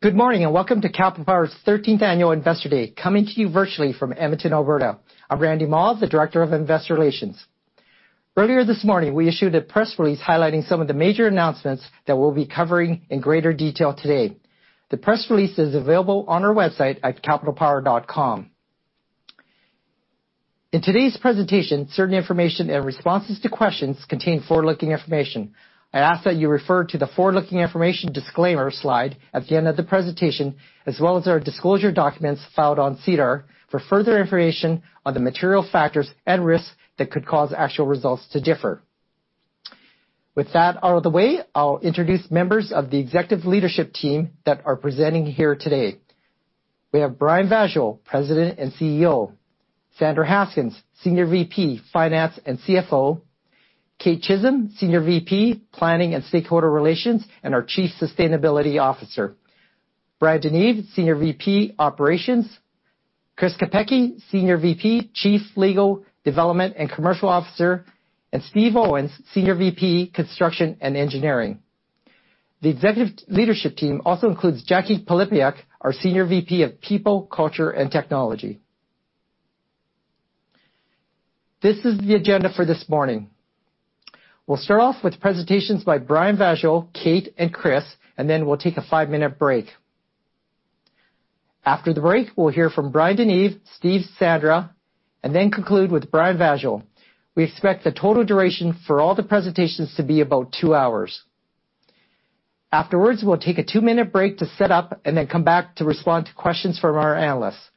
Good morning, and welcome to Capital Power's thirteenth annual Investor Day, coming to you virtually from Edmonton, Alberta. I'm Randy Mah, the Director of Investor Relations. Earlier this morning, we issued a press release highlighting some of the major announcements that we'll be covering in greater detail today. The press release is available on our website at capitalpower.com. In today's presentation, certain information and responses to questions contain forward-looking information. I ask that you refer to the Forward-Looking Information Disclaimer slide at the end of the presentation, as well as our disclosure documents filed on SEDAR for further information on the material factors and risks that could cause actual results to differ. With that out of the way, I'll introduce members of the executive leadership team that are presenting here today. We have Brian Vaasjo, President and CEO. Sandra Haskins, Senior VP, Finance and CFO. Kate Chisholm, Senior VP, Planning and Stakeholder Relations, and our Chief Sustainability Officer. Bryan DeNeve, Senior VP, Operations. Chris Kopecky, Senior VP, Chief Legal Development and Commercial Officer, and Steve Owens, Senior VP, Construction and Engineering. The executive leadership team also includes Jacquie Pylypiuk, our Senior VP of People, Culture and Technology. This is the agenda for this morning. We'll start off with presentations by Brian Vaasjo, Kate, and Chris, and then we'll take a five minute break. After the break, we'll hear from Bryan DeNeve, Steve, Sandra, and then conclude with Brian Vaasjo. We expect the total duration for all the presentations to be about two hours. Afterwards, we'll take a two minute break to set up and then come back to respond to questions from our analysts.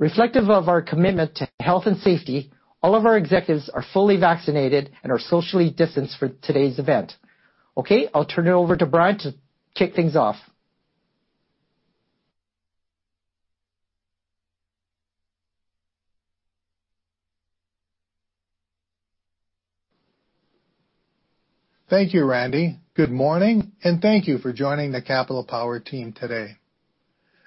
Reflective of our commitment to health and safety, all of our executives are fully vaccinated and are socially distanced for today's event. Okay, I'll turn it over to Brian to kick things off. Thank you, Randy. Good morning, and thank you for joining the Capital Power team today.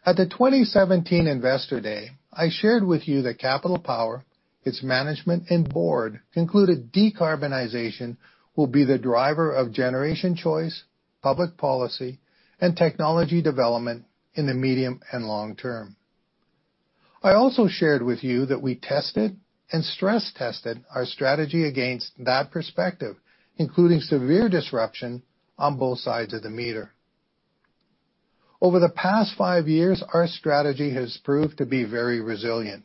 At the 2017 Investor Day, I shared with you that Capital Power, its management, and board concluded decarbonization will be the driver of generation choice, public policy, and technology development in the medium and long term. I also shared with you that we tested and stress tested our strategy against that perspective, including severe disruption on both sides of the meter. Over the past five years, our strategy has proved to be very resilient.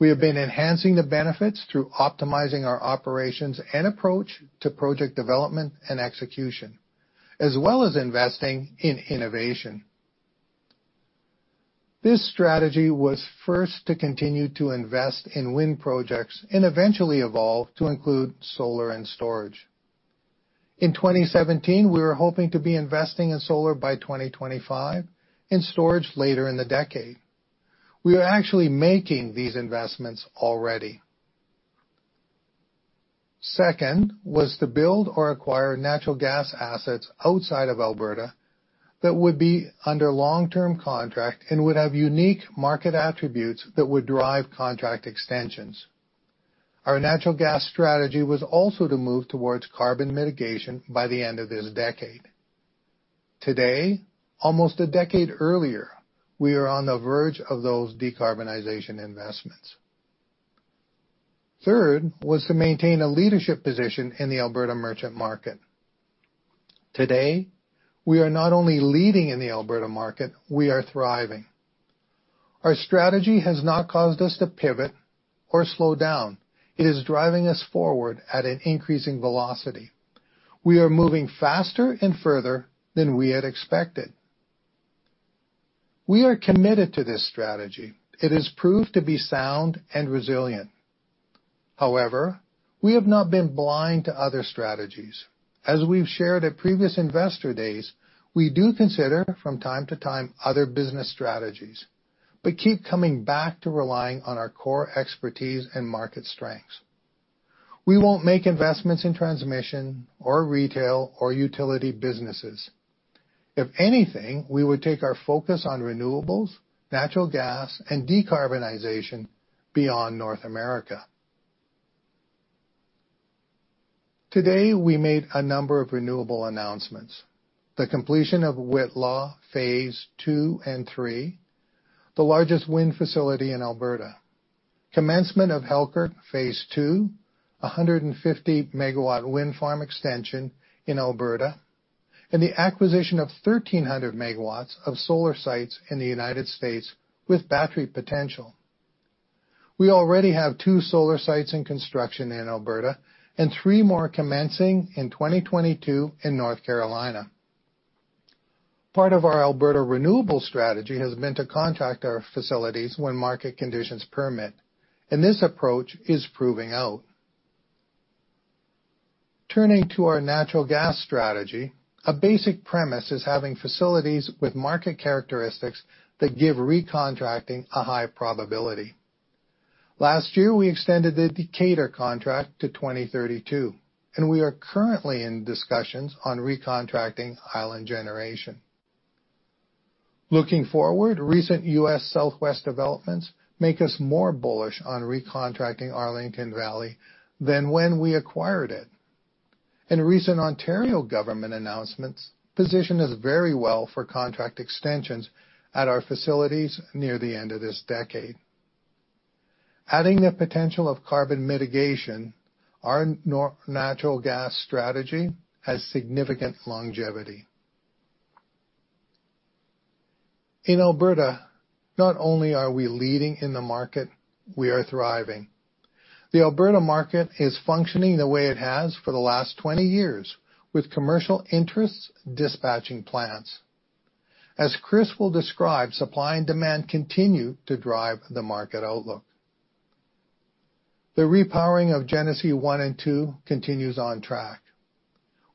We have been enhancing the benefits through optimizing our operations and approach to project development and execution, as well as investing in innovation. This strategy was first to continue to invest in wind projects and eventually evolve to include solar and storage. In 2017, we were hoping to be investing in solar by 2025 and storage later in the decade. We are actually making these investments already. Second was to build or acquire natural gas assets outside of Alberta that would be under long-term contract and would have unique market attributes that would drive contract extensions. Our natural gas strategy was also to move towards carbon mitigation by the end of this decade. Today, almost a decade earlier, we are on the verge of those decarbonization investments. Third was to maintain a leadership position in the Alberta merchant market. Today, we are not only leading in the Alberta market, we are thriving. Our strategy has not caused us to pivot or slow down. It is driving us forward at an increasing velocity. We are moving faster and further than we had expected. We are committed to this strategy. It has proved to be sound and resilient. However, we have not been blind to other strategies. As we've shared at previous investor days, we do consider from time to time other business strategies but keep coming back to relying on our core expertise and market strengths. We won't make investments in transmission or retail or utility businesses. If anything, we would take our focus on renewables, natural gas, and decarbonization beyond North America. Today, we made a number of renewable announcements, the completion of Whitla Phase 2 and 3, the largest wind facility in Alberta, commencement of Halkirk Phase 2, a 150-MW wind farm extension in Alberta, and the acquisition of 1,300 MW of solar sites in the United States with battery potential. We already have two solar sites in construction in Alberta and three more commencing in 2022 in North Carolina. Part of our Alberta renewable strategy has been to contract our facilities when market conditions permit, and this approach is proving out. Turning to our natural gas strategy, a basic premise is having facilities with market characteristics that give recontracting a high probability. Last year, we extended the Decatur contract to 2032, and we are currently in discussions on recontracting island generation. Looking forward, recent U.S. Southwest developments make us more bullish on recontracting Arlington Valley than when we acquired it. In recent Ontario government announcements, position us very well for contract extensions at our facilities near the end of this decade. Adding the potential of carbon mitigation, our natural gas strategy has significant longevity. In Alberta, not only are we leading in the market, we are thriving. The Alberta market is functioning the way it has for the last 20 years, with commercial interests dispatching plants. As Chris will describe, supply and demand continue to drive the market outlook. The repowering of Genesee 1 and 2 continues on track.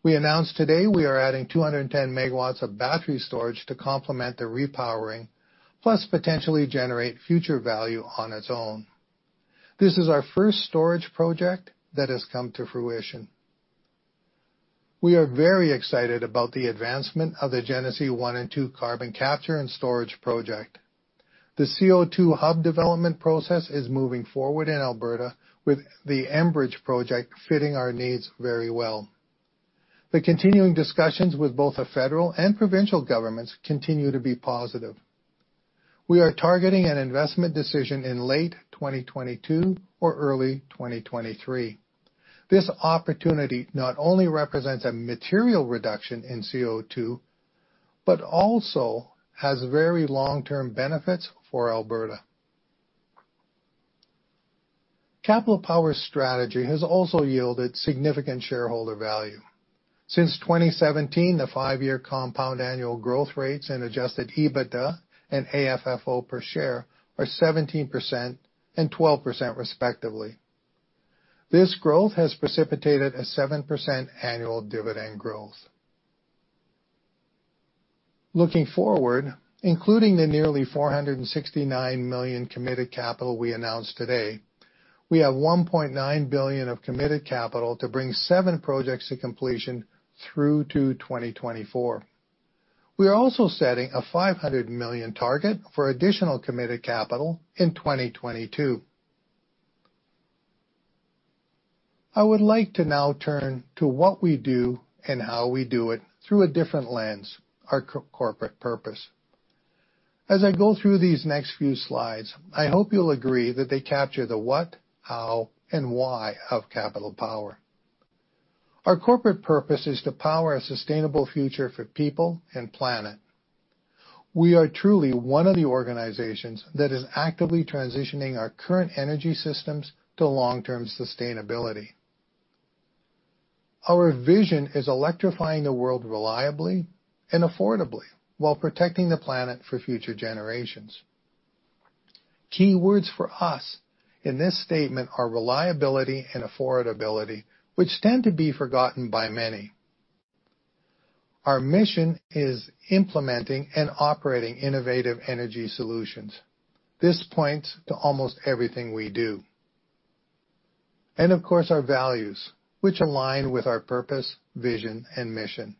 We announced today we are adding 210 MW of battery storage to complement the repowering, plus potentially generate future value on its own. This is our first storage project that has come to fruition. We are very excited about the advancement of the Genesee 1 and 2 carbon capture and storage project. The CO2 hub development process is moving forward in Alberta with the Enbridge project fitting our needs very well. The continuing discussions with both the federal and provincial governments continue to be positive. We are targeting an investment decision in late 2022 or early 2023. This opportunity not only represents a material reduction in CO2, but also has very long-term benefits for Alberta. Capital Power's strategy has also yielded significant shareholder value. Since 2017, the five-year compound annual growth rates in Adjusted EBITDA and AFFO per share are 17% and 12% respectively. This growth has precipitated a 7% annual dividend growth. Looking forward, including the nearly 469 million committed capital we announced today, we have 1.9 billion of committed capital to bring seven projects to completion through to 2024. We are also setting a 500 million target for additional committed capital in 2022. I would like to now turn to what we do and how we do it through a different lens, our corporate purpose. As I go through these next few slides, I hope you'll agree that they capture the what, how, and why of Capital Power. Our corporate purpose is to power a sustainable future for people and planet. We are truly one of the organizations that is actively transitioning our current energy systems to long-term sustainability. Our vision is electrifying the world reliably and affordably while protecting the planet for future generations. Key words for us in this statement are reliability and affordability, which tend to be forgotten by many. Our mission is implementing and operating innovative energy solutions. This points to almost everything we do. Of course, our values, which align with our purpose, vision, and mission.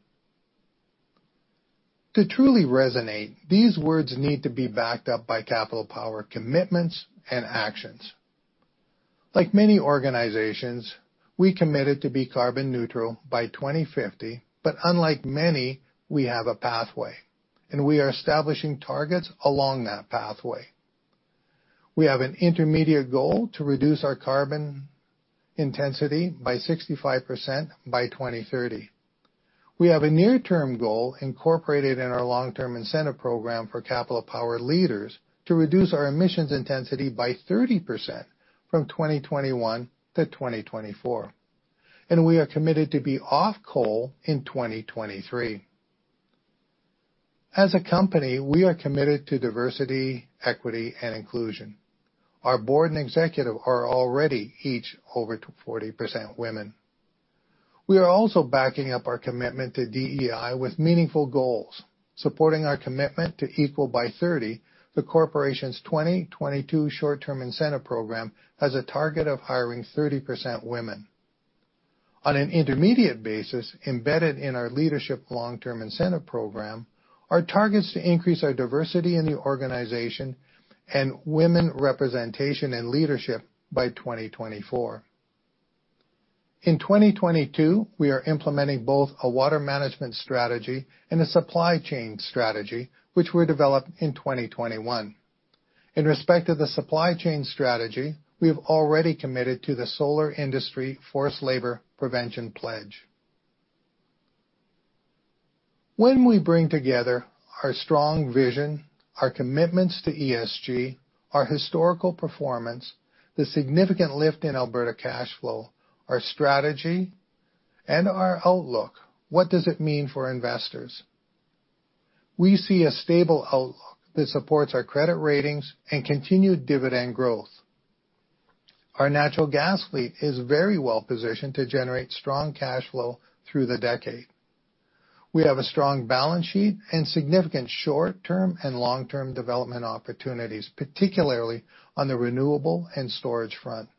To truly resonate, these words need to be backed up by Capital Power commitments and actions. Like many organizations, we committed to be carbon neutral by 2050, but unlike many, we have a pathway, and we are establishing targets along that pathway. We have an intermediate goal to reduce our carbon intensity by 65% by 2030. We have a near-term goal incorporated in our long-term incentive program for Capital Power leaders to reduce our emissions intensity by 30% from 2021 to 2024. We are committed to be off coal in 2023. As a company, we are committed to diversity, equity, and inclusion. Our board and executive are already each over 40% women. We are also backing up our commitment to DEI with meaningful goals, supporting our commitment to Equal by 30, the corporation's 2022 short-term incentive program as a target of hiring 30% women. On an intermediate basis, embedded in our leadership long-term incentive program are targets to increase our diversity in the organization and women representation and leadership by 2024. In 2022, we are implementing both a water management strategy and a supply chain strategy, which were developed in 2021. In respect to the supply chain strategy, we have already committed to the Solar Industry Forced Labor Prevention Pledge. When we bring together our strong vision, our commitments to ESG, our historical performance, the significant lift in Alberta cash flow, our strategy, and our outlook, what does it mean for investors? We see a stable outlook that supports our credit ratings and continued dividend growth. Our natural gas fleet is very well-positioned to generate strong cash flow through the decade. We have a strong balance sheet and significant short-term and long-term development opportunities, particularly on the renewable and storage front.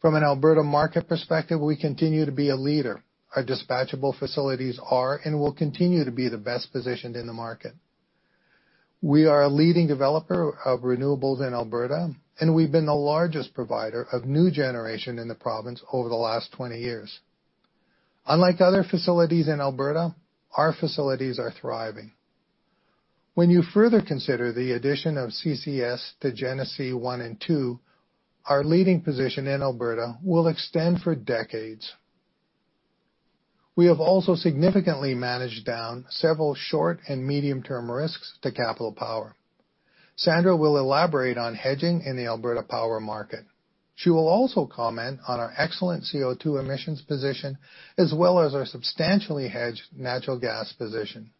From an Alberta market perspective, we continue to be a leader. Our dispatchable facilities are and will continue to be the best positioned in the market. We are a leading developer of renewables in Alberta, and we've been the largest provider of new generation in the province over the last 20 years. Unlike other facilities in Alberta, our facilities are thriving. When you further consider the addition of CCS to Genesee 1 and 2, our leading position in Alberta will extend for decades. We have also significantly managed down several short and medium-term risks to Capital Power. Sandra will elaborate on hedging in the Alberta power market. She will also comment on our excellent CO2 emissions position as well as our substantially hedged natural gas position.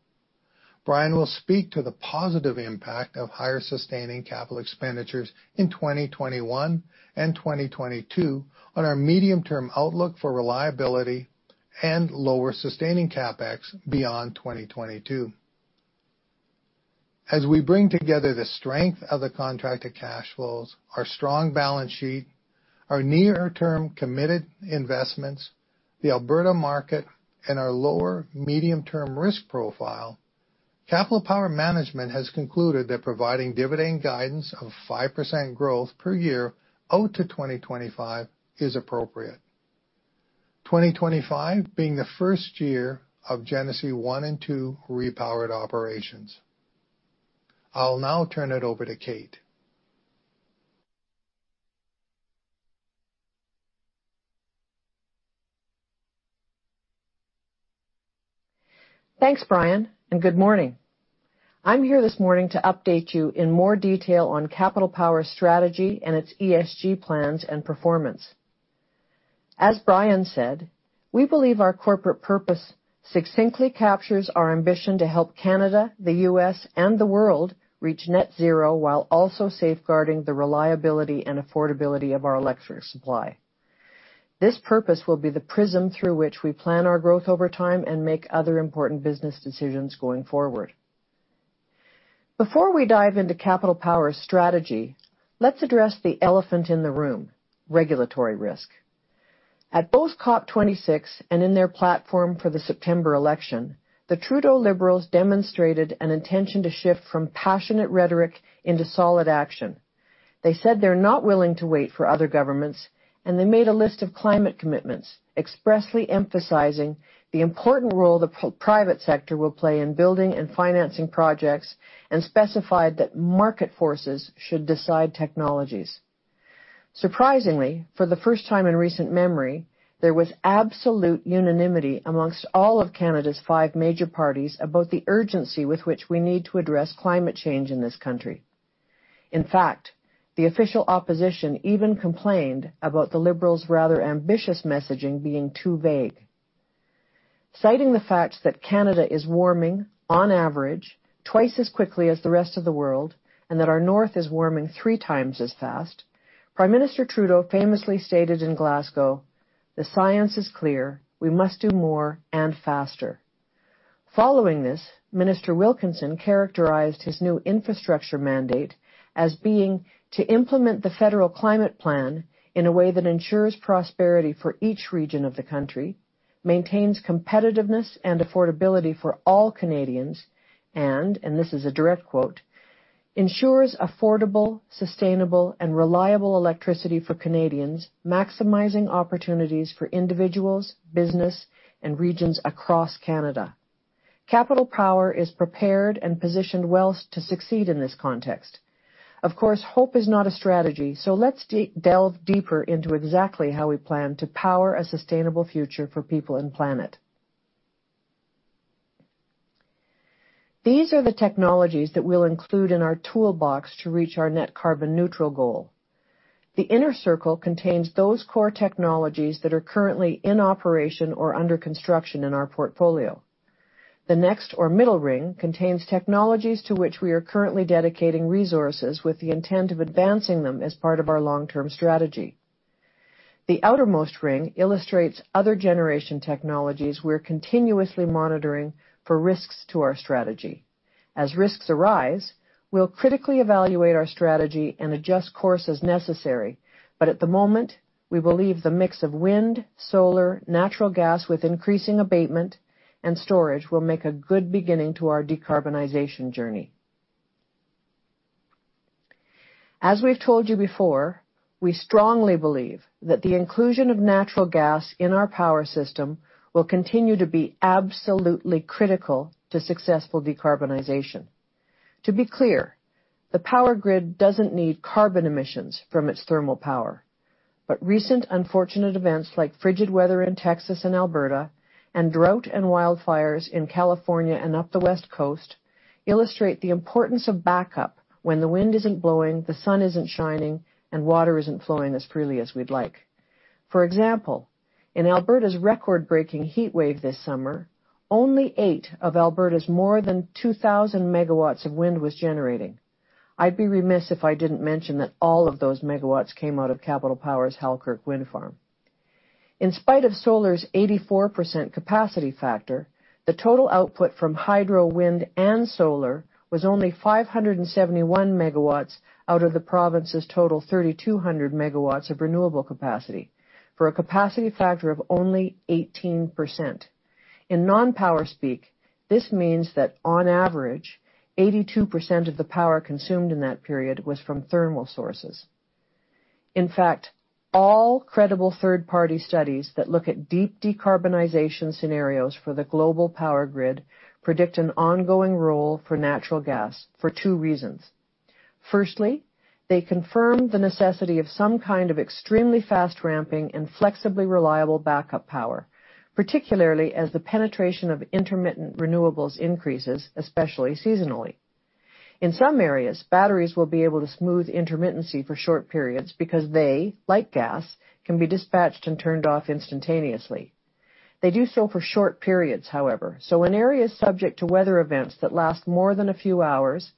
Brian will speak to the positive impact of higher sustaining capital expenditures in 2021 and 2022 on our medium-term outlook for reliability and lower sustaining CapEx beyond 2022. As we bring together the strength of the contracted cash flows, our strong balance sheet, our near-term committed investments, the Alberta market, and our lower medium-term risk profile, Capital Power management has concluded that providing dividend guidance of 5% growth per year out to 2025 is appropriate. 2025 being the first year of Genesee 1 and 2 repowered operations. I'll now turn it over to Kate. Thanks, Brian, and good morning. I'm here this morning to update you in more detail on Capital Power's strategy and its ESG plans and performance. As Brian said, we believe our corporate purpose succinctly captures our ambition to help Canada, the U.S., and the world reach net zero while also safeguarding the reliability and affordability of our electric supply. This purpose will be the prism through which we plan our growth over time and make other important business decisions going forward. Before we dive into Capital Power's strategy, let's address the elephant in the room, regulatory risk. At both COP26 and in their platform for the September election, the Trudeau Liberals demonstrated an intention to shift from passionate rhetoric into solid action. They said they're not willing to wait for other governments, and they made a list of climate commitments, expressly emphasizing the important role the private sector will play in building and financing projects, and specified that market forces should decide technologies. Surprisingly, for the first time in recent memory, there was absolute unanimity amongst all of Canada's five major parties about the urgency with which we need to address climate change in this country. In fact, the official opposition even complained about the Liberals' rather ambitious messaging being too vague. Citing the fact that Canada is warming on average twice as quickly as the rest of the world and that our north is warming three times as fast, Prime Minister Trudeau famously stated in Glasgow, "The science is clear: we must do more and faster." Following this, Minister Wilkinson characterized his new infrastructure mandate as being to implement the federal climate plan in a way that ensures prosperity for each region of the country, maintains competitiveness and affordability for all Canadians and this is a direct quote, "ensures affordable, sustainable, and reliable electricity for Canadians, maximizing opportunities for individuals, business, and regions across Canada." Capital Power is prepared and positioned well to succeed in this context. Of course, hope is not a strategy, so let's delve deeper into exactly how we plan to power a sustainable future for people and planet. These are the technologies that we'll include in our toolbox to reach our net carbon neutral goal. The inner circle contains those core technologies that are currently in operation or under construction in our portfolio. The next or middle ring contains technologies to which we are currently dedicating resources with the intent of advancing them as part of our long-term strategy. The outermost ring illustrates other generation technologies we're continuously monitoring for risks to our strategy. As risks arise, we'll critically evaluate our strategy and adjust course as necessary. At the moment, we believe the mix of wind, solar, natural gas with increasing abatement and storage will make a good beginning to our decarbonization journey. As we've told you before, we strongly believe that the inclusion of natural gas in our power system will continue to be absolutely critical to successful decarbonization. To be clear, the power grid doesn't need carbon emissions from its thermal power, but recent unfortunate events like frigid weather in Texas and Alberta and drought and wildfires in California and up the West Coast illustrate the importance of backup when the wind isn't blowing, the sun isn't shining, and water isn't flowing as freely as we'd like. For example, in Alberta's record-breaking heatwave this summer, only eight of Alberta's more than 2,000 MW of wind was generating. I'd be remiss if I didn't mention that all of those megawatts came out of Capital Power's Halkirk Wind Farm. In spite of solar's 84% capacity factor, the total output from hydro, wind, and solar was only 571 MW out of the province's total 3,200 MW of renewable capacity for a capacity factor of only 18%. In non-power speak, this means that on average, 82% of the power consumed in that period was from thermal sources. In fact, all credible third-party studies that look at deep decarbonization scenarios for the global power grid predict an ongoing role for natural gas for two reasons. Firstly, they confirm the necessity of some kind of extremely fast ramping and flexibly reliable backup power, particularly as the penetration of intermittent renewables increases, especially seasonally. In some areas, batteries will be able to smooth intermittency for short periods because they, like gas, can be dispatched and turned off instantaneously. They do so for short periods, however. In areas subject to weather events that last more than a few hours,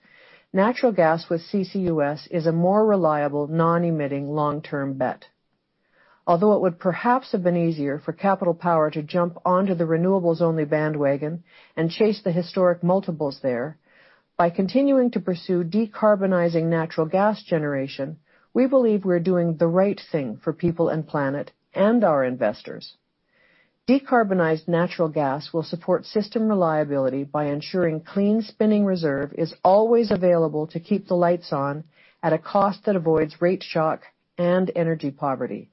natural gas with CCUS is a more reliable non-emitting long-term bet. Although it would perhaps have been easier for Capital Power to jump onto the renewables-only bandwagon and chase the historic multiples there, by continuing to pursue decarbonizing natural gas generation, we believe we're doing the right thing for people and planet and our investors. Decarbonized natural gas will support system reliability by ensuring clean spinning reserve is always available to keep the lights on at a cost that avoids rate shock and energy poverty.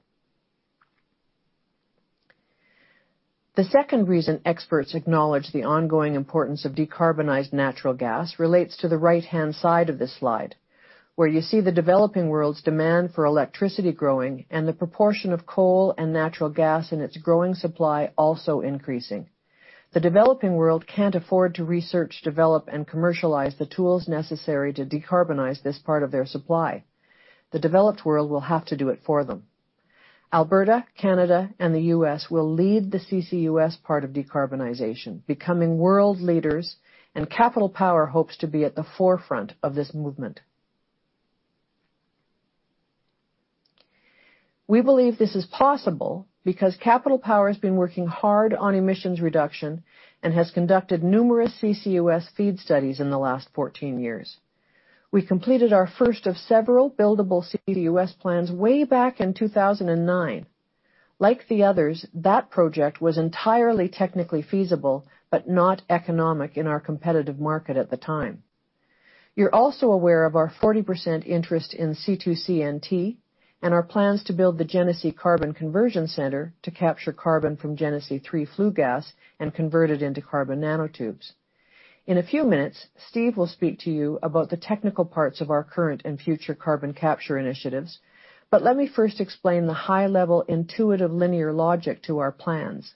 The second reason experts acknowledge the ongoing importance of decarbonized natural gas relates to the right-hand side of this slide, where you see the developing world's demand for electricity growing and the proportion of coal and natural gas in its growing supply also increasing. The developing world can't afford to research, develop, and commercialize the tools necessary to decarbonize this part of their supply. The developed world will have to do it for them. Alberta, Canada, and the U.S. will lead the CCUS part of decarbonization, becoming world leaders, and Capital Power hopes to be at the forefront of this movement. We believe this is possible because Capital Power has been working hard on emissions reduction and has conducted numerous CCUS FEED studies in the last 14 years. We completed our first of several buildable CCUS plans way back in 2009. Like the others, that project was entirely technically feasible but not economic in our competitive market at the time. You're also aware of our 40% interest in C2CNT and our plans to build the Genesee Carbon Conversion Center to capture carbon from Genesee 3 flue gas and convert it into carbon nanotubes. In a few minutes, Steve Owens will speak to you about the technical parts of our current and future carbon capture initiatives, but let me first explain the high-level intuitive linear logic to our plans.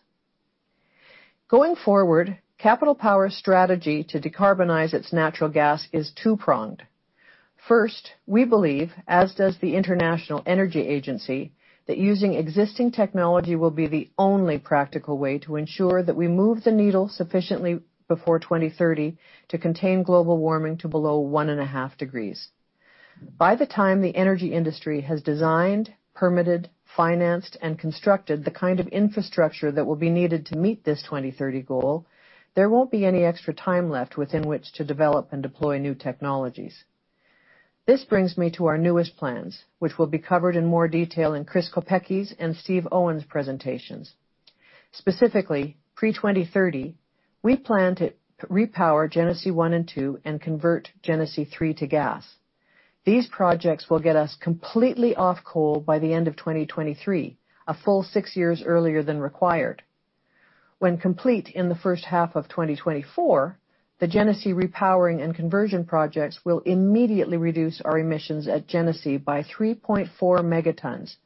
Going forward, Capital Power's strategy to decarbonize its natural gas is two-pronged. First, we believe, as does the International Energy Agency, that using existing technology will be the only practical way to ensure that we move the needle sufficiently before 2030 to contain global warming to below 1.5 degrees. By the time the energy industry has designed, permitted, financed, and constructed the kind of infrastructure that will be needed to meet this 2030 goal, there won't be any extra time left within which to develop and deploy new technologies. This brings me to our newest plans, which will be covered in more detail in Chris Kopecky's and Steve Owens's presentations. Specifically, pre-2030, we plan to repower Genesee 1 and 2 and convert Genesee 3 to gas. These projects will get us completely off coal by the end of 2023, a full six years earlier than required. When complete in the first half of 2024, the Genesee repowering and conversion projects will immediately reduce our emissions at Genesee by 3.4 megatons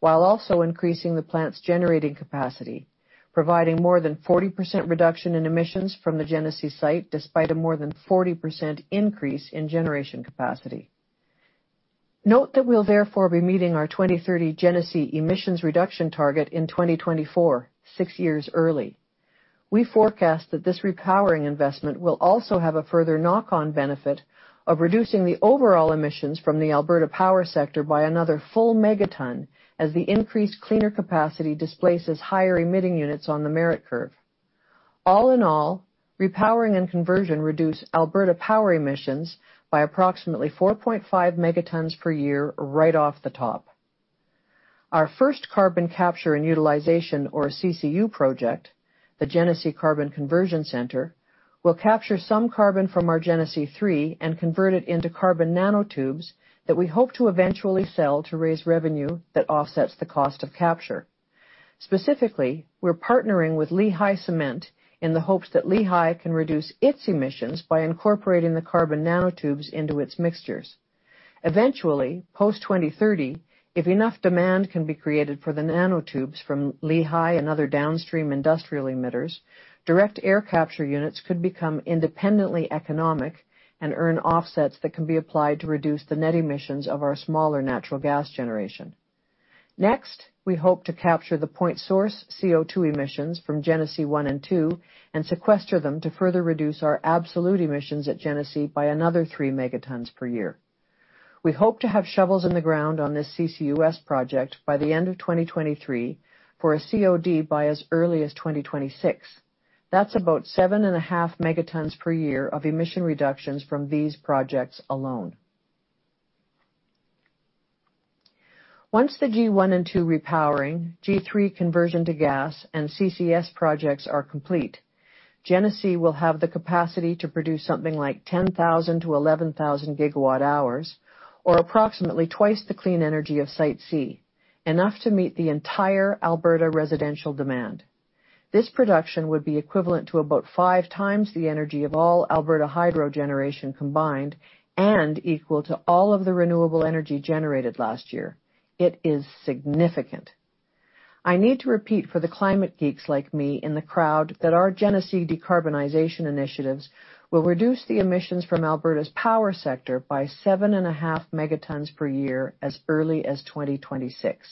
while also increasing the plant's generating capacity, providing more than 40% reduction in emissions from the Genesee site despite a more than 40% increase in generation capacity. Note that we'll therefore be meeting our 2030 Genesee emissions reduction target in 2024, six years early. We forecast that this repowering investment will also have a further knock-on benefit of reducing the overall emissions from the Alberta power sector by another full 1 megaton as the increased cleaner capacity displaces higher-emitting units on the merit curve. All in all, repowering and conversion reduce Alberta power emissions by approximately 4.5 megatons per year right off the top. Our first carbon capture and utilization or CCU project, the Genesee Carbon Conversion Center, will capture some carbon from our Genesee 3 and convert it into carbon nanotubes that we hope to eventually sell to raise revenue that offsets the cost of capture. Specifically, we're partnering with Lehigh Hanson in the hopes that Lehigh Hanson can reduce its emissions by incorporating the carbon nanotubes into its mixtures. Eventually, post-2030, if enough demand can be created for the nanotubes from Lehigh and other downstream industrial emitters, direct air capture units could become independently economic and earn offsets that can be applied to reduce the net emissions of our smaller natural gas generation. Next, we hope to capture the point source CO2 emissions from Genesee 1 and 2 and sequester them to further reduce our absolute emissions at Genesee by another 3 megatons per year. We hope to have shovels in the ground on this CCUS project by the end of 2023 for a COD by as early as 2026. That's about 7.5 megatons per year of emission reductions from these projects alone. Once the G 1 and 2 repowering, G 3 conversion to gas, and CCS projects are complete, Genesee will have the capacity to produce something like 10,000-11,000 GWh or approximately twice the clean energy of Site C, enough to meet the entire Alberta residential demand. This production would be equivalent to about five times the energy of all Alberta hydro generation combined and equal to all of the renewable energy generated last year. It is significant. I need to repeat for the climate geeks like me in the crowd that our Genesee decarbonization initiatives will reduce the emissions from Alberta's power sector by 7.5 megatons per year as early as 2026.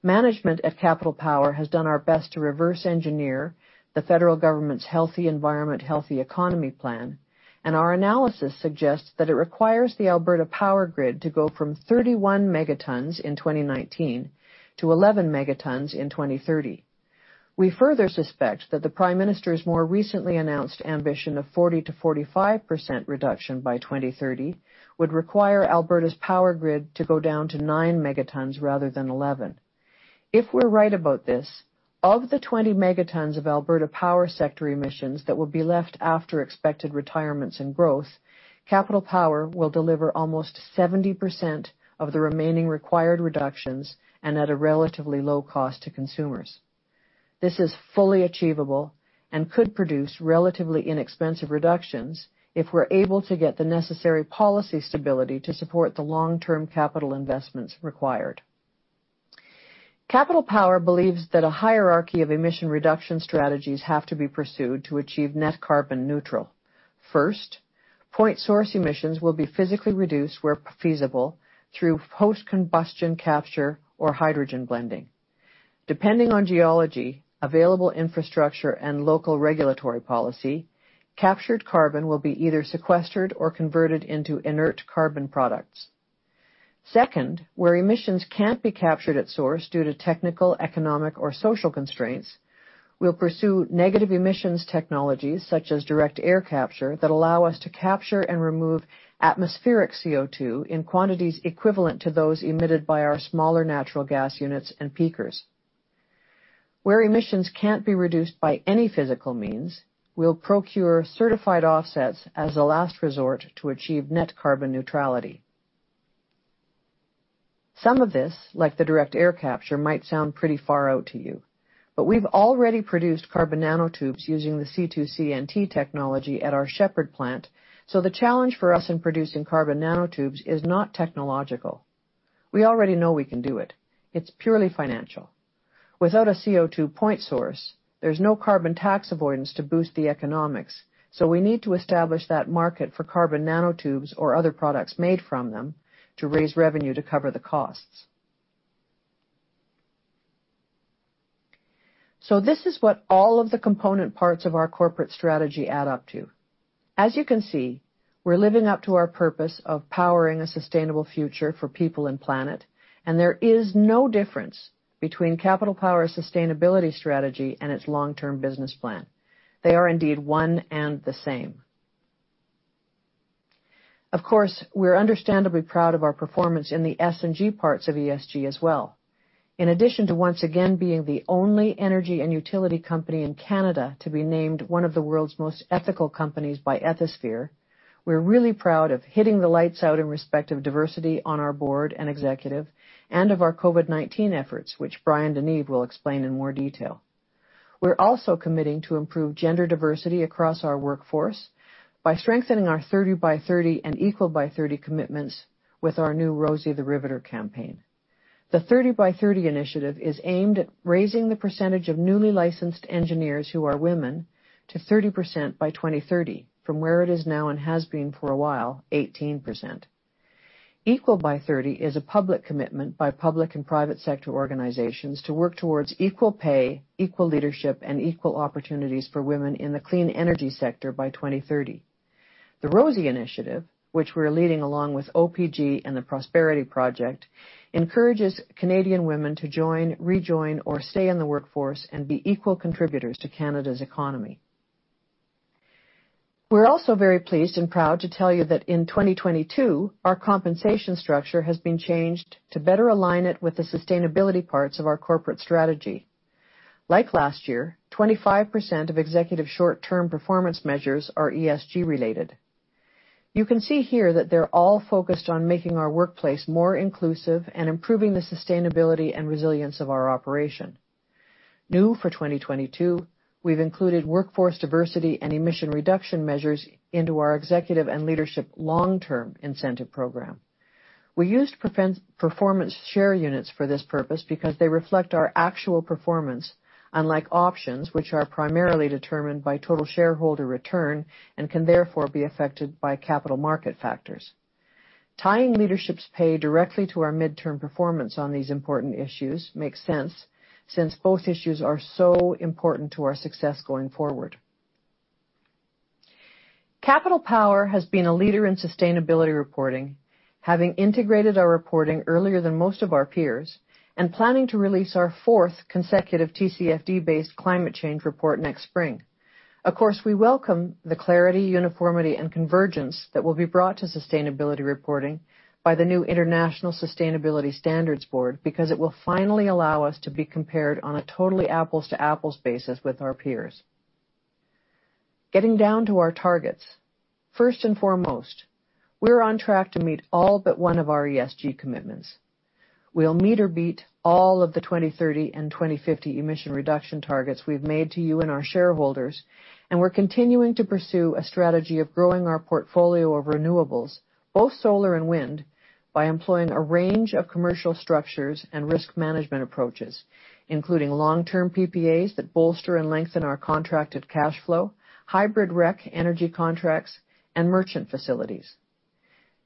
Management at Capital Power has done our best to reverse engineer the federal government's Healthy Environment Healthy Economy plan, and our analysis suggests that it requires the Alberta power grid to go from 31 megatons in 2019 to 11 megatons in 2030. We further suspect that the Prime Minister's more recently announced ambition of 40%-45% reduction by 2030 would require Alberta's power grid to go down to 9 megatons rather than 11. If we're right about this, of the 20 megatons of Alberta power sector emissions that will be left after expected retirements and growth, Capital Power will deliver almost 70% of the remaining required reductions and at a relatively low cost to consumers. This is fully achievable and could produce relatively inexpensive reductions if we're able to get the necessary policy stability to support the long-term capital investments required. Capital Power believes that a hierarchy of emission reduction strategies have to be pursued to achieve net carbon neutral. First, point source emissions will be physically reduced where feasible through post-combustion capture or hydrogen blending. Depending on geology, available infrastructure, and local regulatory policy, captured carbon will be either sequestered or converted into inert carbon products. Second, where emissions can't be captured at source due to technical, economic, or social constraints, we'll pursue negative emissions technologies such as direct air capture that allow us to capture and remove atmospheric CO2 in quantities equivalent to those emitted by our smaller natural gas units and peakers. Where emissions can't be reduced by any physical means, we'll procure certified offsets as a last resort to achieve net carbon neutrality. Some of this, like the direct air capture, might sound pretty far out to you, but we've already produced carbon nanotubes using the C2CNT technology at our Shepard plant, so the challenge for us in producing carbon nanotubes is not technological. We already know we can do it. It's purely financial. Without a CO2 point source, there's no carbon tax avoidance to boost the economics, so we need to establish that market for carbon nanotubes or other products made from them to raise revenue to cover the costs. This is what all of the component parts of our corporate strategy add up to. As you can see, we're living up to our purpose of powering a sustainable future for people and planet, and there is no difference between Capital Power's sustainability strategy and its long-term business plan. They are indeed one and the same. Of course, we're understandably proud of our performance in the S and G parts of ESG as well. In addition to once again being the only energy and utility company in Canada to be named one of the world's most ethical companies by Ethisphere, we're really proud of hitting the lights out in respect of diversity on our board and executive and of our COVID-19 efforts, which Bryan DeNeve will explain in more detail. We're also committing to improve gender diversity across our workforce by strengthening our Thirty by Thirty and Equal by Thirty commitments with our new Rosie the Riveter campaign. The Thirty by Thirty initiative is aimed at raising the percentage of newly licensed engineers who are women to 30% by 2030 from where it is now and has been for a while, 18%. Equal by 30 is a public commitment by public and private sector organizations to work towards equal pay, equal leadership, and equal opportunities for women in the clean energy sector by 2030. The Rosie initiative, which we're leading along with OPG and The Prosperity Project, encourages Canadian women to join, rejoin, or stay in the workforce and be equal contributors to Canada's economy. We're also very pleased and proud to tell you that in 2022, our compensation structure has been changed to better align it with the sustainability parts of our corporate strategy. Like last year, 25% of executive short-term performance measures are ESG related. You can see here that they're all focused on making our workplace more inclusive and improving the sustainability and resilience of our operation. New for 2022, we've included workforce diversity and emission reduction measures into our executive and leadership long-term incentive program. We used performance share units for this purpose because they reflect our actual performance, unlike options, which are primarily determined by total shareholder return and can therefore be affected by capital market factors. Tying leadership's pay directly to our midterm performance on these important issues makes sense since both issues are so important to our success going forward. Capital Power has been a leader in sustainability reporting, having integrated our reporting earlier than most of our peers and planning to release our fourth consecutive TCFD-based climate change report next spring. Of course, we welcome the clarity, uniformity, and convergence that will be brought to sustainability reporting by the new International Sustainability Standards Board because it will finally allow us to be compared on a totally apples to apples basis with our peers. Getting down to our targets. First and foremost, we're on track to meet all but one of our ESG commitments. We'll meet or beat all of the 2030 and 2050 emission reduction targets we've made to you and our shareholders, and we're continuing to pursue a strategy of growing our portfolio of renewables, both solar and wind, by employing a range of commercial structures and risk management approaches, including long-term PPAs that bolster and lengthen our contracted cash flow, hybrid REC energy contracts, and merchant facilities.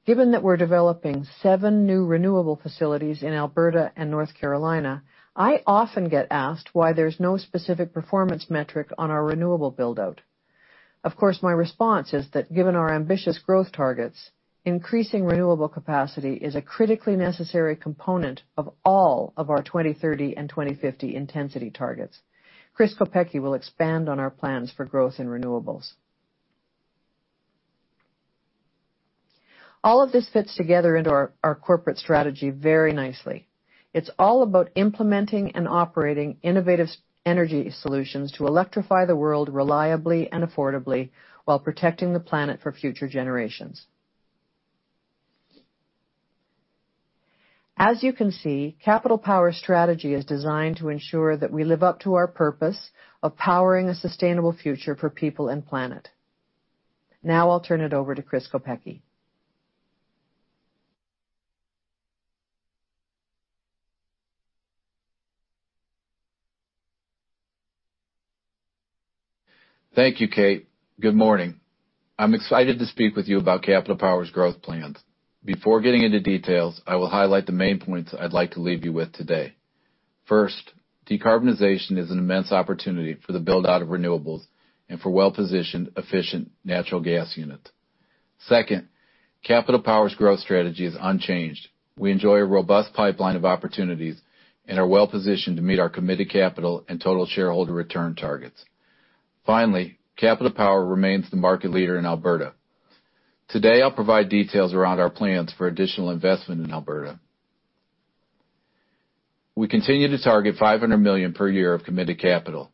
Given that we're developing seven new renewable facilities in Alberta and North Carolina, I often get asked why there's no specific performance metric on our renewable build-out. Of course, my response is that given our ambitious growth targets, increasing renewable capacity is a critically necessary component of all of our 2030 and 2050 intensity targets. Chris Kopecky will expand on our plans for growth in renewables. All of this fits together into our corporate strategy very nicely. It's all about implementing and operating innovative energy solutions to electrify the world reliably and affordably while protecting the planet for future generations. As you can see, Capital Power's strategy is designed to ensure that we live up to our purpose of powering a sustainable future for people and planet. Now I'll turn it over to Chris Kopecky. Thank you, Kate. Good morning. I'm excited to speak with you about Capital Power's growth plans. Before getting into details, I will highlight the main points I'd like to leave you with today. First, decarbonization is an immense opportunity for the build-out of renewables and for well-positioned, efficient natural gas units. Second, Capital Power's growth strategy is unchanged. We enjoy a robust pipeline of opportunities and are well-positioned to meet our committed capital and total shareholder return targets. Finally, Capital Power remains the market leader in Alberta. Today, I'll provide details around our plans for additional investment in Alberta. We continue to target 500 million per year of committed capital.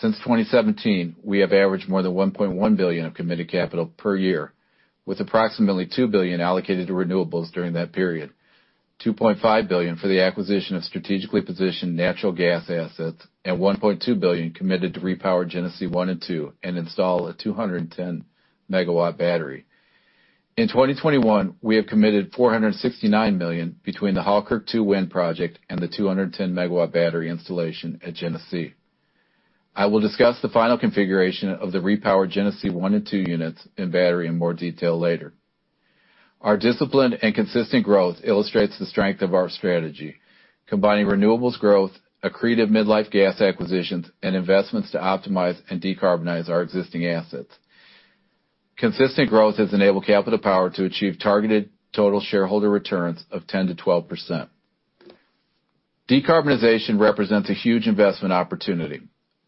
Since 2017, we have averaged more than 1.1 billion of committed capital per year, with approximately 2 billion allocated to renewables during that period, 2.5 billion for the acquisition of strategically positioned natural gas assets, and 1.2 billion committed to repower Genesee 1 and 2 and install a 210-MW battery. In 2021, we have committed 469 million between the Halkirk Two wind project and the 210-MW battery installation at Genesee. I will discuss the final configuration of the repowered Genesee 1 and 2 units and battery in more detail later. Our discipline and consistent growth illustrates the strength of our strategy, combining renewables growth, accretive mid-life gas acquisitions, and investments to optimize and decarbonize our existing assets. Consistent growth has enabled Capital Power to achieve targeted total shareholder returns of 10%-12%. Decarbonization represents a huge investment opportunity.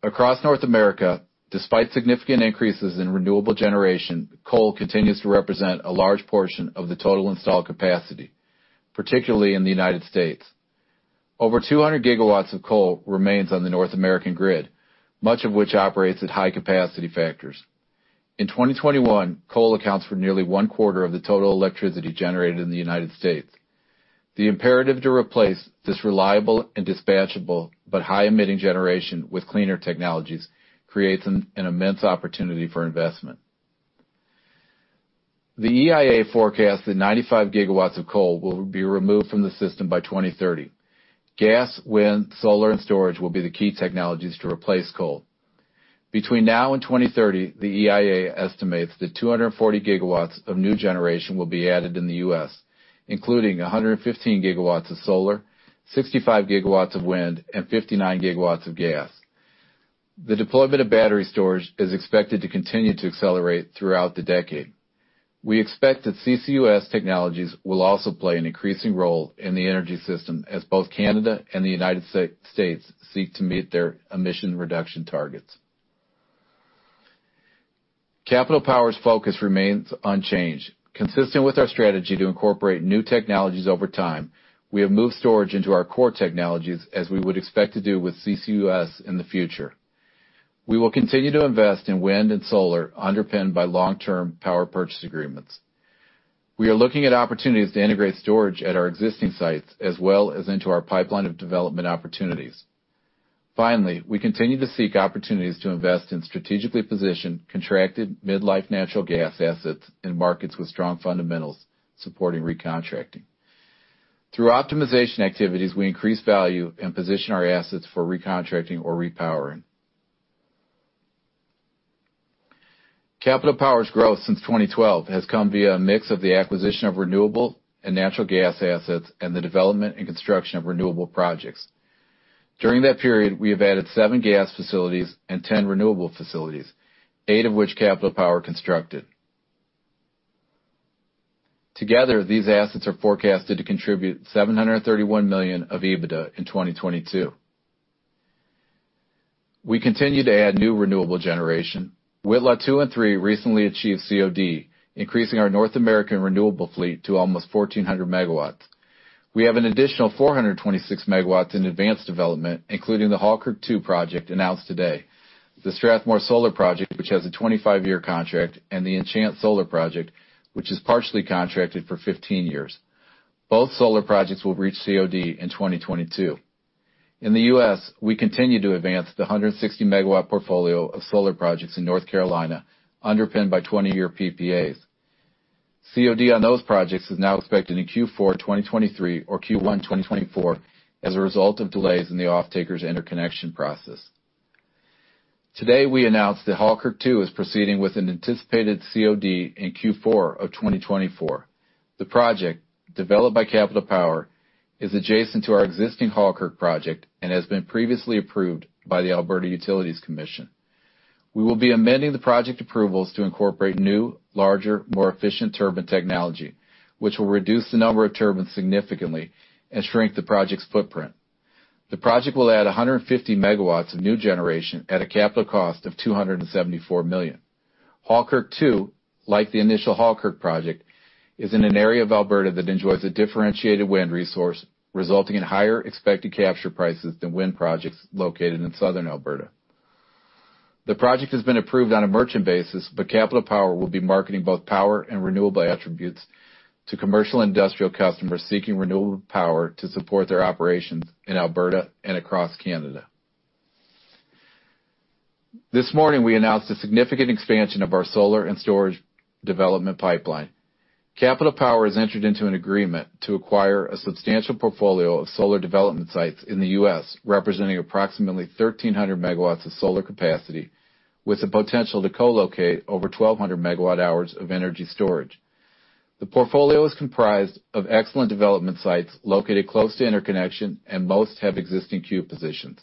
Across North America, despite significant increases in renewable generation, coal continues to represent a large portion of the total installed capacity, particularly in the United States. Over 200 GW of coal remains on the North American grid, much of which operates at high capacity factors. In 2021, coal accounts for nearly one quarter of the total electricity generated in the United States. The imperative to replace this reliable and dispatchable but high-emitting generation with cleaner technologies creates an immense opportunity for investment. The EIA forecasts that 95 GW of coal will be removed from the system by 2030. Gas, wind, solar, and storage will be the key technologies to replace coal. Between now and 2030, the EIA estimates that 240 GW of new generation will be added in the U.S., including 115 GW of solar, 65 GW of wind, and 59 GW of gas. The deployment of battery storage is expected to continue to accelerate throughout the decade. We expect that CCUS technologies will also play an increasing role in the energy system as both Canada and the United States seek to meet their emission reduction targets. Capital Power's focus remains unchanged. Consistent with our strategy to incorporate new technologies over time, we have moved storage into our core technologies as we would expect to do with CCUS in the future. We will continue to invest in wind and solar underpinned by long-term power purchase agreements. We are looking at opportunities to integrate storage at our existing sites as well as into our pipeline of development opportunities. Finally, we continue to seek opportunities to invest in strategically positioned, contracted mid-life natural gas assets in markets with strong fundamentals supporting recontracting. Through optimization activities, we increase value and position our assets for recontracting or repowering. Capital Power's growth since 2012 has come via a mix of the acquisition of renewable and natural gas assets and the development and construction of renewable projects. During that period, we have added seven gas facilities and 10 renewable facilities, eight of which Capital Power constructed. Together, these assets are forecasted to contribute 731 million of EBITDA in 2022. We continue to add new renewable generation. Whitla two and three recently achieved COD, increasing our North American renewable fleet to almost 1,400 MW. We have an additional 426 MW in advanced development, including the Halkirk 2 project announced today, the Strathmore Solar Project, which has a 25-year contract, and the Enchant Solar Project, which is partially contracted for 15 years. Both solar projects will reach COD in 2022. In the U.S., we continue to advance the 160 MW portfolio of solar projects in North Carolina, underpinned by 20-year PPAs. COD on those projects is now expected in Q4 2023 or Q1 2024 as a result of delays in the offtaker's interconnection process. Today, we announced that Halkirk 2 is proceeding with an anticipated COD in Q4 of 2024. The project, developed by Capital Power, is adjacent to our existing Halkirk project and has been previously approved by the Alberta Utilities Commission. We will be amending the project approvals to incorporate new, larger, more efficient turbine technology, which will reduce the number of turbines significantly and shrink the project's footprint. The project will add 150 MW of new generation at a capital cost of 274 million. Halkirk 2, like the initial Halkirk project, is in an area of Alberta that enjoys a differentiated wind resource, resulting in higher expected capture prices than wind projects located in Southern Alberta. The project has been approved on a merchant basis, but Capital Power will be marketing both power and renewable attributes to commercial industrial customers seeking renewable power to support their operations in Alberta and across Canada. This morning, we announced a significant expansion of our solar and storage development pipeline. Capital Power has entered into an agreement to acquire a substantial portfolio of solar development sites in the U.S., representing approximately 1,300 MW of solar capacity, with the potential to co-locate over 1,200 MWh of energy storage. The portfolio is comprised of excellent development sites located close to interconnection, and most have existing queue positions.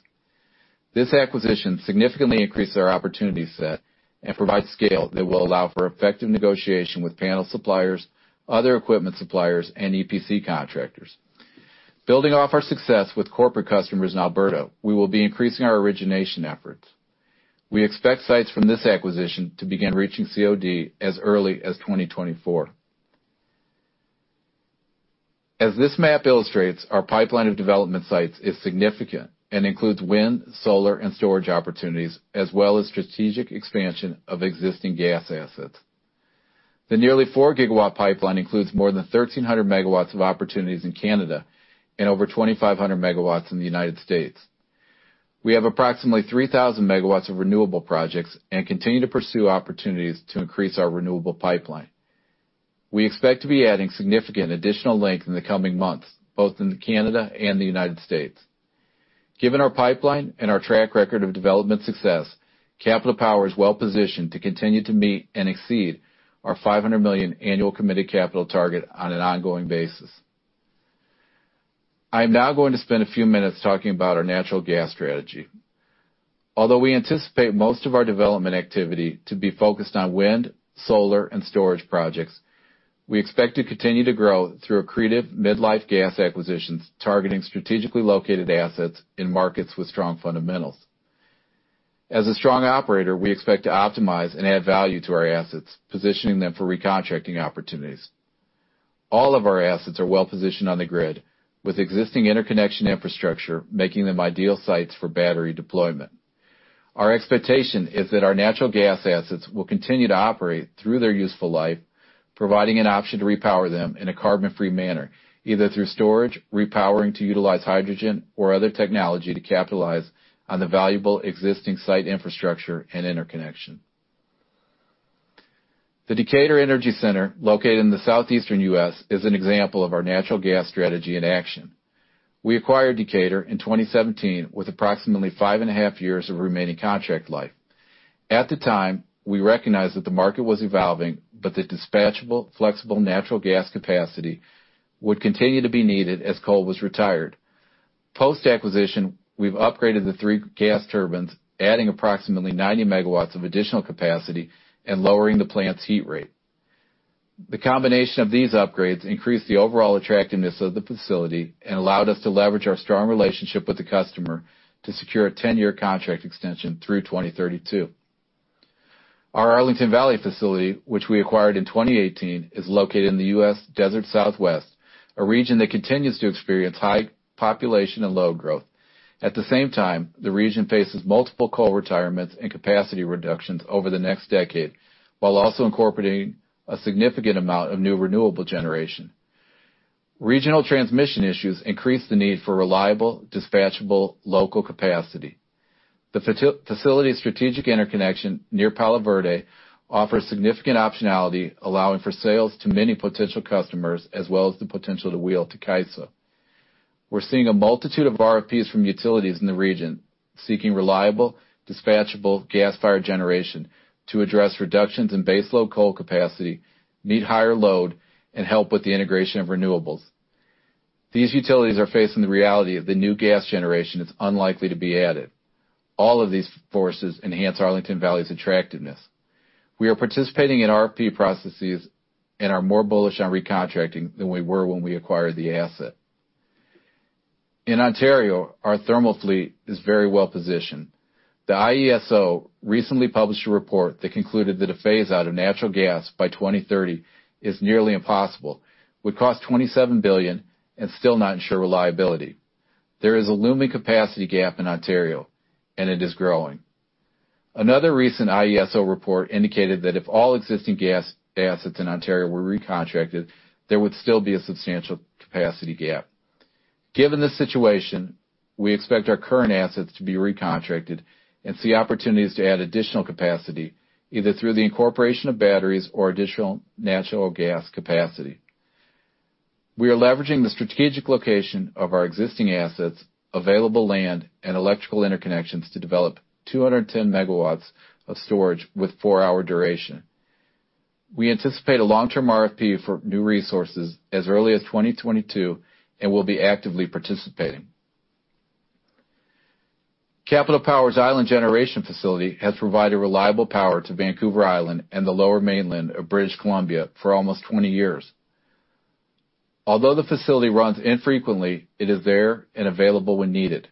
This acquisition significantly increases our opportunity set and provides scale that will allow for effective negotiation with panel suppliers, other equipment suppliers, and EPC contractors. Building off our success with corporate customers in Alberta, we will be increasing our origination efforts. We expect sites from this acquisition to begin reaching COD as early as 2024. As this map illustrates, our pipeline of development sites is significant and includes wind, solar, and storage opportunities, as well as strategic expansion of existing gas assets. The nearly 4-gigawatt pipeline includes more than 1,300 MW of opportunities in Canada and over 2,500 MW in the United States. We have approximately 3,000 MW of renewable projects and continue to pursue opportunities to increase our renewable pipeline. We expect to be adding significant additional length in the coming months, both in Canada and the United States. Given our pipeline and our track record of development success, Capital Power is well-positioned to continue to meet and exceed our 500 million annual committed capital target on an ongoing basis. I'm now going to spend a few minutes talking about our natural gas strategy. Although we anticipate most of our development activity to be focused on wind, solar, and storage projects, we expect to continue to grow through accretive mid-life gas acquisitions, targeting strategically located assets in markets with strong fundamentals. As a strong operator, we expect to optimize and add value to our assets, positioning them for recontracting opportunities. All of our assets are well-positioned on the grid, with existing interconnection infrastructure, making them ideal sites for battery deployment. Our expectation is that our natural gas assets will continue to operate through their useful life, providing an option to repower them in a carbon-free manner, either through storage, repowering to utilize hydrogen or other technology to capitalize on the valuable existing site infrastructure and interconnection. The Decatur Energy Center, located in the southeastern U.S., is an example of our natural gas strategy in action. We acquired Decatur in 2017 with approximately 5.5 years of remaining contract life. At the time, we recognized that the market was evolving, but the dispatchable flexible natural gas capacity would continue to be needed as coal was retired. Post-acquisition, we've upgraded the three gas turbines, adding approximately 90 MW of additional capacity and lowering the plant's heat rate. The combination of these upgrades increased the overall attractiveness of the facility and allowed us to leverage our strong relationship with the customer to secure a 10-year contract extension through 2032. Our Arlington Valley facility, which we acquired in 2018, is located in the U.S. Desert Southwest, a region that continues to experience high population and load growth. At the same time, the region faces multiple coal retirements and capacity reductions over the next decade, while also incorporating a significant amount of new renewable generation. Regional transmission issues increase the need for reliable, dispatchable local capacity. The facility's strategic interconnection near Palo Verde offers significant optionality, allowing for sales to many potential customers as well as the potential to wheel to CAISO. We're seeing a multitude of RFPs from utilities in the region seeking reliable, dispatchable gas-fired generation to address reductions in baseload coal capacity, meet higher load, and help with the integration of renewables. These utilities are facing the reality of the new gas generation that's unlikely to be added. All of these forces enhance Arlington Valley's attractiveness. We are participating in RFP processes and are more bullish on recontracting than we were when we acquired the asset. In Ontario, our thermal fleet is very well positioned. The IESO recently published a report that concluded that a phase-out of natural gas by 2030 is nearly impossible, would cost 27 billion, and still not ensure reliability. There is a looming capacity gap in Ontario, and it is growing. Another recent IESO report indicated that if all existing gas assets in Ontario were recontracted, there would still be a substantial capacity gap. Given the situation, we expect our current assets to be recontracted and see opportunities to add additional capacity, either through the incorporation of batteries or additional natural gas capacity. We are leveraging the strategic location of our existing assets, available land, and electrical interconnections to develop 210 MW of storage with four-hour duration. We anticipate a long-term RFP for new resources as early as 2022, and we'll be actively participating. Capital Power's Island Generation facility has provided reliable power to Vancouver Island and the Lower Mainland of British Columbia for almost 20 years. Although the facility runs infrequently, it is there and available when needed.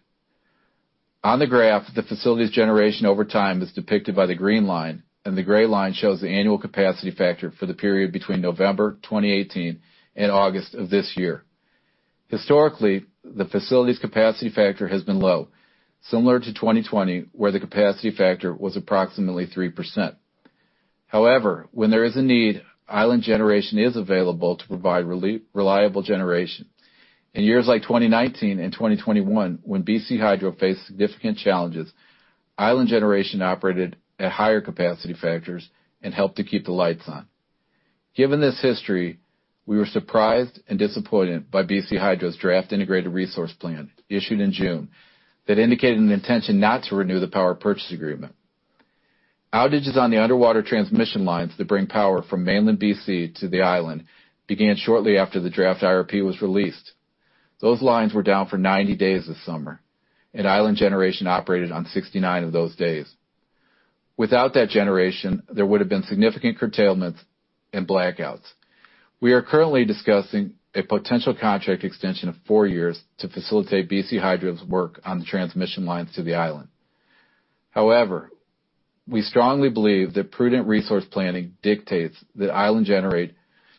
On the graph, the facility's generation over time is depicted by the green line, and the gray line shows the annual capacity factor for the period between November 2018 and August of this year. Historically, the facility's capacity factor has been low, similar to 2020, where the capacity factor was approximately 3%. However, when there is a need, Island Generation is available to provide reliable generation. In years like 2019 and 2021, when BC Hydro faced significant challenges, Island Generation operated at higher capacity factors and helped to keep the lights on. Given this history, we were surprised and disappointed by BC Hydro's Draft Integrated Resource Plan issued in June that indicated an intention not to renew the power purchase agreement. Outages on the underwater transmission lines that bring power from mainland BC to the island began shortly after the draft IRP was released. Those lines were down for 90 days this summer, and Island Generation operated on 69 of those days. Without that generation, there would've been significant curtailments and blackouts. We are currently discussing a potential contract extension of 4 years to facilitate BC Hydro's work on the transmission lines to the island. However, we strongly believe that prudent resource planning dictates that Island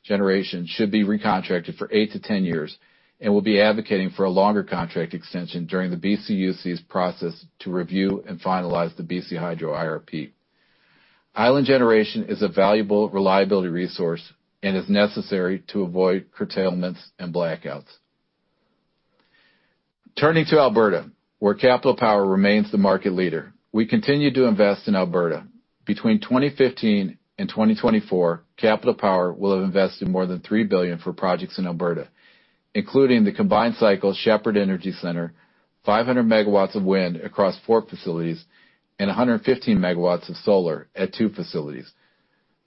Generation should be recontracted for 8-10 years and will be advocating for a longer contract extension during the BCUC's process to review and finalize the BC Hydro IRP. Island Generation is a valuable reliability resource and is necessary to avoid curtailments and blackouts. Turning to Alberta, where Capital Power remains the market leader, we continue to invest in Alberta. Between 2015 and 2024, Capital Power will have invested more than 3 billion for projects in Alberta, including the combined cycles Shepard Energy Centre, 500 MW of wind across four facilities, and 115 MW of solar at two facilities,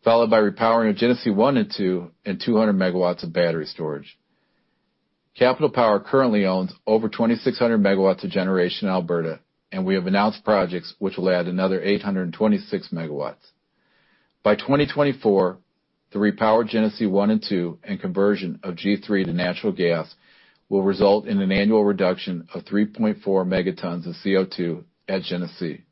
followed by repowering of Genesee 1 and 2 and 200 MW of battery storage. Capital Power currently owns over 2,600 MW of generation in Alberta, and we have announced projects which will add another 826 MW. By 2024, the repowered Genesee 1 and 2 and conversion of G3 to natural gas will result in an annual reduction of 3.4 megatons of CO2 at Genesee.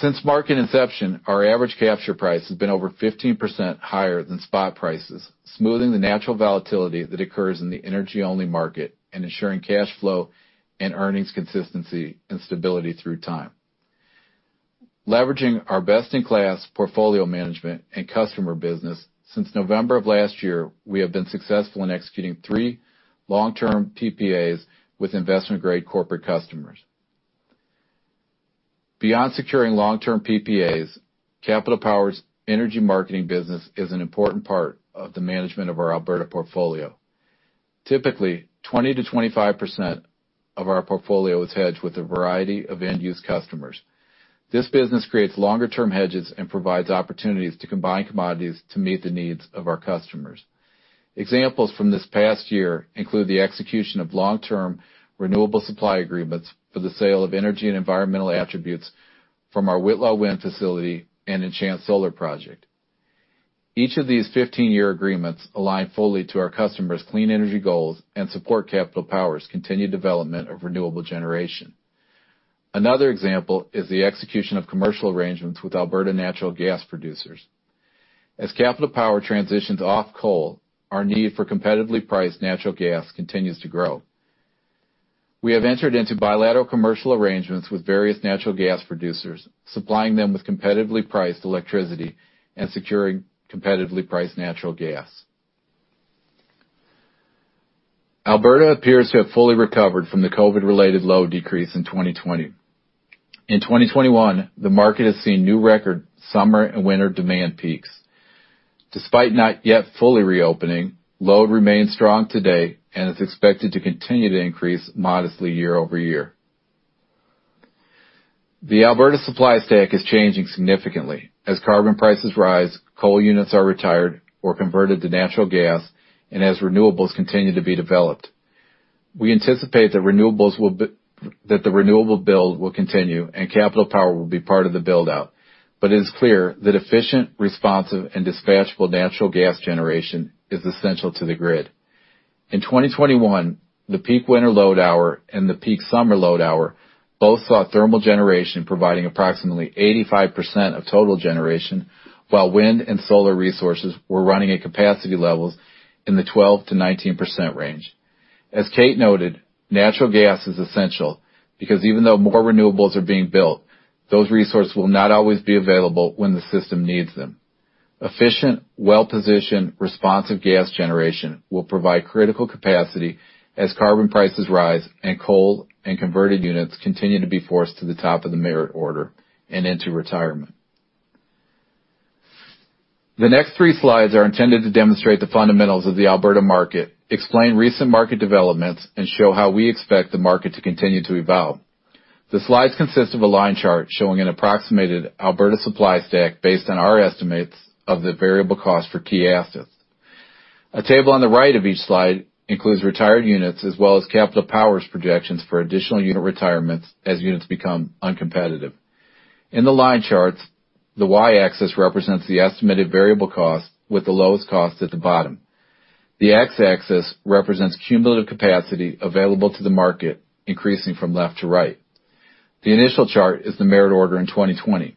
Since market inception, our average capture price has been over 15% higher than spot prices, smoothing the natural volatility that occurs in the energy-only market and ensuring cash flow and earnings consistency and stability through time. Leveraging our best-in-class portfolio management and customer business, since November of last year, we have been successful in executing three long-term PPAs with investment-grade corporate customers. Beyond securing long-term PPAs, Capital Power's energy marketing business is an important part of the management of our Alberta portfolio. Typically, 20%-25% of our portfolio is hedged with a variety of end-use customers. This business creates longer-term hedges and provides opportunities to combine commodities to meet the needs of our customers. Examples from this past year include the execution of long-term renewable supply agreements for the sale of energy and environmental attributes from our Whitla wind facility and Enchant Solar project. Each of these 15-year agreements align fully to our customers' clean energy goals and support Capital Power's continued development of renewable generation. Another example is the execution of commercial arrangements with Alberta natural gas producers. As Capital Power transitions off coal, our need for competitively priced natural gas continues to grow. We have entered into bilateral commercial arrangements with various natural gas producers, supplying them with competitively priced electricity and securing competitively priced natural gas. Alberta appears to have fully recovered from the COVID-related load decrease in 2020. In 2021, the market has seen new record summer and winter demand peaks. Despite not yet fully reopening, load remains strong today and is expected to continue to increase modestly year-over-year. The Alberta supply stack is changing significantly. As carbon prices rise, coal units are retired or converted to natural gas and as renewables continue to be developed. We anticipate that the renewable build will continue and Capital Power will be part of the build-out, but it is clear that efficient, responsive, and dispatchable natural gas generation is essential to the grid. In 2021, the peak winter load hour and the peak summer load hour both saw thermal generation providing approximately 85% of total generation, while wind and solar resources were running at capacity levels in the 12%-19% range. As Kate noted, natural gas is essential because even though more renewables are being built, those resources will not always be available when the system needs them. Efficient, well-positioned, responsive gas generation will provide critical capacity as carbon prices rise and coal and converted units continue to be forced to the top of the merit order and into retirement. The next three slides are intended to demonstrate the fundamentals of the Alberta market, explain recent market developments, and show how we expect the market to continue to evolve. The slides consist of a line chart showing an approximated Alberta supply stack based on our estimates of the variable cost for key assets. A table on the right of each slide includes retired units as well as Capital Power's projections for additional unit retirements as units become uncompetitive. In the line charts, the Y-axis represents the estimated variable cost with the lowest cost at the bottom. The X-axis represents cumulative capacity available to the market, increasing from left to right. The initial chart is the merit order in 2020.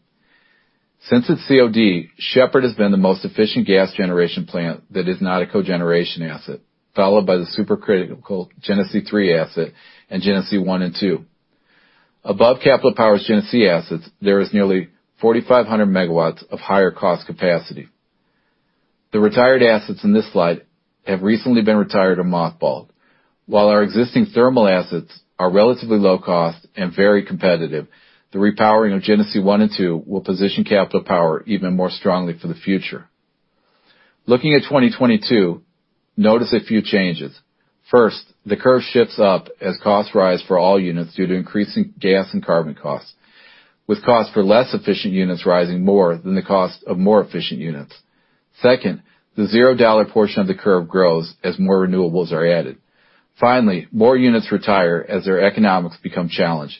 Since its COD, Shepard has been the most efficient gas generation plant that is not a cogeneration asset, followed by the supercritical Genesee 3 asset and Genesee 1 and 2. Above Capital Power's Genesee assets, there is nearly 4,500 MW of higher cost capacity. The retired assets in this slide have recently been retired or mothballed. While our existing thermal assets are relatively low cost and very competitive, the repowering of Genesee 1 and 2 will position Capital Power even more strongly for the future. Looking at 2022, notice a few changes. First, the curve shifts up as costs rise for all units due to increasing gas and carbon costs, with cost for less efficient units rising more than the cost of more efficient units. Second, the zero dollar portion of the curve grows as more renewables are added. Finally, more units retire as their economics become challenged,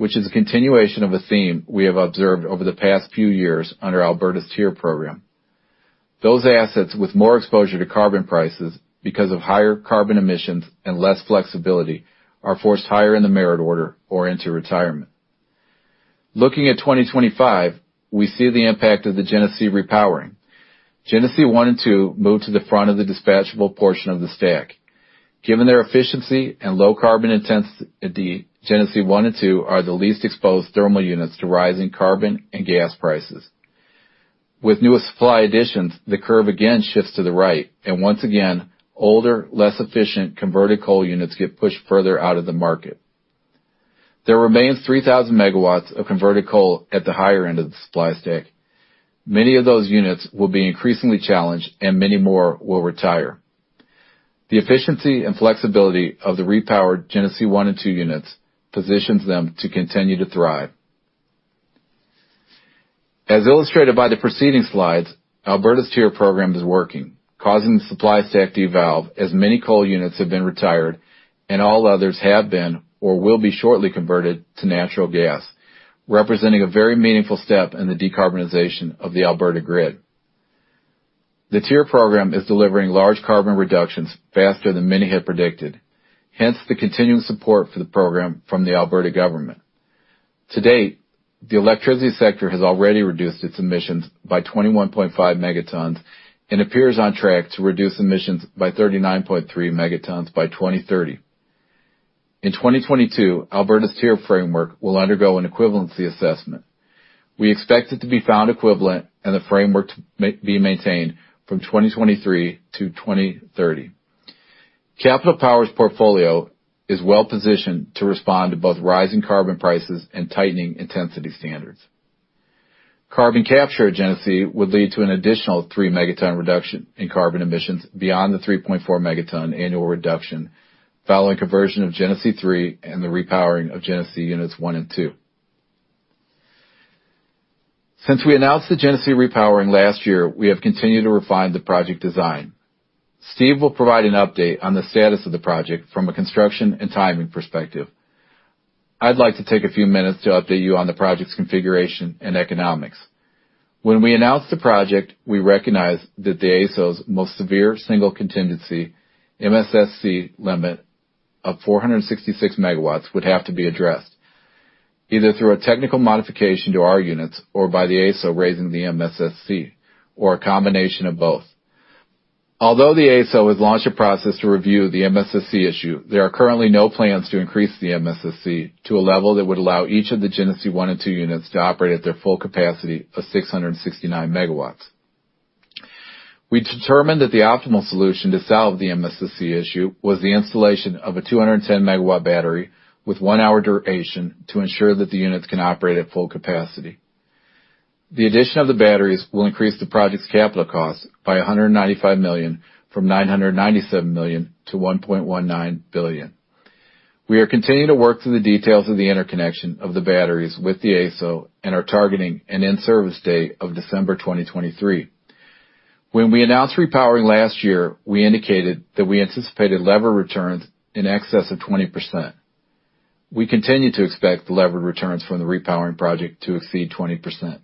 which is a continuation of a theme we have observed over the past few years under Alberta's TIER program. Those assets with more exposure to carbon prices because of higher carbon emissions and less flexibility are forced higher in the merit order or into retirement. Looking at 2025, we see the impact of the Genesee repowering. Genesee 1 and 2 move to the front of the dispatchable portion of the stack. Given their efficiency and low carbon intensity, Genesee 1 and 2 are the least exposed thermal units to rising carbon and gas prices. With newest supply additions, the curve again shifts to the right, and once again, older, less efficient converted coal units get pushed further out of the market. There remains 3,000 MW of converted coal at the higher end of the supply stack. Many of those units will be increasingly challenged and many more will retire. The efficiency and flexibility of the repowered Genesee 1 and 2 units positions them to continue to thrive. As illustrated by the preceding slides, Alberta's TIER program is working, causing the supply stack to evolve as many coal units have been retired and all others have been or will be shortly converted to natural gas, representing a very meaningful step in the decarbonization of the Alberta grid. The TIER program is delivering large carbon reductions faster than many had predicted, hence the continuing support for the program from the Alberta government. To date, the electricity sector has already reduced its emissions by 21.5 megatons and appears on track to reduce emissions by 39.3 megatons by 2030. In 2022, Alberta's TIER framework will undergo an equivalency assessment. We expect it to be found equivalent and the framework to be maintained from 2023 to 2030. Capital Power's portfolio is well-positioned to respond to both rising carbon prices and tightening intensity standards. Carbon capture at Genesee would lead to an additional 3-megaton reduction in carbon emissions beyond the 3.4-megaton annual reduction following conversion of Genesee 3 and the repowering of Genesee units 1 and 2. Since we announced the Genesee repowering last year, we have continued to refine the project design. Steve will provide an update on the status of the project from a construction and timing perspective. I'd like to take a few minutes to update you on the project's configuration and economics. When we announced the project, we recognized that the AESO's Most Severe Single Contingency (MSSC) limit of 466 MW would have to be addressed, either through a technical modification to our units or by the AESO raising the MSSC, or a combination of both. Although the AESO has launched a process to review the MSSC issue, there are currently no plans to increase the MSSC to a level that would allow each of the Genesee 1 and 2 units to operate at their full capacity of 669 MW. We determined that the optimal solution to solve the MSSC issue was the installation of a 210 MW battery with 1-hour duration to ensure that the units can operate at full capacity. The addition of the batteries will increase the project's capital cost by CAD 195 million from CAD 997 million to CAD 1.19 billion. We are continuing to work through the details of the interconnection of the batteries with the AESO and are targeting an in-service date of December 2023. When we announced repowering last year, we indicated that we anticipated lever returns in excess of 20%. We continue to expect the levered returns from the repowering project to exceed 20%.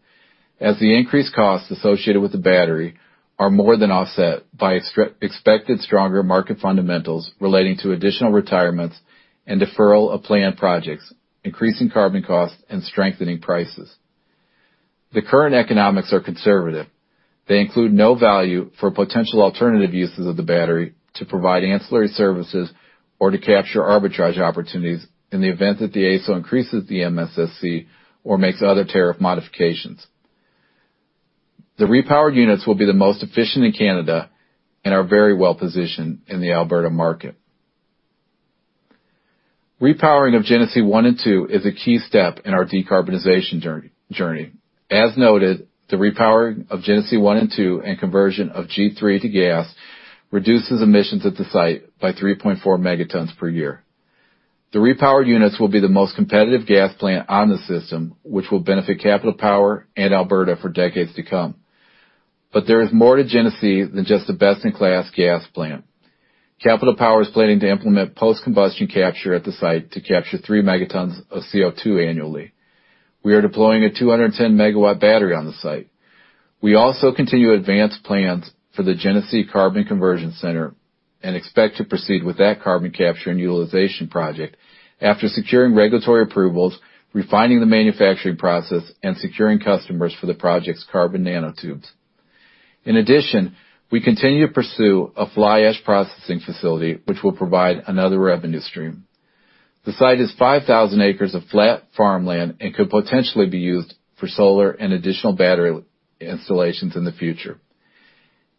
As the increased costs associated with the battery are more than offset by expected stronger market fundamentals relating to additional retirements and deferral of planned projects, increasing carbon costs and strengthening prices. The current economics are conservative. They include no value for potential alternative uses of the battery to provide ancillary services or to capture arbitrage opportunities in the event that the AESO increases the MSSC or makes other tariff modifications. The repowered units will be the most efficient in Canada and are very well positioned in the Alberta market. Repowering of Genesee 1 and 2 is a key step in our decarbonization journey. As noted, the repowering of Genesee 1 and 2 and conversion of Genesee 3 to gas reduces emissions at the site by 3.4 megatons per year. The repowered units will be the most competitive gas plant on the system, which will benefit Capital Power and Alberta for decades to come. There is more to Genesee than just the best-in-class gas plant. Capital Power is planning to implement post-combustion capture at the site to capture 3 megatons of CO2 annually. We are deploying a 210 MW battery on the site. We also continue advanced plans for the Genesee Carbon Conversion Center and expect to proceed with that carbon capture and utilization project after securing regulatory approvals, refining the manufacturing process, and securing customers for the project's carbon nanotubes. In addition, we continue to pursue a fly ash processing facility which will provide another revenue stream. The site is 5,000 acres of flat farmland and could potentially be used for solar and additional battery installations in the future.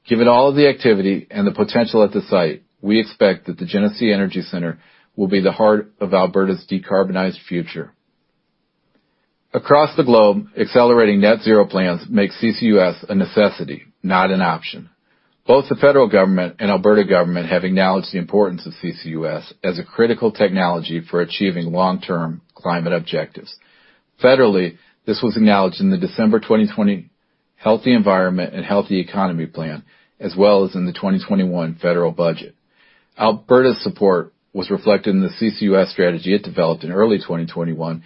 Given all of the activity and the potential at the site, we expect that the Genesee Energy Center will be the heart of Alberta's decarbonized future. Across the globe, accelerating net zero plans make CCUS a necessity, not an option. Both the federal government and Alberta government have acknowledged the importance of CCUS as a critical technology for achieving long-term climate objectives. Federally, this was acknowledged in the December 2020 Healthy Environment and Healthy Economy Plan, as well as in the 2021 federal budget. Alberta's support was reflected in the CCUS strategy it developed in early 2021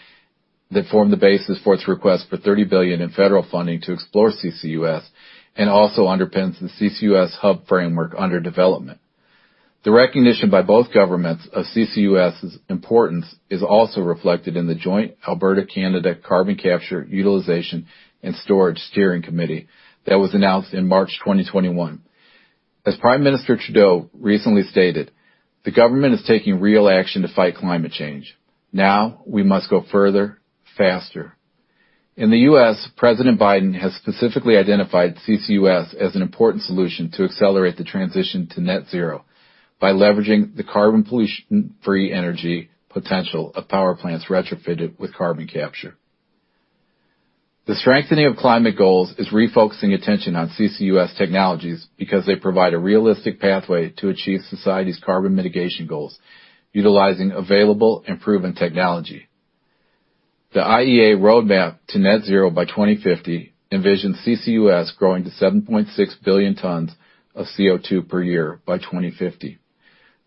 that formed the basis for its request for 30 billion in federal funding to explore CCUS and also underpins the CCUS hub framework under development. The recognition by both governments of CCUS's importance is also reflected in the joint Alberta–Canada Carbon Capture, Utilization and Storage Steering Committee that was announced in March 2021. As Prime Minister Trudeau recently stated, the government is taking real action to fight climate change. Now we must go further, faster. In the U.S., President Biden has specifically identified CCUS as an important solution to accelerate the transition to net zero by leveraging the carbon pollution-free energy potential of power plants retrofitted with carbon capture. The strengthening of climate goals is refocusing attention on CCUS technologies because they provide a realistic pathway to achieve society's carbon mitigation goals utilizing available and proven technology. The IEA roadmap to net zero by 2050 envisions CCUS growing to 7.6 billion tons of CO2 per year by 2050.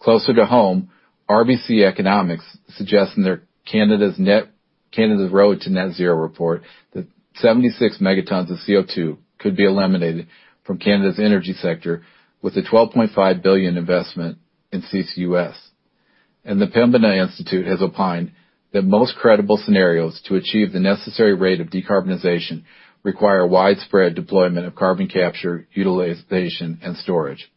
Closer to home, RBC Economics suggests in their Canada's Road to Net Zero report that 76 megatons of CO2 could be eliminated from Canada's energy sector with a 12.5 billion investment in CCUS. The Pembina Institute has opined that most credible scenarios to achieve the necessary rate of decarbonization require widespread deployment of carbon capture, utilization, and storage.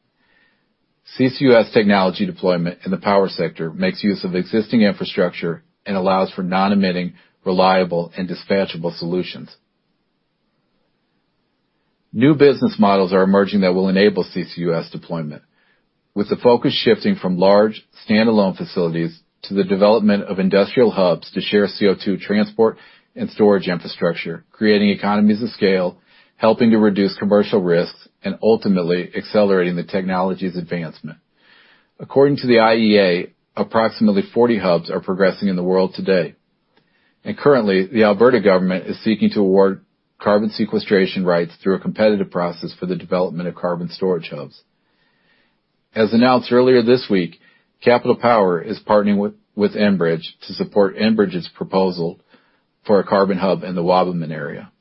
CCUS technology deployment in the power sector makes use of existing infrastructure and allows for non-emitting, reliable, and dispatchable solutions. New business models are emerging that will enable CCUS deployment, with the focus shifting from large standalone facilities to the development of industrial hubs to share CO2 transport and storage infrastructure, creating economies of scale, helping to reduce commercial risks, and ultimately accelerating the technology's advancement. According to the IEA, approximately 40 hubs are progressing in the world today. Currently, the Alberta government is seeking to award carbon sequestration rights through a competitive process for the development of carbon storage hubs. As announced earlier this week, Capital Power is partnering with Enbridge to support Enbridge's proposal for a carbon hub in the Wabamun area.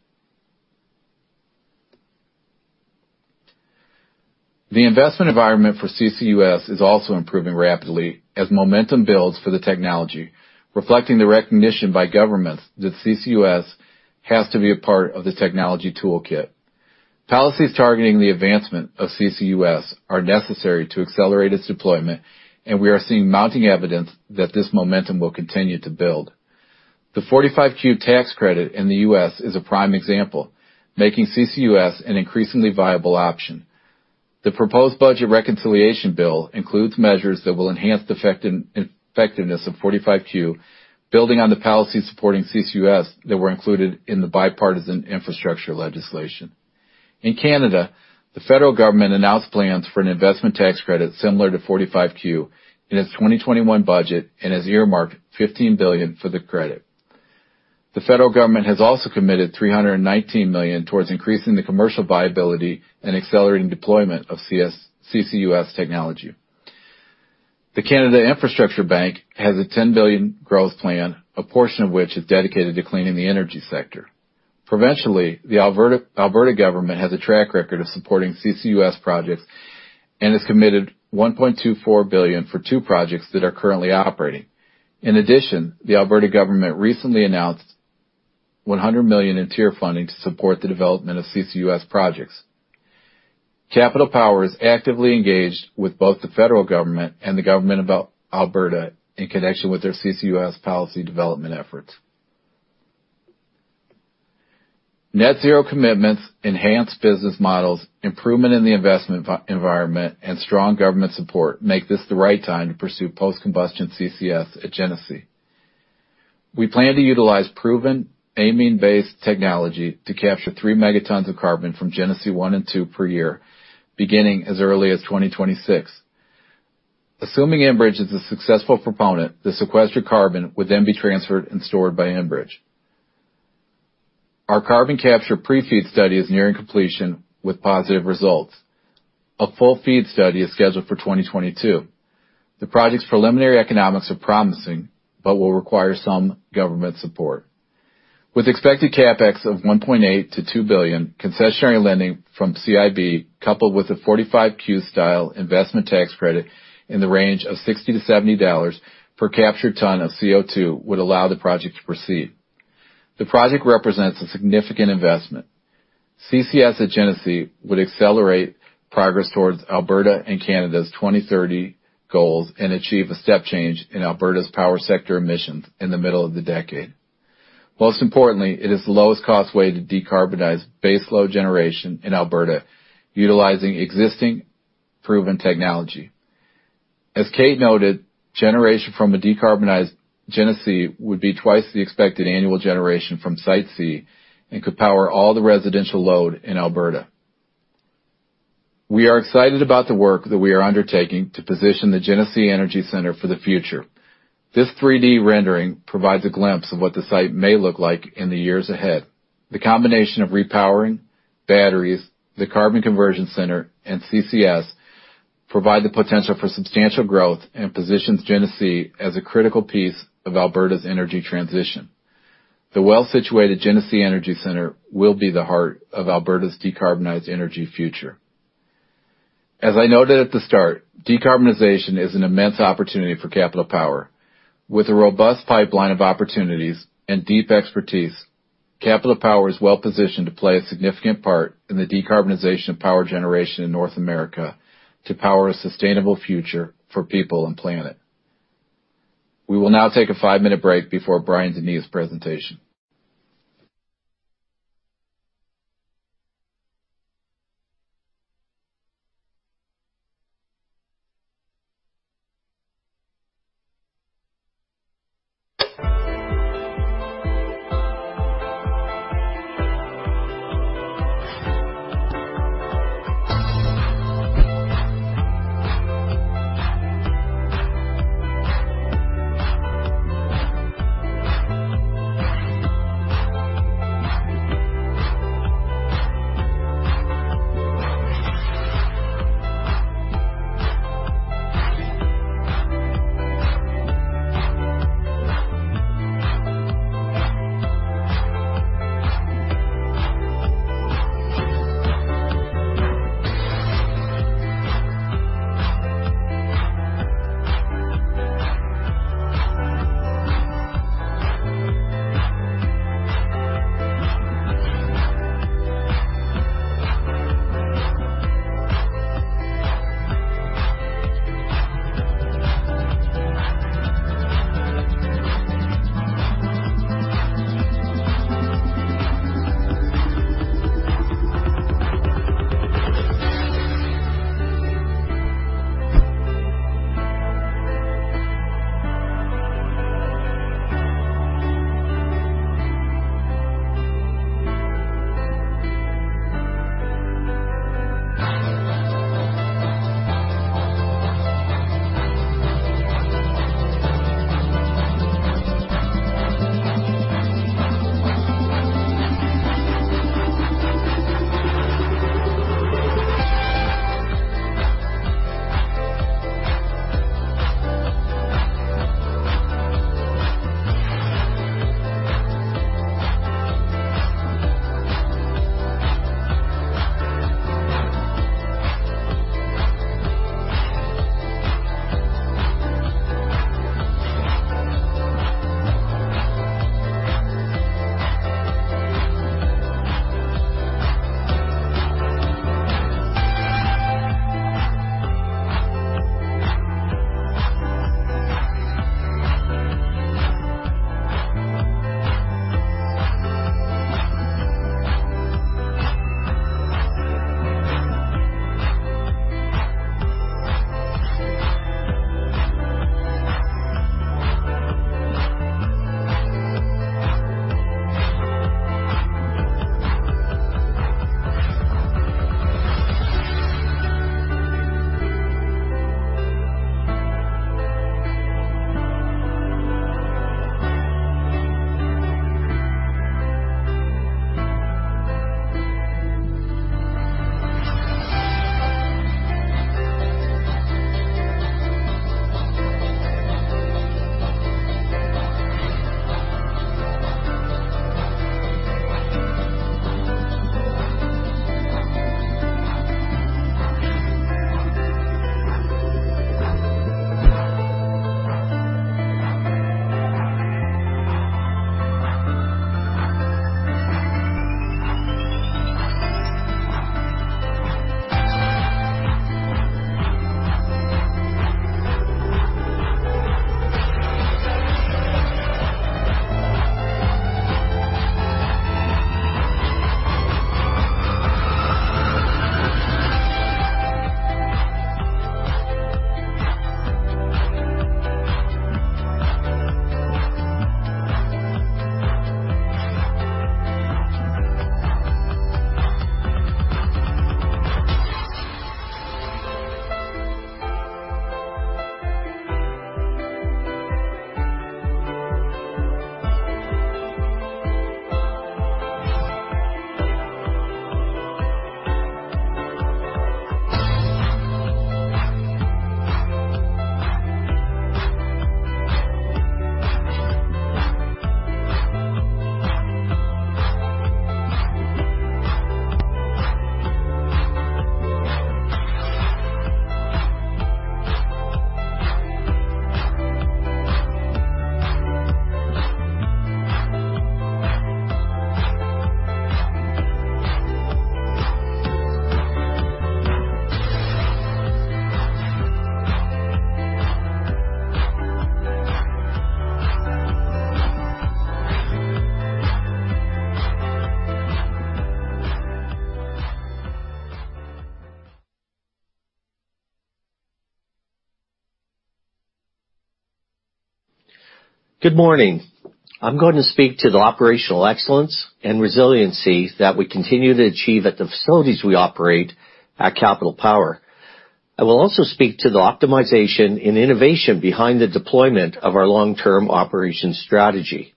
The investment environment for CCUS is also improving rapidly as momentum builds for the technology, reflecting the recognition by governments that CCUS has to be a part of the technology toolkit. Policies targeting the advancement of CCUS are necessary to accelerate its deployment, and we are seeing mounting evidence that this momentum will continue to build. The 45Q tax credit in the U.S. is a prime example, making CCUS an increasingly viable option. The proposed budget reconciliation bill includes measures that will enhance the effectiveness of 45Q, building on the policies supporting CCUS that were included in the bipartisan infrastructure legislation. In Canada, the federal government announced plans for an investment tax credit similar to 45Q in its 2021 budget and has earmarked 15 billion for the credit. The federal government has also committed 319 million towards increasing the commercial viability and accelerating deployment of CCS-CCUS technology. The Canada Infrastructure Bank has a 10 billion growth plan, a portion of which is dedicated to cleaning the energy sector. Provincially, the Alberta government has a track record of supporting CCUS projects and has committed 1.24 billion for two projects that are currently operating. In addition, the Alberta government recently announced 100 million in TIER funding to support the development of CCUS projects. Capital Power is actively engaged with both the federal government and the government of Alberta in connection with their CCUS policy development efforts. Net zero commitments, enhanced business models, improvement in the investment viability environment, and strong government support make this the right time to pursue post-combustion CCS at Genesee. We plan to utilize proven amine-based technology to capture 3 megatons of carbon from Genesee 1 and 2 per year, beginning as early as 2026. Assuming Enbridge is a successful proponent, the sequestered carbon would then be transferred and stored by Enbridge. Our carbon capture pre-FEED study is nearing completion with positive results. A full FEED study is scheduled for 2022. The project's preliminary economics are promising, but will require some government support. With expected CapEx of 1.8 billion-2 billion, concessionary lending from CIB, coupled with a 45Q-style investment tax credit in the range of $60-$70 per captured ton of CO2 would allow the project to proceed. The project represents a significant investment. CCS at Genesee would accelerate progress towards Alberta and Canada's 2030 goals and achieve a step change in Alberta's power sector emissions in the middle of the decade. Most importantly, it is the lowest cost way to decarbonize baseload generation in Alberta, utilizing existing proven technology. As Kate noted, generation from a decarbonized Genesee would be twice the expected annual generation from Site C and could power all the residential load in Alberta. We are excited about the work that we are undertaking to position the Genesee Energy Center for the future. This 3D rendering provides a glimpse of what the site may look like in the years ahead. The combination of repowering, batteries, the Carbon Conversion Center, and CCS provide the potential for substantial growth and positions Genesee as a critical piece of Alberta's energy transition. The well-situated Genesee Energy Center will be the heart of Alberta's decarbonized energy future. As I noted at the start, decarbonization is an immense opportunity for Capital Power. With a robust pipeline of opportunities and deep expertise, Capital Power is well-positioned to play a significant part in the decarbonization of power generation in North America to power a sustainable future for people and planet. We will now take a five-minute break before Bryan DeNeve's presentation. Good morning. I'm going to speak to the operational excellence and resiliency that we continue to achieve at the facilities we operate at Capital Power. I will also speak to the optimization and innovation behind the deployment of our long-term operations strategy.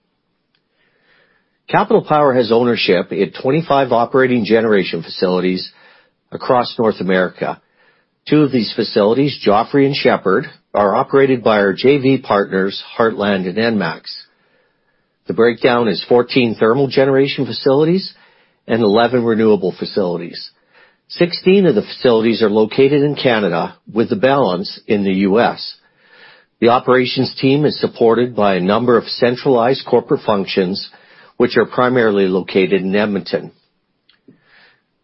Capital Power has ownership in 25 operating generation facilities across North America. Two of these facilities, Joffre and Shepard, are operated by our JV partners, Heartland and ENMAX. The breakdown is 14 thermal generation facilities and 11 renewable facilities. 16 of the facilities are located in Canada with the balance in the U.S. The operations team is supported by a number of centralized corporate functions, which are primarily located in Edmonton.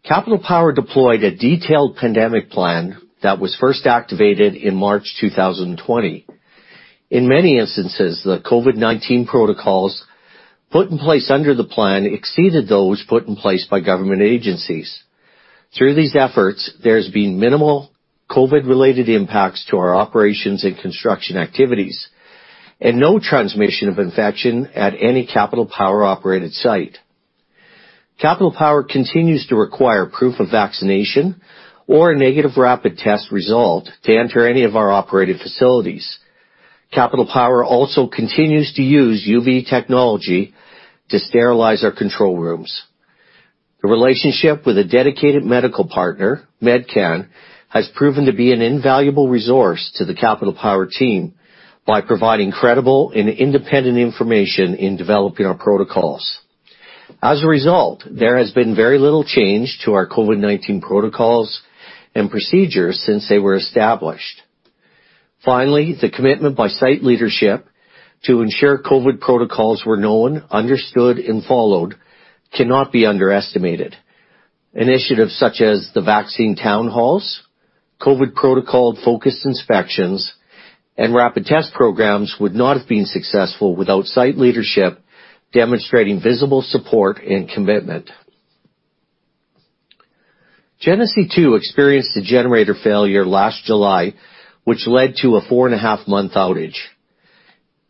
Capital Power deployed a detailed pandemic plan that was first activated in March 2020. In many instances, the COVID-19 protocols put in place under the plan exceeded those put in place by government agencies. Through these efforts, there's been minimal COVID-related impacts to our operations and construction activities and no transmission of infection at any Capital Power-operated site. Capital Power continues to require proof of vaccination or a negative rapid test result to enter any of our operated facilities. Capital Power also continues to use UV technology to sterilize our control rooms. The relationship with a dedicated medical partner, Medcan, has proven to be an invaluable resource to the Capital Power team by providing credible and independent information in developing our protocols. As a result, there has been very little change to our COVID-19 protocols and procedures since they were established. Finally, the commitment by site leadership to ensure COVID protocols were known, understood, and followed cannot be underestimated. Initiatives such as the vaccine town halls, COVID protocol-focused inspections, and rapid test programs would not have been successful without site leadership demonstrating visible support and commitment. Genesee 2 experienced a generator failure last July, which led to a 4.5-month outage.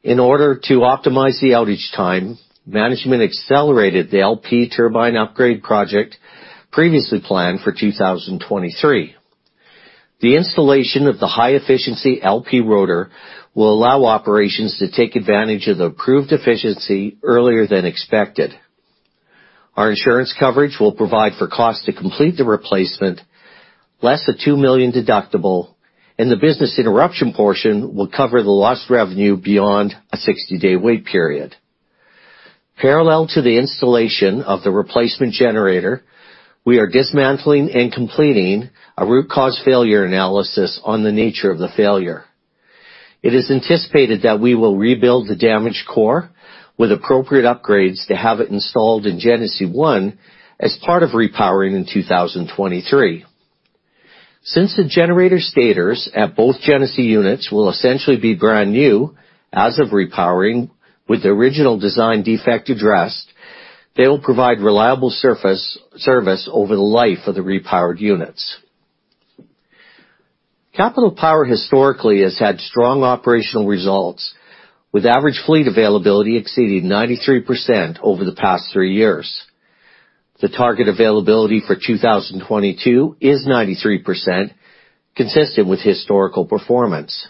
In order to optimize the outage time, management accelerated the LP turbine upgrade project previously planned for 2023. The installation of the high-efficiency LP rotor will allow operations to take advantage of the approved efficiency earlier than expected. Our insurance coverage will provide for cost to complete the replacement, less a 2 million deductible, and the business interruption portion will cover the lost revenue beyond a 60-day wait period. Parallel to the installation of the replacement generator, we are dismantling and completing a root cause failure analysis on the nature of the failure. It is anticipated that we will rebuild the damaged core with appropriate upgrades to have it installed in Genesee 1 as part of repowering in 2023. Since the generator stators at both Genesee units will essentially be brand new as of repowering with the original design defect addressed, they will provide reliable service over the life of the repowered units. Capital Power historically has had strong operational results with average fleet availability exceeding 93% over the past three years. The target availability for 2022 is 93%, consistent with historical performance.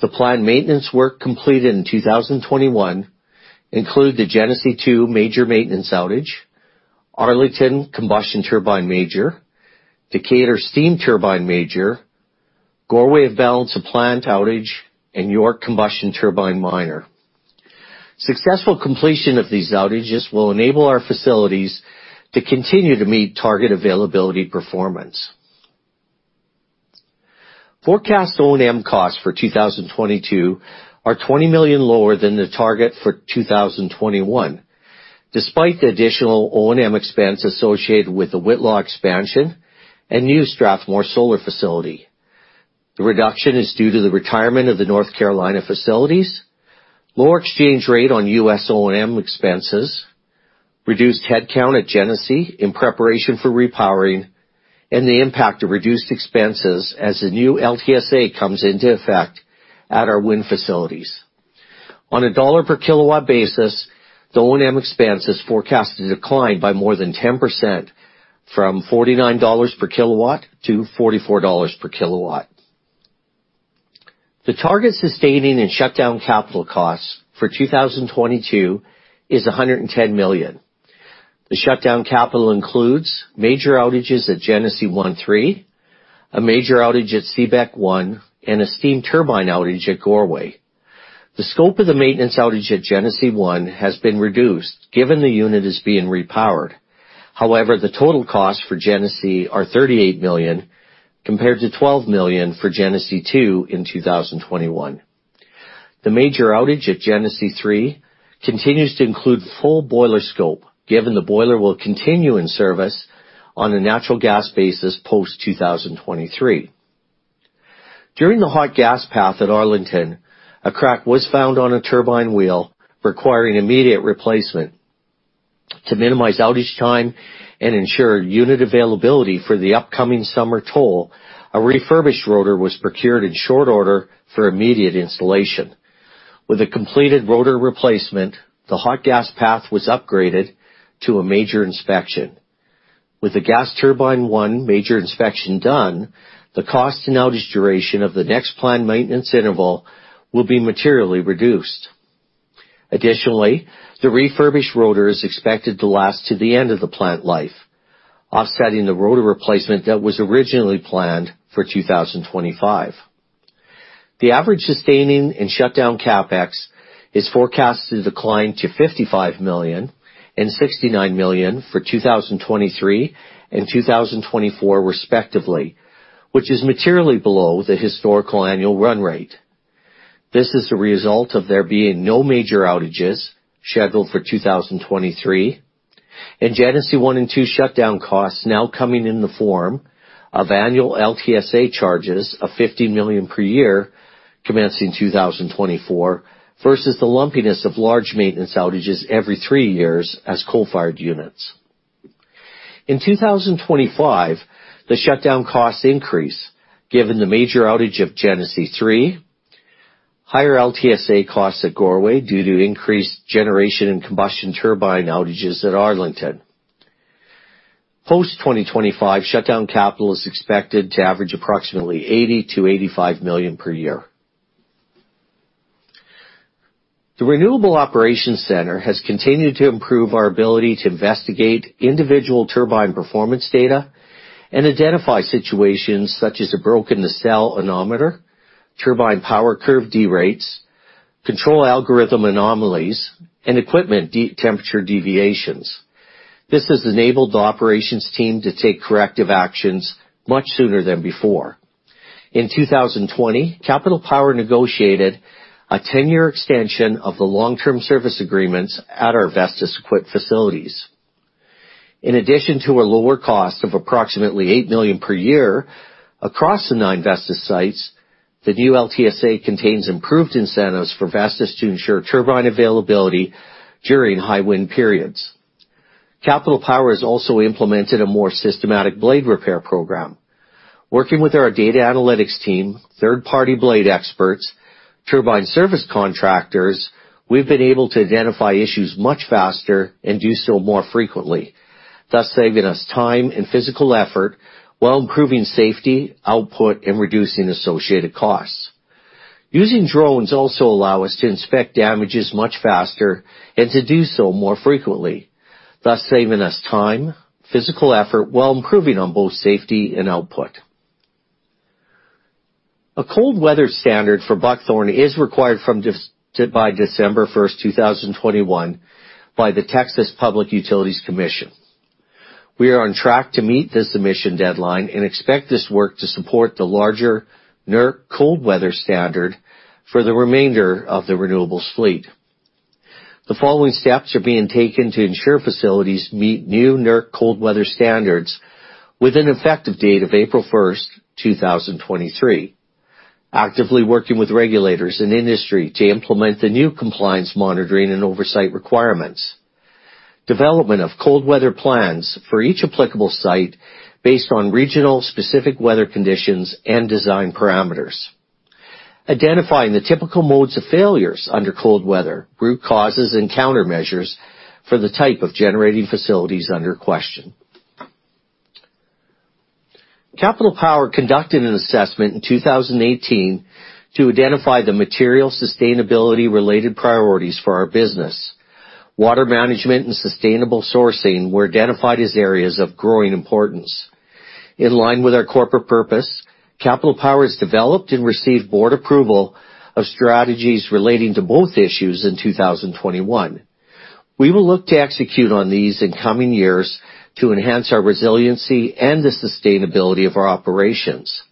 The planned maintenance work completed in 2021 include the Genesee 2 major maintenance outage, Arlington combustion turbine major, Decatur steam turbine major, Goreway balance of plant outage, and York combustion turbine minor. Successful completion of these outages will enable our facilities to continue to meet target availability performance. Forecast O&M costs for 2022 are 20 million lower than the target for 2021, despite the additional O&M expense associated with the Whitla expansion and New Strathmore solar facility. The reduction is due to the retirement of the North Carolina facilities, lower exchange rate on US O&M expenses, reduced headcount at Genesee in preparation for repowering, and the impact of reduced expenses as the new LTSA comes into effect at our wind facilities. On a dollar per kilowatt basis, the O&M expense is forecast to decline by more than 10% from 49 dollars/kW to 44 dollars/kW. The target sustaining and shutdown capital costs for 2022 is 110 million. The shutdown capital includes major outages at Genesee 1-3, a major outage at Shepard 1, and a steam turbine outage at Goreway. The scope of the maintenance outage at Genesee 1 has been reduced given the unit is being repowered. However, the total cost for Genesee is 38 million compared to 12 million for Genesee 2 in 2021. The major outage at Genesee 3 continues to include full boiler scope, given the boiler will continue in service on a natural gas basis post 2023. During the hot gas path at Arlington, a crack was found on a turbine wheel requiring immediate replacement. To minimize outage time and ensure unit availability for the upcoming summer toll, a refurbished rotor was procured in short order for immediate installation. With a completed rotor replacement, the hot gas path was upgraded to a major inspection. With the gas turbine one major inspection done, the cost and outage duration of the next planned maintenance interval will be materially reduced. Additionally, the refurbished rotor is expected to last to the end of the plant life, offsetting the rotor replacement that was originally planned for 2025. The average sustaining in shutdown CapEx is forecasted to decline to 55 million and 69 million for 2023 and 2024 respectively, which is materially below the historical annual run rate. This is the result of there being no major outages scheduled for 2023, and Genesee 1 and 2 shutdown costs now coming in the form of annual LTSA charges of 50 million per year commencing 2024 versus the lumpiness of large maintenance outages every three years as coal-fired units. In 2025, the shutdown costs increase given the major outage of Genesee 3, higher LTSA costs at Goreway due to increased generation and combustion turbine outages at Arlington. Post 2025, shutdown capital is expected to average approximately 80 million-85 million per year. The Renewable Operations Center has continued to improve our ability to investigate individual turbine performance data and identify situations such as a broken nacelle anemometers, turbine power curve derates, control algorithm anomalies, and equipment temperature deviations. This has enabled the operations team to take corrective actions much sooner than before. In 2020, Capital Power negotiated a 10-year extension of the long-term service agreements at our Vestas-equipped facilities. In addition to a lower cost of approximately 8 million per year across the 9 Vestas sites, the new LTSA contains improved incentives for Vestas to ensure turbine availability during high wind periods. Capital Power has also implemented a more systematic blade repair program. Working with our data analytics team, third-party blade experts, turbine service contractors, we've been able to identify issues much faster and do so more frequently, thus saving us time and physical effort while improving safety, output, and reducing associated costs. Using drones also allow us to inspect damages much faster and to do so more frequently, thus saving us time, physical effort while improving on both safety and output. A cold weather standard for Buckthorn is required by December 1, 2021, by the Public Utility Commission of Texas. We are on track to meet this emission deadline and expect this work to support the larger NERC cold weather standard for the remainder of the renewables fleet. The following steps are being taken to ensure facilities meet new NERC cold weather standards with an effective date of April 1, 2023, actively working with regulators and industry to implement the new compliance monitoring and oversight requirements, development of cold weather plans for each applicable site based on regional specific weather conditions and design parameters, identifying the typical modes of failures under cold weather, root causes, and countermeasures for the type of generating facilities under question. Capital Power conducted an assessment in 2018 to identify the material sustainability-related priorities for our business. Water management and sustainable sourcing were identified as areas of growing importance. In line with our corporate purpose, Capital Power has developed and received board approval of strategies relating to both issues in 2021. We will look to execute on these in coming years to enhance our resiliency and the sustainability of our operations.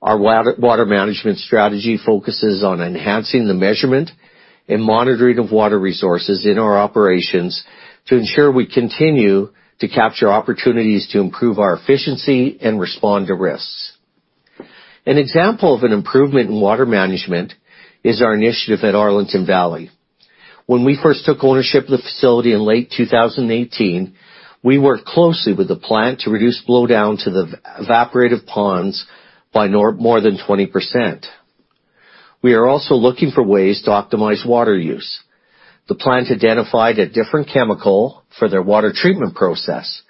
Our water management strategy focuses on enhancing the measurement and monitoring of water resources in our operations to ensure we continue to capture opportunities to improve our efficiency and respond to risks. An example of an improvement in water management is our initiative at Arlington Valley. When we first took ownership of the facility in late 2018, we worked closely with the plant to reduce blowdown to the evaporative ponds by no more than 20%. We are also looking for ways to optimize water use. The plant identified a different chemical for their water treatment process.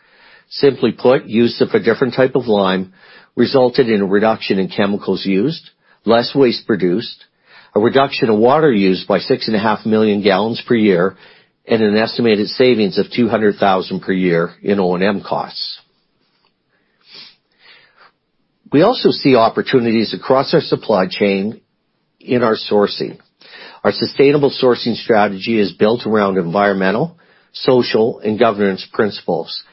Simply put, use of a different type of lime resulted in a reduction in chemicals used, less waste produced, a reduction of water used by 6.5 million gallons per year, and an estimated savings of 200,000 per year in O&M costs. We also see opportunities across our supply chain in our sourcing. Our sustainable sourcing strategy is built around environmental, social, and governance principles.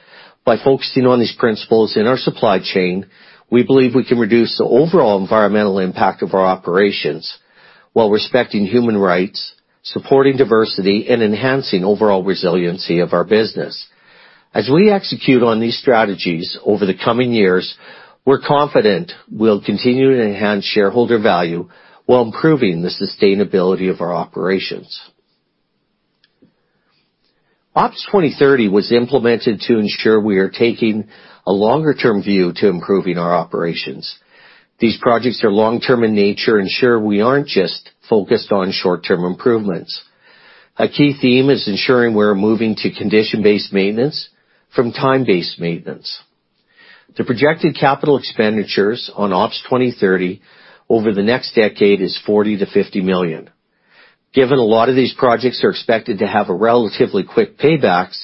By focusing on these principles in our supply chain, we believe we can reduce the overall environmental impact of our operations while respecting human rights, supporting diversity, and enhancing overall resiliency of our business. As we execute on these strategies over the coming years, we're confident we'll continue to enhance shareholder value while improving the sustainability of our operations. OPS 2030 was implemented to ensure we are taking a longer-term view to improving our operations. These projects are long-term in nature, ensure we aren't just focused on short-term improvements. A key theme is ensuring we're moving to condition-based maintenance from time-based maintenance. The projected capital expenditures on OPS 2030 over the next decade is 40 million-50 million. Given a lot of these projects are expected to have a relatively quick paybacks,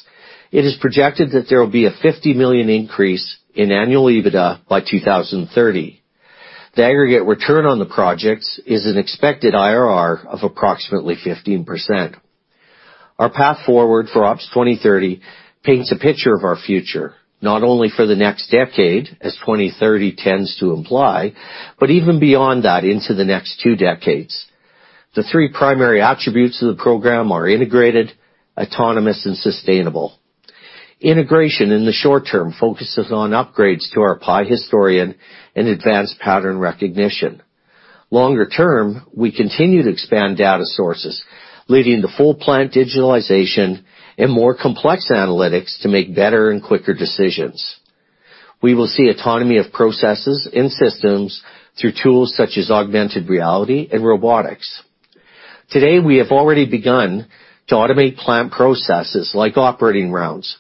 it is projected that there will be a 50 million increase in annual EBITDA by 2030. The aggregate return on the projects is an expected IRR of approximately 15%. Our path forward for OPS 2030 paints a picture of our future, not only for the next decade, as 2030 tends to imply, but even beyond that into the next two decades. The three primary attributes of the program are integrated, autonomous, and sustainable. Integration in the short term focuses on upgrades to our PI Historian and advanced pattern recognition. Longer term, we continue to expand data sources, leading to full plant digitalization and more complex analytics to make better and quicker decisions. We will see autonomy of processes and systems through tools such as augmented reality and robotics. Today, we have already begun to automate plant processes like operating rounds,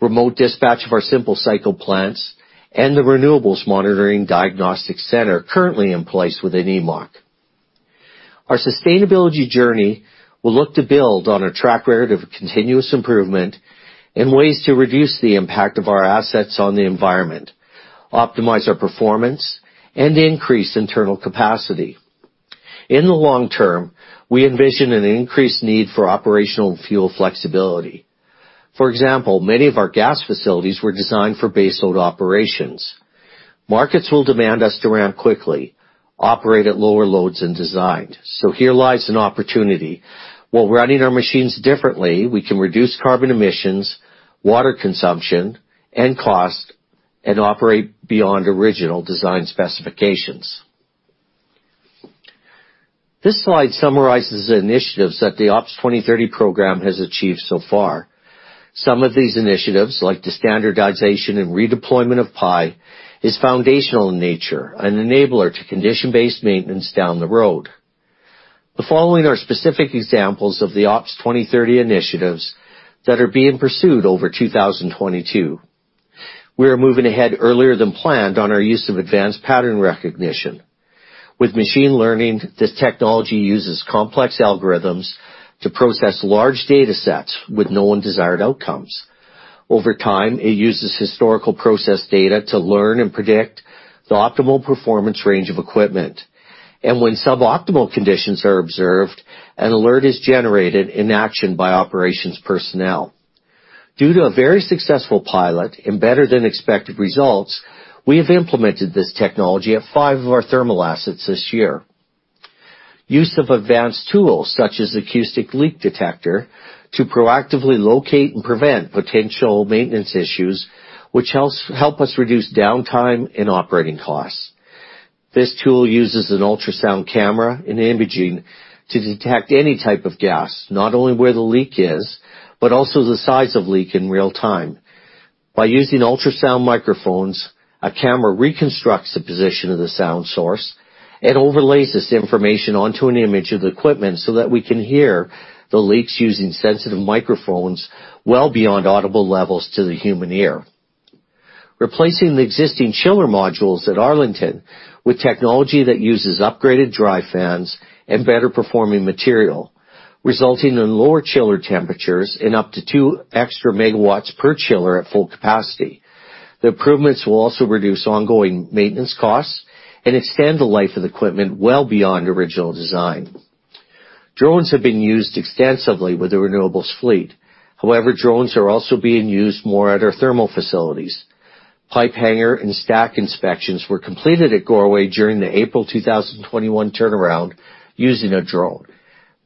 remote dispatch of our simple cycle plants, and the renewables monitoring diagnostic center currently in place within EMOC. Our sustainability journey will look to build on a track record of continuous improvement and ways to reduce the impact of our assets on the environment, optimize our performance, and increase internal capacity. In the long term, we envision an increased need for operational fuel flexibility. For example, many of our gas facilities were designed for baseload operations. Markets will demand us to ramp quickly, operate at lower loads than designed. Here lies an opportunity. While running our machines differently, we can reduce carbon emissions, water consumption, and cost, and operate beyond original design specifications. This slide summarizes the initiatives that the OPS 2030 program has achieved so far. Some of these initiatives, like the standardization and redeployment of PI, is foundational in nature, an enabler to condition-based maintenance down the road. The following are specific examples of the OPS 2030 initiatives that are being pursued over 2022. We are moving ahead earlier than planned on our use of advanced pattern recognition. With machine learning, this technology uses complex algorithms to process large datasets with known desired outcomes. Over time, it uses historical process data to learn and predict the optimal performance range of equipment. When suboptimal conditions are observed, an alert is generated in action by operations personnel. Due to a very successful pilot and better-than-expected results, we have implemented this technology at five of our thermal assets this year. Use of advanced tools, such as acoustic leak detectors, to proactively locate and prevent potential maintenance issues, which helps us reduce downtime and operating costs. This tool uses an ultrasound camera and imaging to detect any type of gas, not only where the leak is, but also the size of leak in real time. By using ultrasound microphones, a camera reconstructs the position of the sound source and overlays this information onto an image of the equipment so that we can hear the leaks using sensitive microphones well beyond audible levels to the human ear. Replacing the existing chiller modules at Arlington with technology that uses upgraded drive fans and better-performing material, resulting in lower chiller temperatures and up to 2 extra MW per chiller at full capacity. The improvements will also reduce ongoing maintenance costs and extend the life of the equipment well beyond original design. Drones have been used extensively with the renewables fleet. However, drones are also being used more at our thermal facilities. Pipe hanger and stack inspections were completed at Goreway during the April 2021 turnaround using a drone.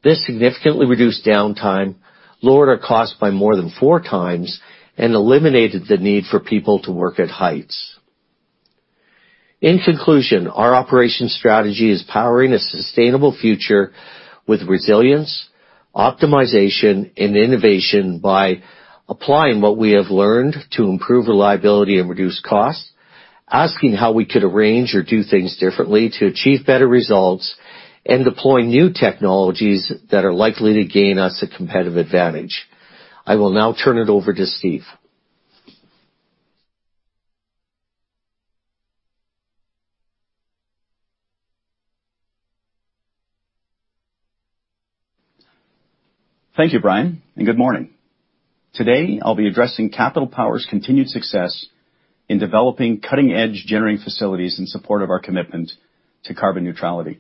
This significantly reduced downtime, lowered our cost by more than 4x, and eliminated the need for people to work at heights. In conclusion, our operations strategy is powering a sustainable future with resilience, optimization, and innovation by applying what we have learned to improve reliability and reduce costs, asking how we could arrange or do things differently to achieve better results, and deploy new technologies that are likely to gain us a competitive advantage. I will now turn it over to Steve. Thank you, Brian, and good morning. Today, I'll be addressing Capital Power's continued success in developing cutting-edge generating facilities in support of our commitment to carbon neutrality.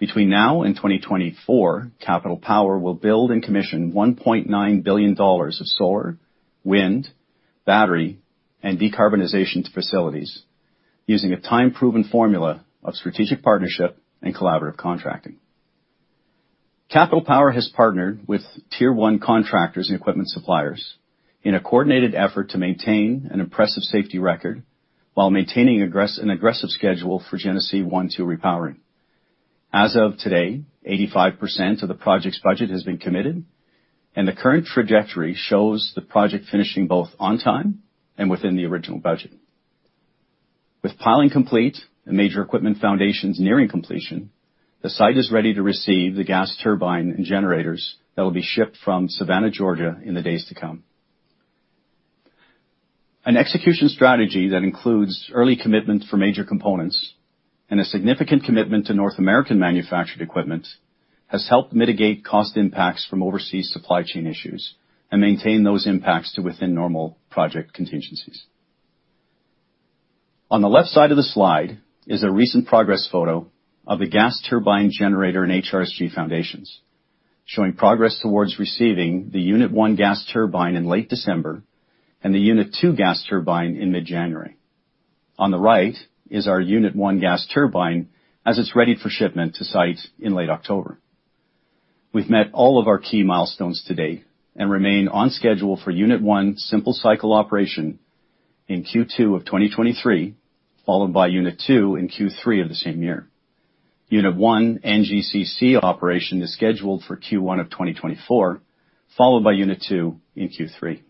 Between now and 2024, Capital Power will build and commission 1.9 billion dollars of solar, wind, battery, and decarbonization facilities using a time-proven formula of strategic partnership and collaborative contracting. Capital Power has partnered with tier one contractors and equipment suppliers in a coordinated effort to maintain an impressive safety record while maintaining an aggressive schedule for Genesee 1, 2 repowering. As of today, 85% of the project's budget has been committed, and the current trajectory shows the project finishing both on time and within the original budget. With piling complete and major equipment foundations nearing completion, the site is ready to receive the gas turbine and generators that will be shipped from Savannah, Georgia, in the days to come. An execution strategy that includes early commitment for major components and a significant commitment to North American-manufactured equipment has helped mitigate cost impacts from overseas supply chain issues and maintain those impacts to within normal project contingencies. On the left side of the slide is a recent progress photo of the gas turbine generator and HRSG foundations, showing progress towards receiving the unit one gas turbine in late December and the unit two gas turbine in mid-January. On the right is our unit one gas turbine as it's readied for shipment to site in late October. We've met all of our key milestones to date and remain on schedule for Unit 1 simple cycle operation in Q2 of 2023, followed by Unit 2 in Q3 of the same year. Unit 1 NGCC operation is scheduled for Q1 of 2024, followed by Unit 2 in Q3.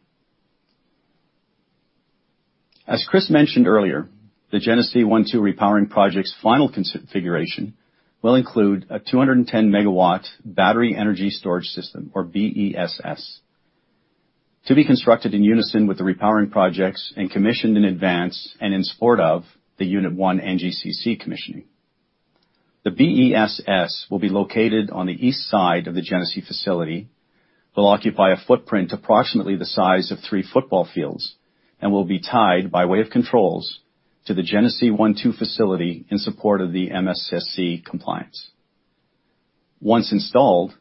As Chris mentioned earlier, the Genesee 1, 2 repowering project's final configuration will include a 210 MW battery energy storage system, or BESS, to be constructed in unison with the repowering projects and commissioned in advance and in support of the Unit 1 NGCC commissioning. The BESS will be located on the east side of the Genesee facility, will occupy a footprint approximately the size of three football fields, and will be tied by way of controls to the Genesee 1, 2 facility in support of the MSSC compliance. Once installed,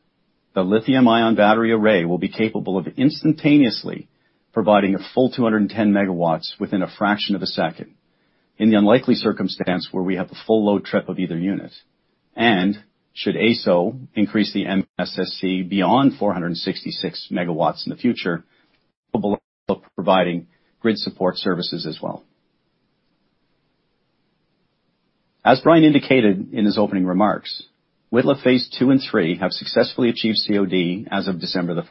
the lithium-ion battery array will be capable of instantaneously providing a full 210 MW within a fraction of a second in the unlikely circumstance where we have a full load trip of either unit. Should AESO increase the MSSC beyond 466 MW in the future, providing grid support services as well. As Brian indicated in his opening remarks, Whitla Phase 2 and 3 have successfully achieved COD as of December 1.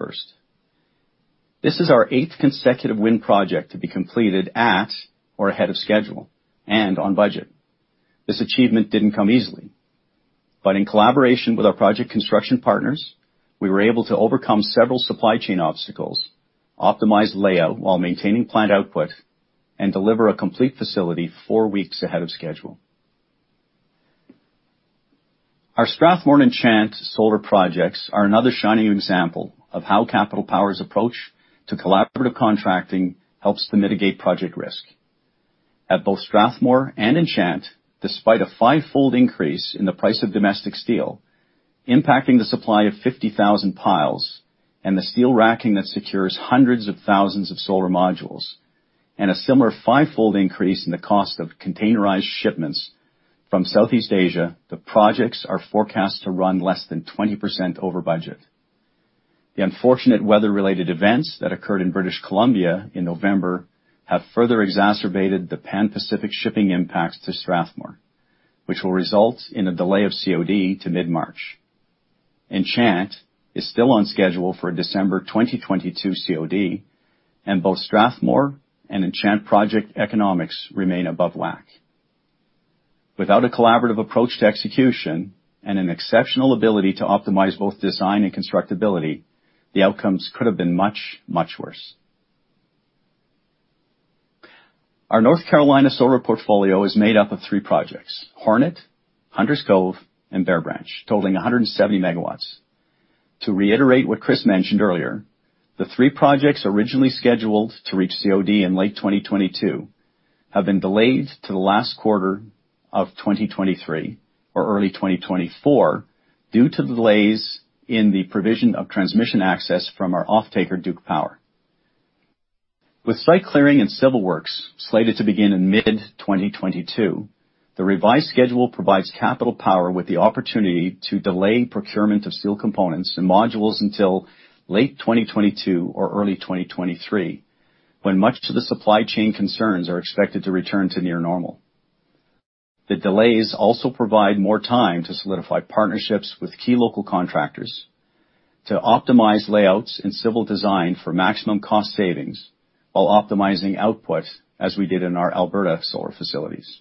This is our 8th consecutive wind project to be completed at or ahead of schedule and on budget. This achievement didn't come easily, but in collaboration with our project construction partners, we were able to overcome several supply chain obstacles, optimize layout while maintaining plant output, and deliver a complete facility four weeks ahead of schedule. Our Strathmore and Enchant Solar projects are another shining example of how Capital Power's approach to collaborative contracting helps to mitigate project risk. At both Strathmore and Enchant Solar, despite a five-fold increase in the price of domestic steel, impacting the supply of 50,000 piles and the steel racking that secures hundreds of thousands of solar modules, and a similar five-fold increase in the cost of containerized shipments from Southeast Asia, the projects are forecast to run less than 20% over budget. The unfortunate weather-related events that occurred in British Columbia in November have further exacerbated the Pan-Pacific shipping impacts to Strathmore, which will result in a delay of COD to mid-March. Enchant Solar is still on schedule for December 2022 COD, and both Strathmore and Enchant Solar project economics remain above WACC. Without a collaborative approach to execution and an exceptional ability to optimize both design and constructability, the outcomes could have been much, much worse. Our North Carolina solar portfolio is made up of three projects, Hornet, Hunter's Cove and Bear Branch, totaling 170 MW. To reiterate what Chris mentioned earlier, the three projects originally scheduled to reach COD in late 2022 have been delayed to the last quarter of 2023 or early 2024 due to the delays in the provision of transmission access from our offtaker, Duke Energy Carolinas. With site clearing and civil works slated to begin in mid-2022, the revised schedule provides Capital Power with the opportunity to delay procurement of steel components and modules until late 2022 or early 2023, when much to the supply chain concerns are expected to return to near normal. The delays also provide more time to solidify partnerships with key local contractors to optimize layouts and civil design for maximum cost savings while optimizing output, as we did in our Alberta solar facilities.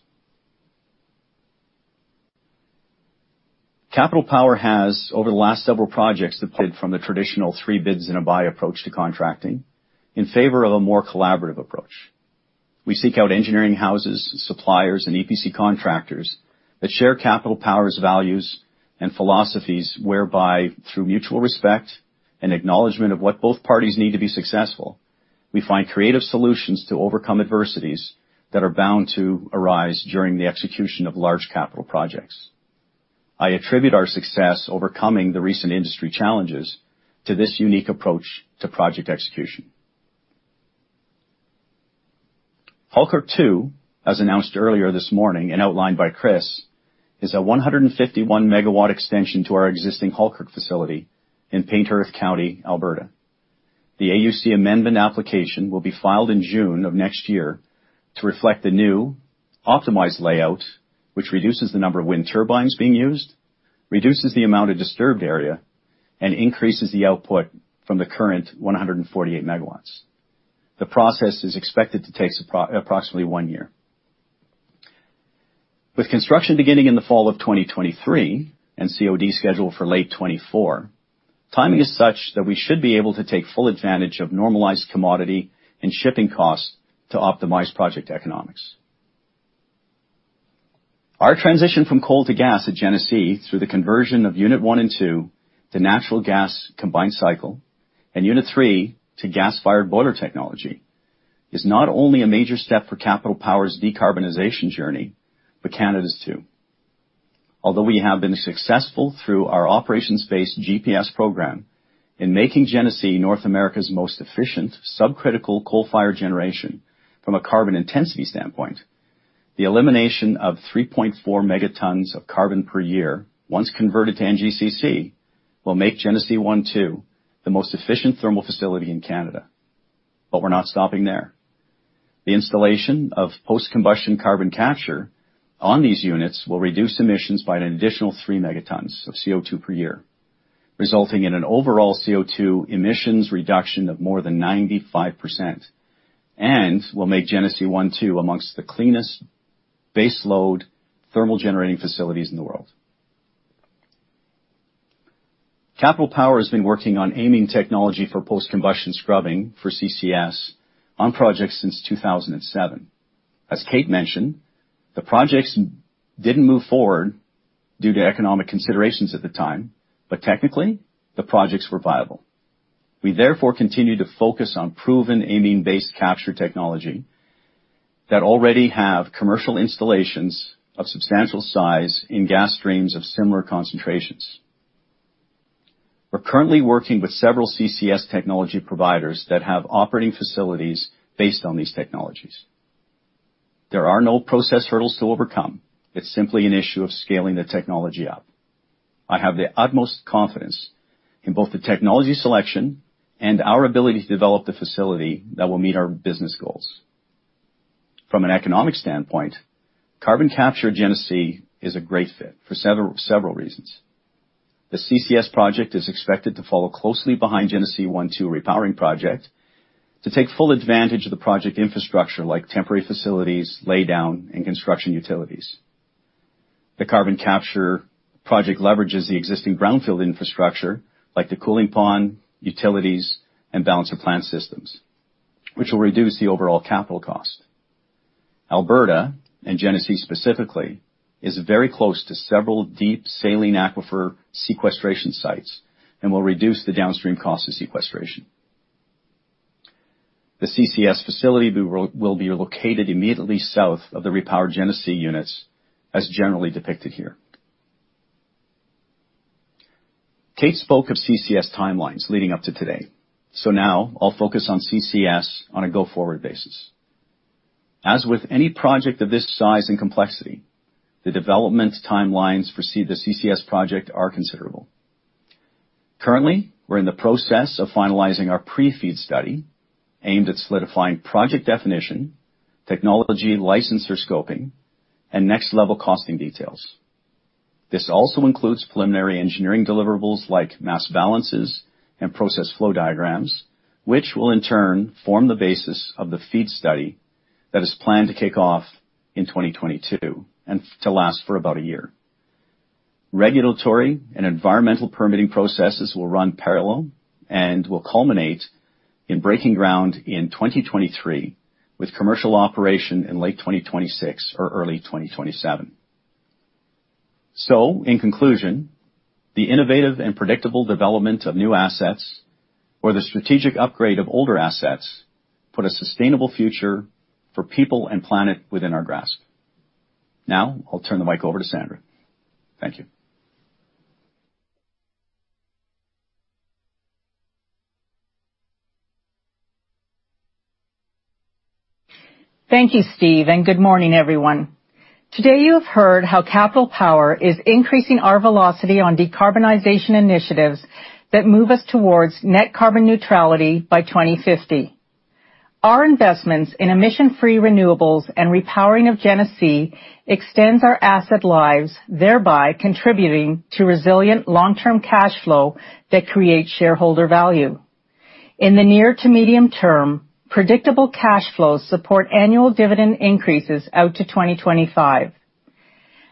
Capital Power has, over the last several projects, departed from the traditional three bids and a buy approach to contracting in favor of a more collaborative approach. We seek out engineering houses, suppliers, and EPC contractors that share Capital Power's values and philosophies, whereby through mutual respect and acknowledgement of what both parties need to be successful, we find creative solutions to overcome adversities that are bound to arise during the execution of large capital projects. I attribute our success overcoming the recent industry challenges to this unique approach to project execution. Halkirk 2, as announced earlier this morning and outlined by Chris, is a 151 MW extension to our existing Halkirk facility in Paintearth County, Alberta. The AUC amendment application will be filed in June of next year to reflect the new optimized layout, which reduces the number of wind turbines being used, reduces the amount of disturbed area, and increases the output from the current 148 MW. The process is expected to take approximately 1 year. With construction beginning in the fall of 2023 and COD scheduled for late 2024, timing is such that we should be able to take full advantage of normalized commodity and shipping costs to optimize project economics. Our transition from coal to gas at Genesee through the conversion of unit 1 and 2 to natural gas combined cycle, and unit 3 to gas-fired boiler technology, is not only a major step for Capital Power's decarbonization journey, but Canada's too. Although we have been successful through our operations-based GPS program in making Genesee North America's most efficient subcritical coal-fired generation from a carbon intensity standpoint, the elimination of 3.4 megatons of carbon per year, once converted to NGCC, will make Genesee 1, 2 the most efficient thermal facility in Canada. We're not stopping there. The installation of post-combustion carbon capture on these units will reduce emissions by an additional 3 megatons of CO2 per year, resulting in an overall CO2 emissions reduction of more than 95%, and will make Genesee 1, 2 amongst the cleanest baseload thermal generating facilities in the world. Capital Power has been working on amine technology for post-combustion scrubbing for CCS on projects since 2007. As Kate mentioned, the projects didn't move forward due to economic considerations at the time, but technically, the projects were viable. We therefore continue to focus on proven amine-based capture technology that already have commercial installations of substantial size in gas streams of similar concentrations. We're currently working with several CCS technology providers that have operating facilities based on these technologies. There are no process hurdles to overcome. It's simply an issue of scaling the technology up. I have the utmost confidence in both the technology selection and our ability to develop the facility that will meet our business goals. From an economic standpoint, carbon capture at Genesee is a great fit for several reasons. The CCS project is expected to follow closely behind Genesee 1, 2 repowering project to take full advantage of the project infrastructure like temporary facilities, laydown, and construction utilities. The carbon capture project leverages the existing brownfield infrastructure like the cooling pond, utilities, and balance of plant systems, which will reduce the overall capital cost. Alberta, and Genesee specifically, is very close to several deep saline aquifer sequestration sites and will reduce the downstream cost of sequestration. The CCS facility will be located immediately south of the repowered Genesee units, as generally depicted here. Kate spoke of CCS timelines leading up to today, so now I'll focus on CCS on a go-forward basis. As with any project of this size and complexity, the development timelines for the CCS project are considerable. Currently, we're in the process of finalizing our pre-FEED study aimed at solidifying project definition, technology, licensor scoping, and next level costing details. This also includes preliminary engineering deliverables like mass balances and process flow diagrams, which will in turn form the basis of the FEED study that is planned to kick off in 2022 and to last for about a year. Regulatory and environmental permitting processes will run parallel and will culminate in breaking ground in 2023, with commercial operation in late 2026 or early 2027. In conclusion, the innovative and predictable development of new assets or the strategic upgrade of older assets put a sustainable future for people and planet within our grasp. Now, I'll turn the mic over to Sandra. Thank you. Thank you, Steve, and good morning, everyone. Today you have heard how Capital Power is increasing our velocity on decarbonization initiatives that move us towards net carbon neutrality by 2050. Our investments in emission-free renewables and repowering of Genesee extends our asset lives, thereby contributing to resilient long-term cash flow that creates shareholder value. In the near to medium term, predictable cash flows support annual dividend increases out to 2025.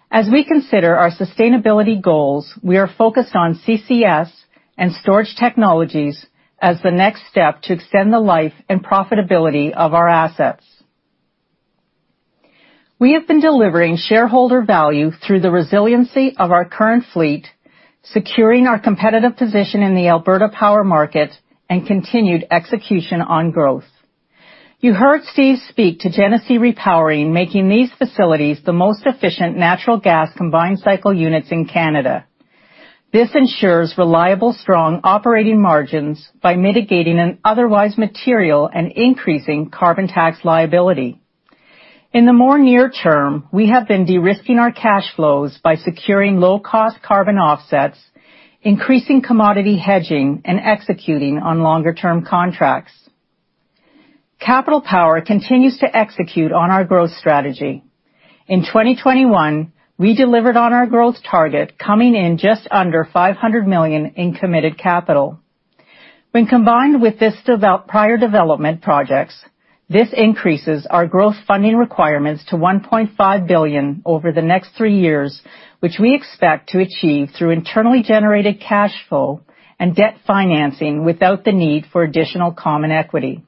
As we consider our sustainability goals, we are focused on CCS and storage technologies as the next step to extend the life and profitability of our assets. We have been delivering shareholder value through the resiliency of our current fleet, securing our competitive position in the Alberta power market and continued execution on growth. You heard Steve speak to Genesee Repowering, making these facilities the most efficient natural gas combined cycle units in Canada. This ensures reliable, strong operating margins by mitigating an otherwise material and increasing carbon tax liability. In the more near term, we have been de-risking our cash flows by securing low-cost carbon offsets, increasing commodity hedging, and executing on longer-term contracts. Capital Power continues to execute on our growth strategy. In 2021, we delivered on our growth target, coming in just under CAD 500 million in committed capital. When combined with prior development projects, this increases our growth funding requirements to 1.5 billion over the next three years, which we expect to achieve through internally generated cash flow and debt financing without the need for additional common equity.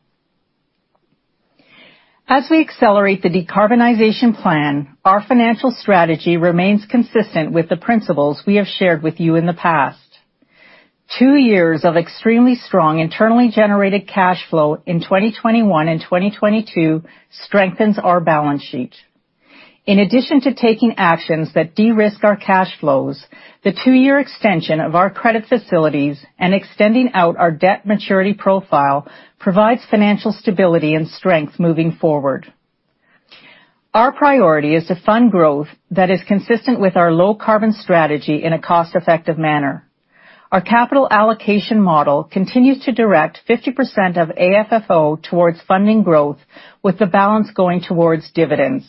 As we accelerate the decarbonization plan, our financial strategy remains consistent with the principles we have shared with you in the past. Two years of extremely strong internally generated cash flow in 2021 and 2022 strengthens our balance sheet. In addition to taking actions that de-risk our cash flows, the two-year extension of our credit facilities and extending out our debt maturity profile provides financial stability and strength moving forward. Our priority is to fund growth that is consistent with our low-carbon strategy in a cost-effective manner. Our capital allocation model continues to direct 50% of AFFO towards funding growth, with the balance going towards dividends.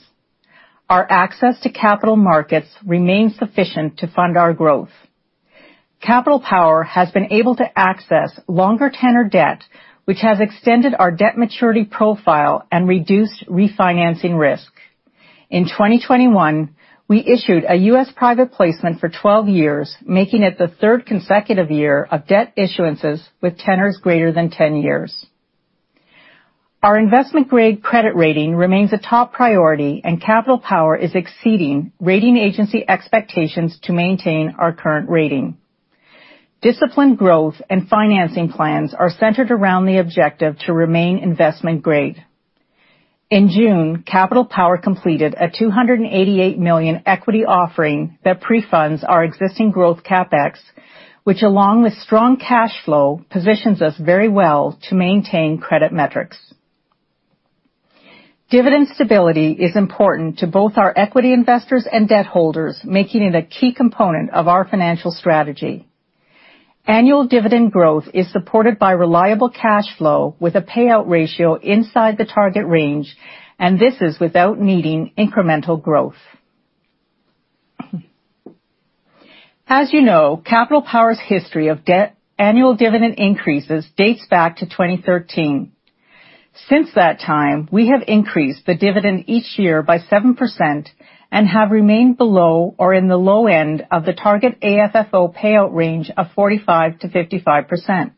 Our access to capital markets remains sufficient to fund our growth. Capital Power has been able to access longer tenor debt, which has extended our debt maturity profile and reduced refinancing risk. In 2021, we issued a U.S. private placement for 12 years, making it the third consecutive year of debt issuances with tenors greater than 10 years. Our investment-grade credit rating remains a top priority, and Capital Power is exceeding rating agency expectations to maintain our current rating. Disciplined growth and financing plans are centered around the objective to remain investment-grade. In June, Capital Power completed a 288 million equity offering that pre-funds our existing growth CapEx, which, along with strong cash flow, positions us very well to maintain credit metrics. Dividend stability is important to both our equity investors and debt holders, making it a key component of our financial strategy. Annual dividend growth is supported by reliable cash flow with a payout ratio inside the target range, and this is without needing incremental growth. As you know, Capital Power's history of steady annual dividend increases dates back to 2013. Since that time, we have increased the dividend each year by 7% and have remained below or in the low end of the target AFFO payout range of 45%-55%.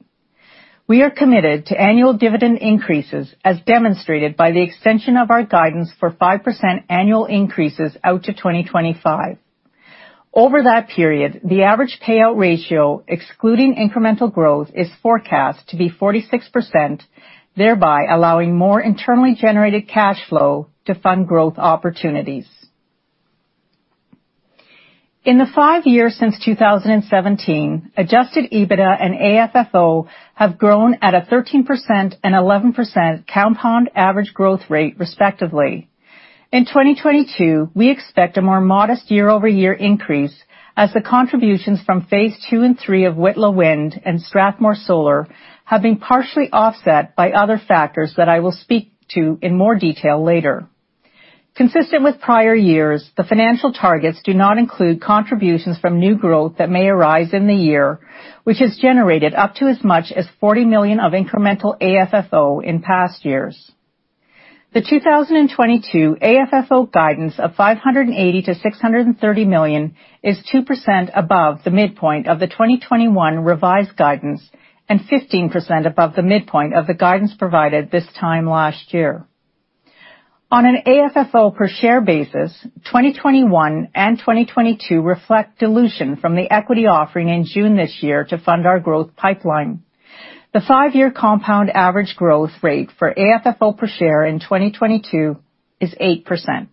We are committed to annual dividend increases, as demonstrated by the extension of our guidance for 5% annual increases out to 2025. Over that period, the average payout ratio, excluding incremental growth, is forecast to be 46%, thereby allowing more internally generated cash flow to fund growth opportunities. In the 5 years since 2017, Adjusted EBITDA and AFFO have grown at a 13% and 11% compound average growth rate, respectively. In 2022, we expect a more modest year-over-year increase as the contributions from Phase 2 and 3 of Whitla Wind and Strathmore Solar have been partially offset by other factors that I will speak to in more detail later. Consistent with prior years, the financial targets do not include contributions from new growth that may arise in the year, which has generated up to as much as 40 million of incremental AFFO in past years. The 2022 AFFO guidance of 580 million-630 million is 2% above the midpoint of the 2021 revised guidance and 15% above the midpoint of the guidance provided this time last year. On an AFFO per share basis, 2021 and 2022 reflect dilution from the equity offering in June this year to fund our growth pipeline. The 5-year compound average growth rate for AFFO per share in 2022 is 8%.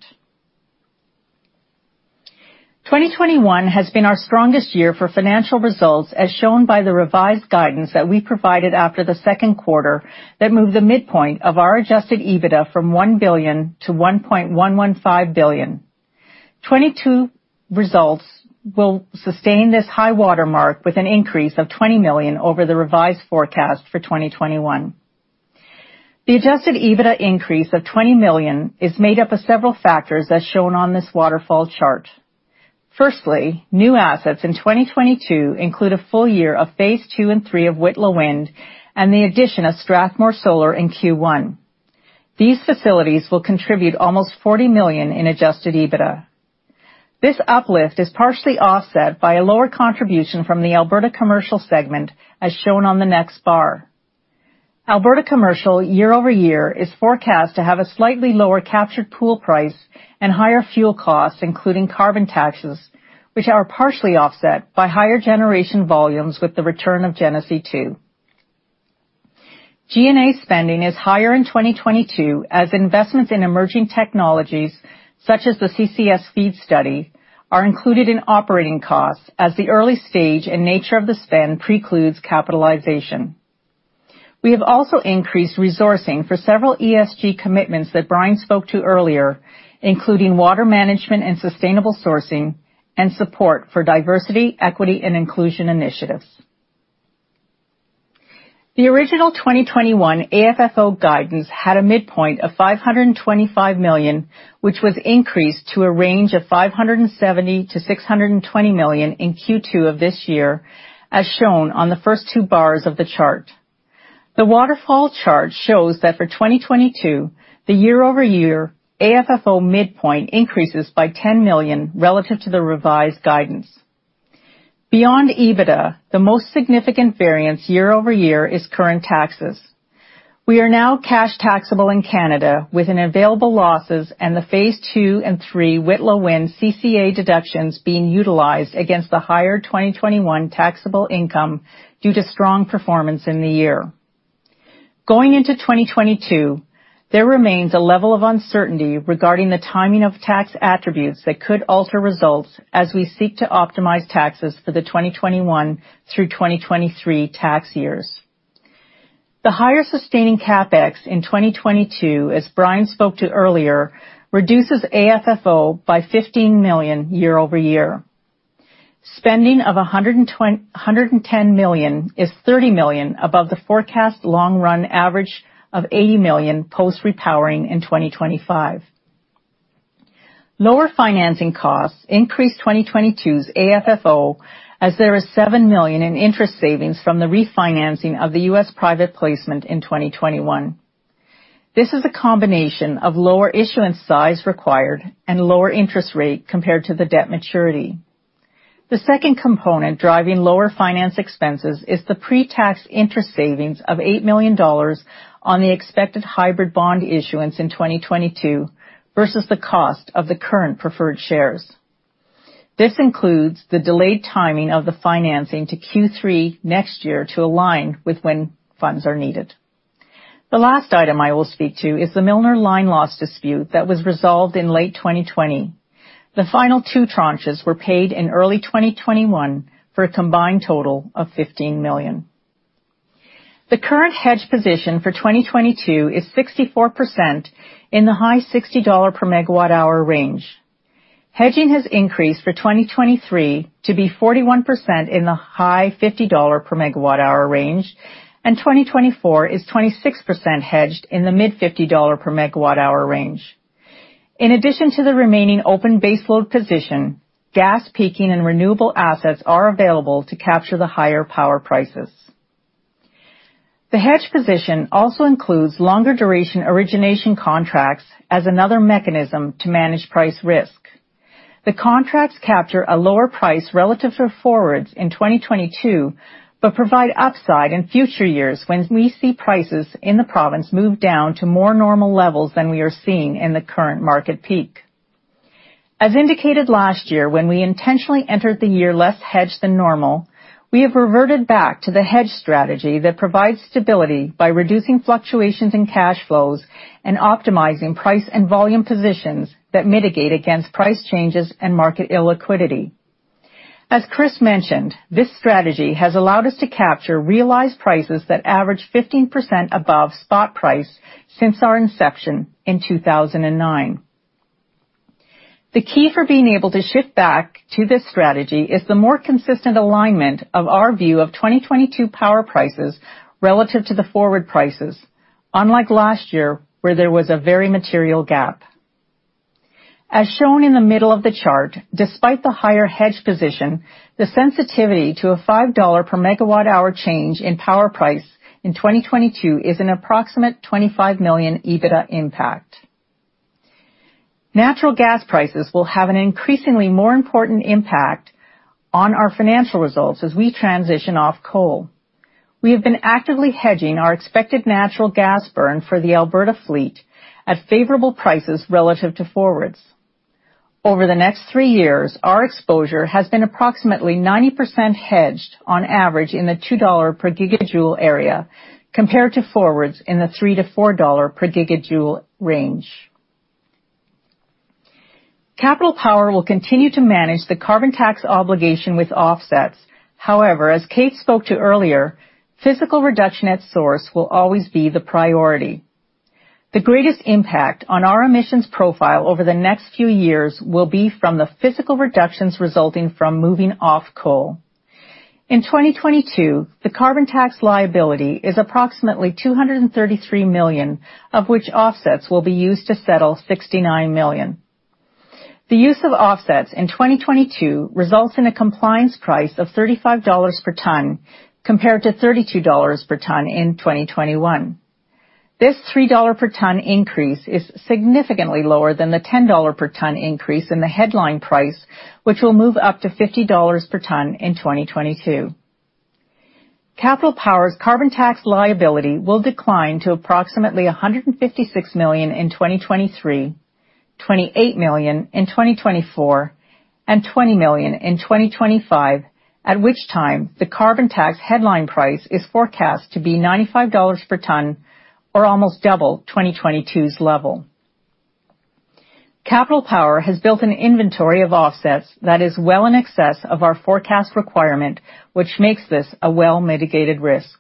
2021 has been our strongest year for financial results, as shown by the revised guidance that we provided after the second quarter that moved the midpoint of our Adjusted EBITDA from 1 billion to 1.115 billion. 2022 results will sustain this high watermark with an increase of 20 million over the revised forecast for 2021. The Adjusted EBITDA increase of 20 million is made up of several factors as shown on this waterfall chart. Firstly, new assets in 2022 include a full year of phase 2 and 3 of Whitla Wind and the addition of Strathmore Solar in Q1. These facilities will contribute almost 40 million in Adjusted EBITDA. This uplift is partially offset by a lower contribution from the Alberta Commercial segment, as shown on the next bar. Alberta Commercial year-over-year is forecast to have a slightly lower captured pool price and higher fuel costs, including carbon taxes, which are partially offset by higher generation volumes with the return of Genesee 2. G&A spending is higher in 2022 as investments in emerging technologies, such as the CCS FEED study, are included in operating costs as the early stage and nature of the spend precludes capitalization. We have also increased resourcing for several ESG commitments that Brian spoke to earlier, including water management and sustainable sourcing and support for diversity, equity, and inclusion initiatives. The original 2021 AFFO guidance had a midpoint of 525 million, which was increased to a range of 570 million-620 million in Q2 of this year, as shown on the first two bars of the chart. The waterfall chart shows that for 2022, the year-over-year AFFO midpoint increases by 10 million relative to the revised guidance. Beyond EBITDA, the most significant variance year-over-year is current taxes. We are now cash taxable in Canada with available losses and the Phases 2 and 3 Whitla Wind CCA deductions being utilized against the higher 2021 taxable income due to strong performance in the year. Going into 2022, there remains a level of uncertainty regarding the timing of tax attributes that could alter results as we seek to optimize taxes for the 2021 through 2023 tax years. The higher sustaining CapEx in 2022, as Brian spoke to earlier, reduces AFFO by 15 million year-over-year. Spending of 110 million is 30 million above the forecast long run average of 80 million post-repowering in 2025. Lower financing costs increased 2022's AFFO as there is 7 million in interest savings from the refinancing of the US private placement in 2021. This is a combination of lower issuance size required and lower interest rate compared to the debt maturity. The second component driving lower finance expenses is the pre-tax interest savings of 8 million dollars on the expected hybrid bond issuance in 2022 versus the cost of the current preferred shares. This includes the delayed timing of the financing to Q3 next year to align with when funds are needed. The last item I will speak to is the Milner line loss dispute that was resolved in late 2020. The final two tranches were paid in early 2021 for a combined total of 15 million. The current hedge position for 2022 is 64% in the high 60 dollar per MWh range. Hedging has increased for 2023 to be 41% in the high 50 dollar per MWh range, and 2024 is 26% hedged in the mid 50 dollar per MWh range. In addition to the remaining open baseload position, gas peaking and renewable assets are available to capture the higher power prices. The hedge position also includes longer duration origination contracts as another mechanism to manage price risk. The contracts capture a lower price relative to forwards in 2022, but provide upside in future years when we see prices in the province move down to more normal levels than we are seeing in the current market peak. As indicated last year, when we intentionally entered the year less hedged than normal, we have reverted back to the hedge strategy that provides stability by reducing fluctuations in cash flows and optimizing price and volume positions that mitigate against price changes and market illiquidity. As Chris mentioned, this strategy has allowed us to capture realized prices that average 15% above spot price since our inception in 2009. The key for being able to shift back to this strategy is the more consistent alignment of our view of 2022 power prices relative to the forward prices, unlike last year, where there was a very material gap. As shown in the middle of the chart, despite the higher hedge position, the sensitivity to a 5 dollar per MWh change in power price in 2022 is an approximate 25 million EBITDA impact. Natural gas prices will have an increasingly more important impact on our financial results as we transition off coal. We have been actively hedging our expected natural gas burn for the Alberta fleet at favorable prices relative to forwards. Over the next three years, our exposure has been approximately 90% hedged on average in the 2 dollar per gigajoule area, compared to forwards in the 3-4 dollar per gigajoule range. Capital Power will continue to manage the carbon tax obligation with offsets. However, as Kate spoke to earlier, physical reduction at source will always be the priority. The greatest impact on our emissions profile over the next few years will be from the physical reductions resulting from moving off coal. In 2022, the carbon tax liability is approximately 233 million, of which offsets will be used to settle 69 million. The use of offsets in 2022 results in a compliance price of 35 dollars per ton compared to 32 dollars per ton in 2021. This 3 dollar per ton increase is significantly lower than the 10 dollar per ton increase in the headline price, which will move up to 50 dollars per ton in 2022. Capital Power's carbon tax liability will decline to approximately 156 million in 2023, 28 million in 2024, and 20 million in 2025, at which time the carbon tax headline price is forecast to be 95 dollars per ton or almost double 2022's level. Capital Power has built an inventory of offsets that is well in excess of our forecast requirement, which makes this a well-mitigated risk.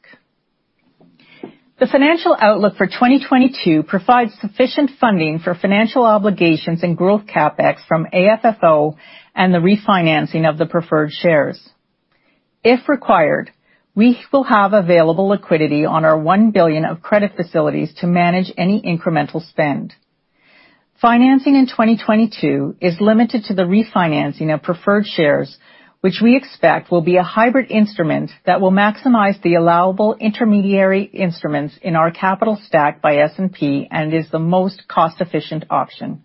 The financial outlook for 2022 provides sufficient funding for financial obligations and growth CapEx from AFFO and the refinancing of the preferred shares. If required, we will have available liquidity on our 1 billion of credit facilities to manage any incremental spend. Financing in 2022 is limited to the refinancing of preferred shares, which we expect will be a hybrid instrument that will maximize the allowable intermediary instruments in our capital stack by S&P and is the most cost-efficient option.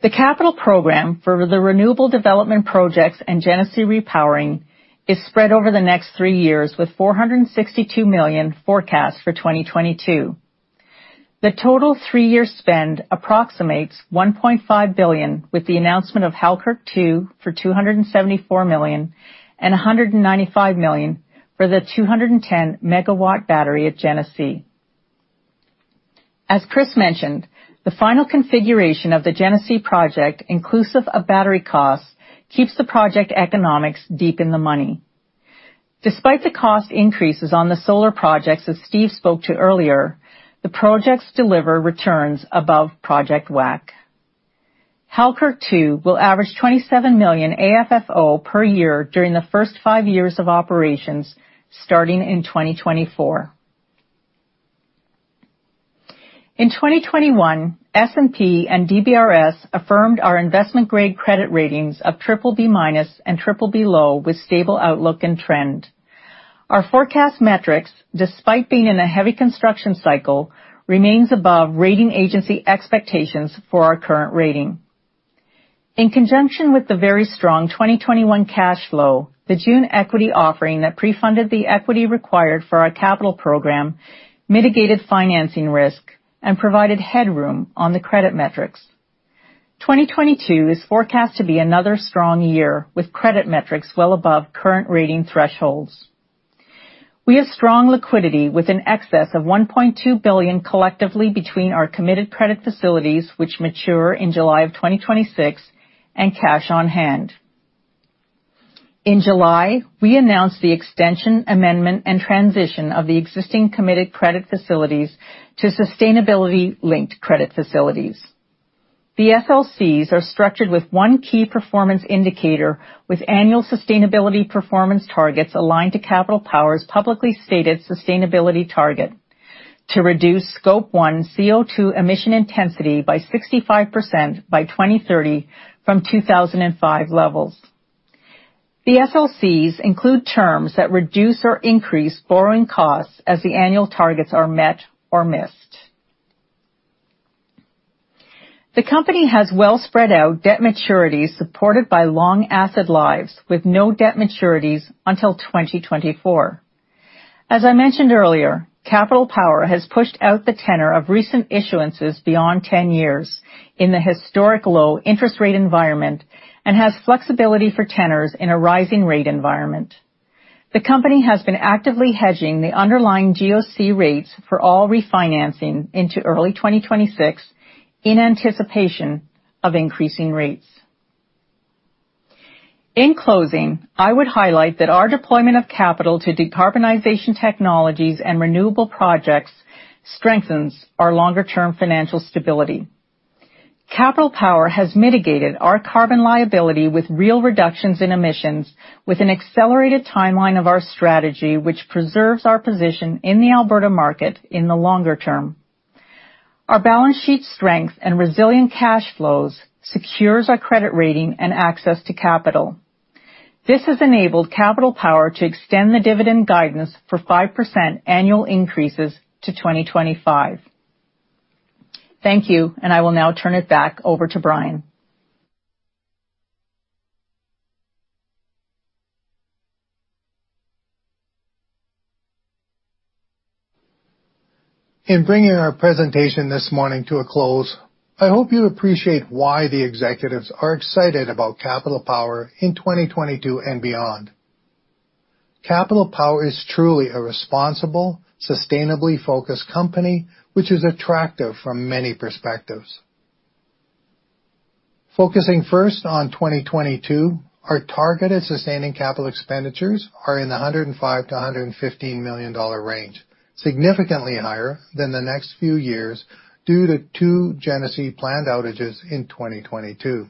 The capital program for the renewable development projects and Genesee repowering is spread over the next three years, with 462 million forecast for 2022. The total three-year spend approximates 1.5 billion, with the announcement of Halkirk 2 for 274 million and 195 million for the 210 MW battery at Genesee. As Chris mentioned, the final configuration of the Genesee project, inclusive of battery costs, keeps the project economics deep in the money. Despite the cost increases on the solar projects that Steve spoke to earlier, the projects deliver returns above project WACC. Halkirk 2 will average 27 million AFFO per year during the first 5 years of operations, starting in 2024. In 2021, S&P and DBRS affirmed our investment-grade credit ratings of BBB- and BBB low with stable outlook and trend. Our forecast metrics, despite being in a heavy construction cycle, remains above rating agency expectations for our current rating. In conjunction with the very strong 2021 cash flow, the June equity offering that pre-funded the equity required for our capital program mitigated financing risk and provided headroom on the credit metrics. 2022 is forecast to be another strong year with credit metrics well above current rating thresholds. We have strong liquidity with an excess of 1.2 billion collectively between our committed credit facilities, which mature in July of 2026, and cash on-hand. In July, we announced the extension, amendment, and transition of the existing committed credit facilities to sustainability-linked credit facilities. The SLCs are structured with one key performance indicator with annual sustainability performance targets aligned to Capital Power's publicly stated sustainability target to reduce Scope 1 CO2 emission intensity by 65% by 2030 from 2005 levels. The SLCs include terms that reduce or increase borrowing costs as the annual targets are met or missed. The company has well spread out debt maturities supported by long asset lives with no debt maturities until 2024. As I mentioned earlier, Capital Power has pushed out the tenor of recent issuances beyond 10 years in the historic low interest rate environment and has flexibility for tenors in a rising rate environment. The company has been actively hedging the underlying GOC rates for all refinancing into early 2026 in anticipation of increasing rates. In closing, I would highlight that our deployment of capital to decarbonization technologies and renewable projects strengthens our longer-term financial stability. Capital Power has mitigated our carbon liability with real reductions in emissions with an accelerated timeline of our strategy, which preserves our position in the Alberta market in the longer term. Our balance sheet strength and resilient cash flows secures our credit rating and access to capital. This has enabled Capital Power to extend the dividend guidance for 5% annual increases to 2025. Thank you, and I will now turn it back over to Brian. In bringing our presentation this morning to a close, I hope you appreciate why the executives are excited about Capital Power in 2022 and beyond. Capital Power is truly a responsible, sustainably focused company which is attractive from many perspectives. Focusing first on 2022, our targeted sustaining capital expenditures are in the 105 million-115 million dollar range, significantly higher than the next few years due to two Genesee planned outages in 2022.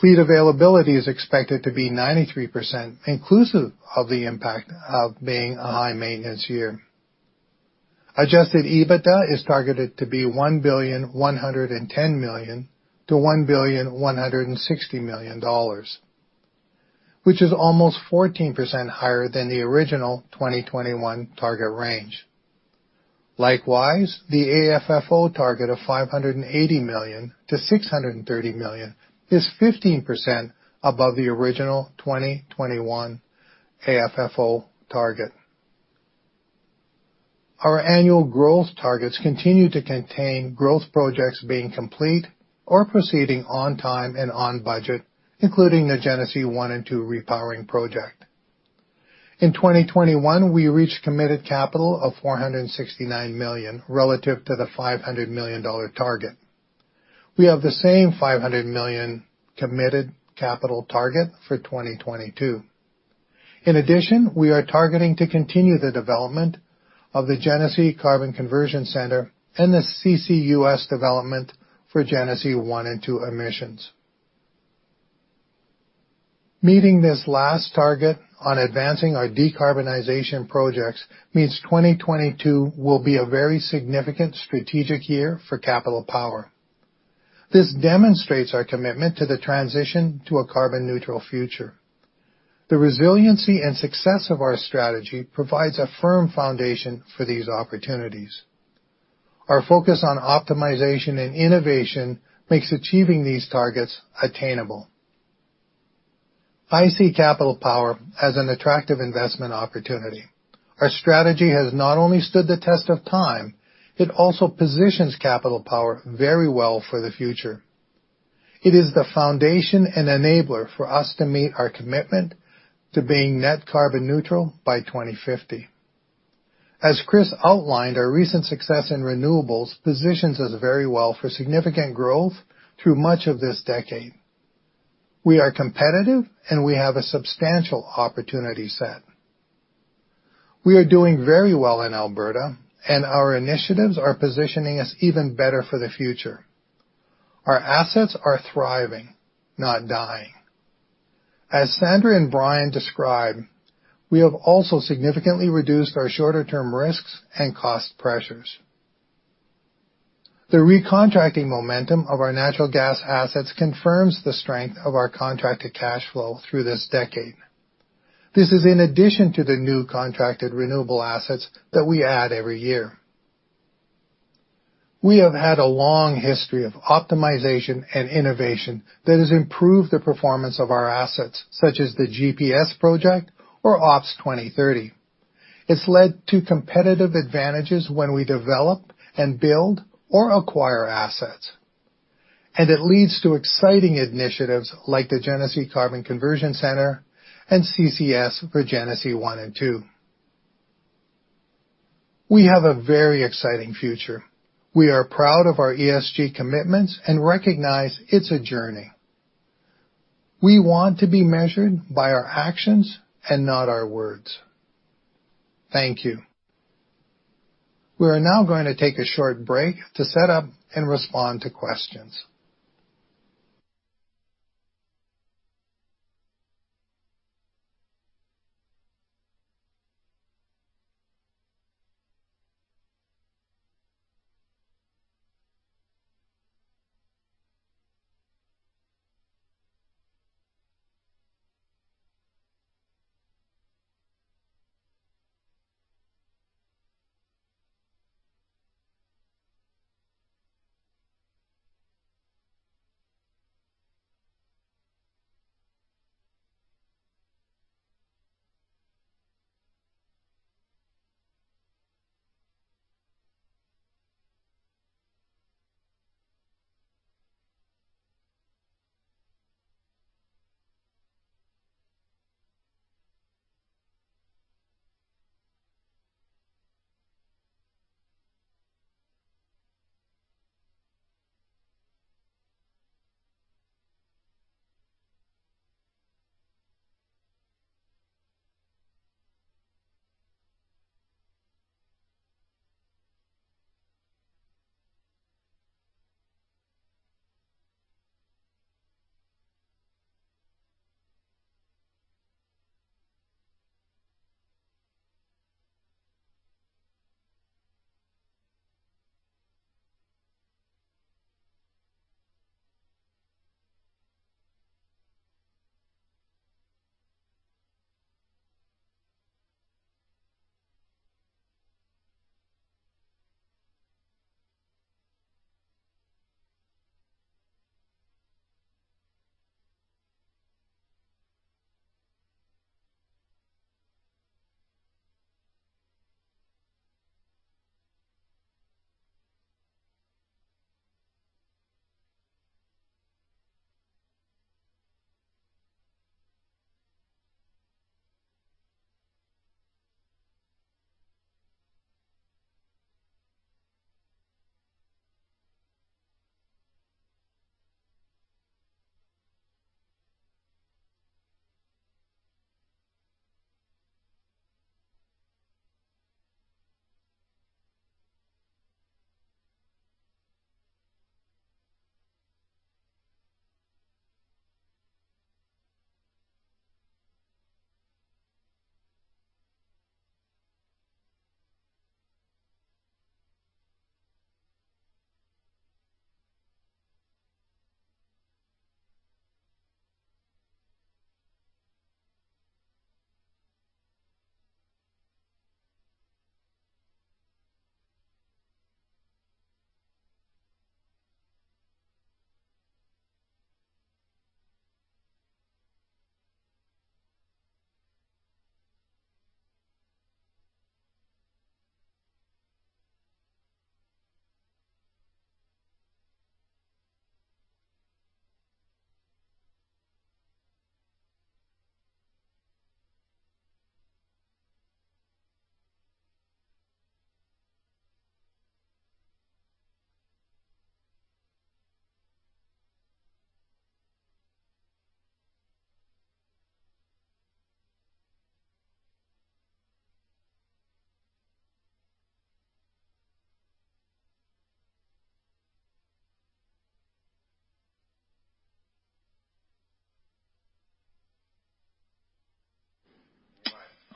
Fleet availability is expected to be 93% inclusive of the impact of being a high maintenance year. Adjusted EBITDA is targeted to be 1.11 billion-1.16 billion, which is almost 14% higher than the original 2021 target range. Likewise, the AFFO target of 580 million-630 million is 15% above the original 2021 AFFO target. Our annual growth targets continue to contain growth projects being complete or proceeding on time and on budget, including the Genesee 1 and 2 repowering project. In 2021, we reached committed capital of 469 million relative to the 500 million dollar target. We have the same 500 million committed capital target for 2022. In addition, we are targeting to continue the development of the Genesee Carbon Conversion Center and the CCUS development for Genesee 1 and 2 emissions. Meeting this last target on advancing our decarbonization projects means 2022 will be a very significant strategic year for Capital Power. This demonstrates our commitment to the transition to a carbon neutral future. The resiliency and success of our strategy provides a firm foundation for these opportunities. Our focus on optimization and innovation makes achieving these targets attainable. I see Capital Power as an attractive investment opportunity. Our strategy has not only stood the test of time, it also positions Capital Power very well for the future. It is the foundation and enabler for us to meet our commitment to being net carbon neutral by 2050. As Chris outlined, our recent success in renewables positions us very well for significant growth through much of this decade. We are competitive, and we have a substantial opportunity set. We are doing very well in Alberta, and our initiatives are positioning us even better for the future. Our assets are thriving, not dying. As Sandra and Brian described, we have also significantly reduced our shorter-term risks and cost pressures. The recontracting momentum of our natural gas assets confirms the strength of our contracted cash flow through this decade. This is in addition to the new contracted renewable assets that we add every year. We have had a long history of optimization and innovation that has improved the performance of our assets, such as the GPS project or OPS 2030. It's led to competitive advantages when we develop and build or acquire assets, and it leads to exciting initiatives like the Genesee Carbon Conversion Center and CCS for Genesee 1 and 2. We have a very exciting future. We are proud of our ESG commitments and recognize it's a journey. We want to be measured by our actions and not our words. Thank you. We are now going to take a short break to set up and respond to questions.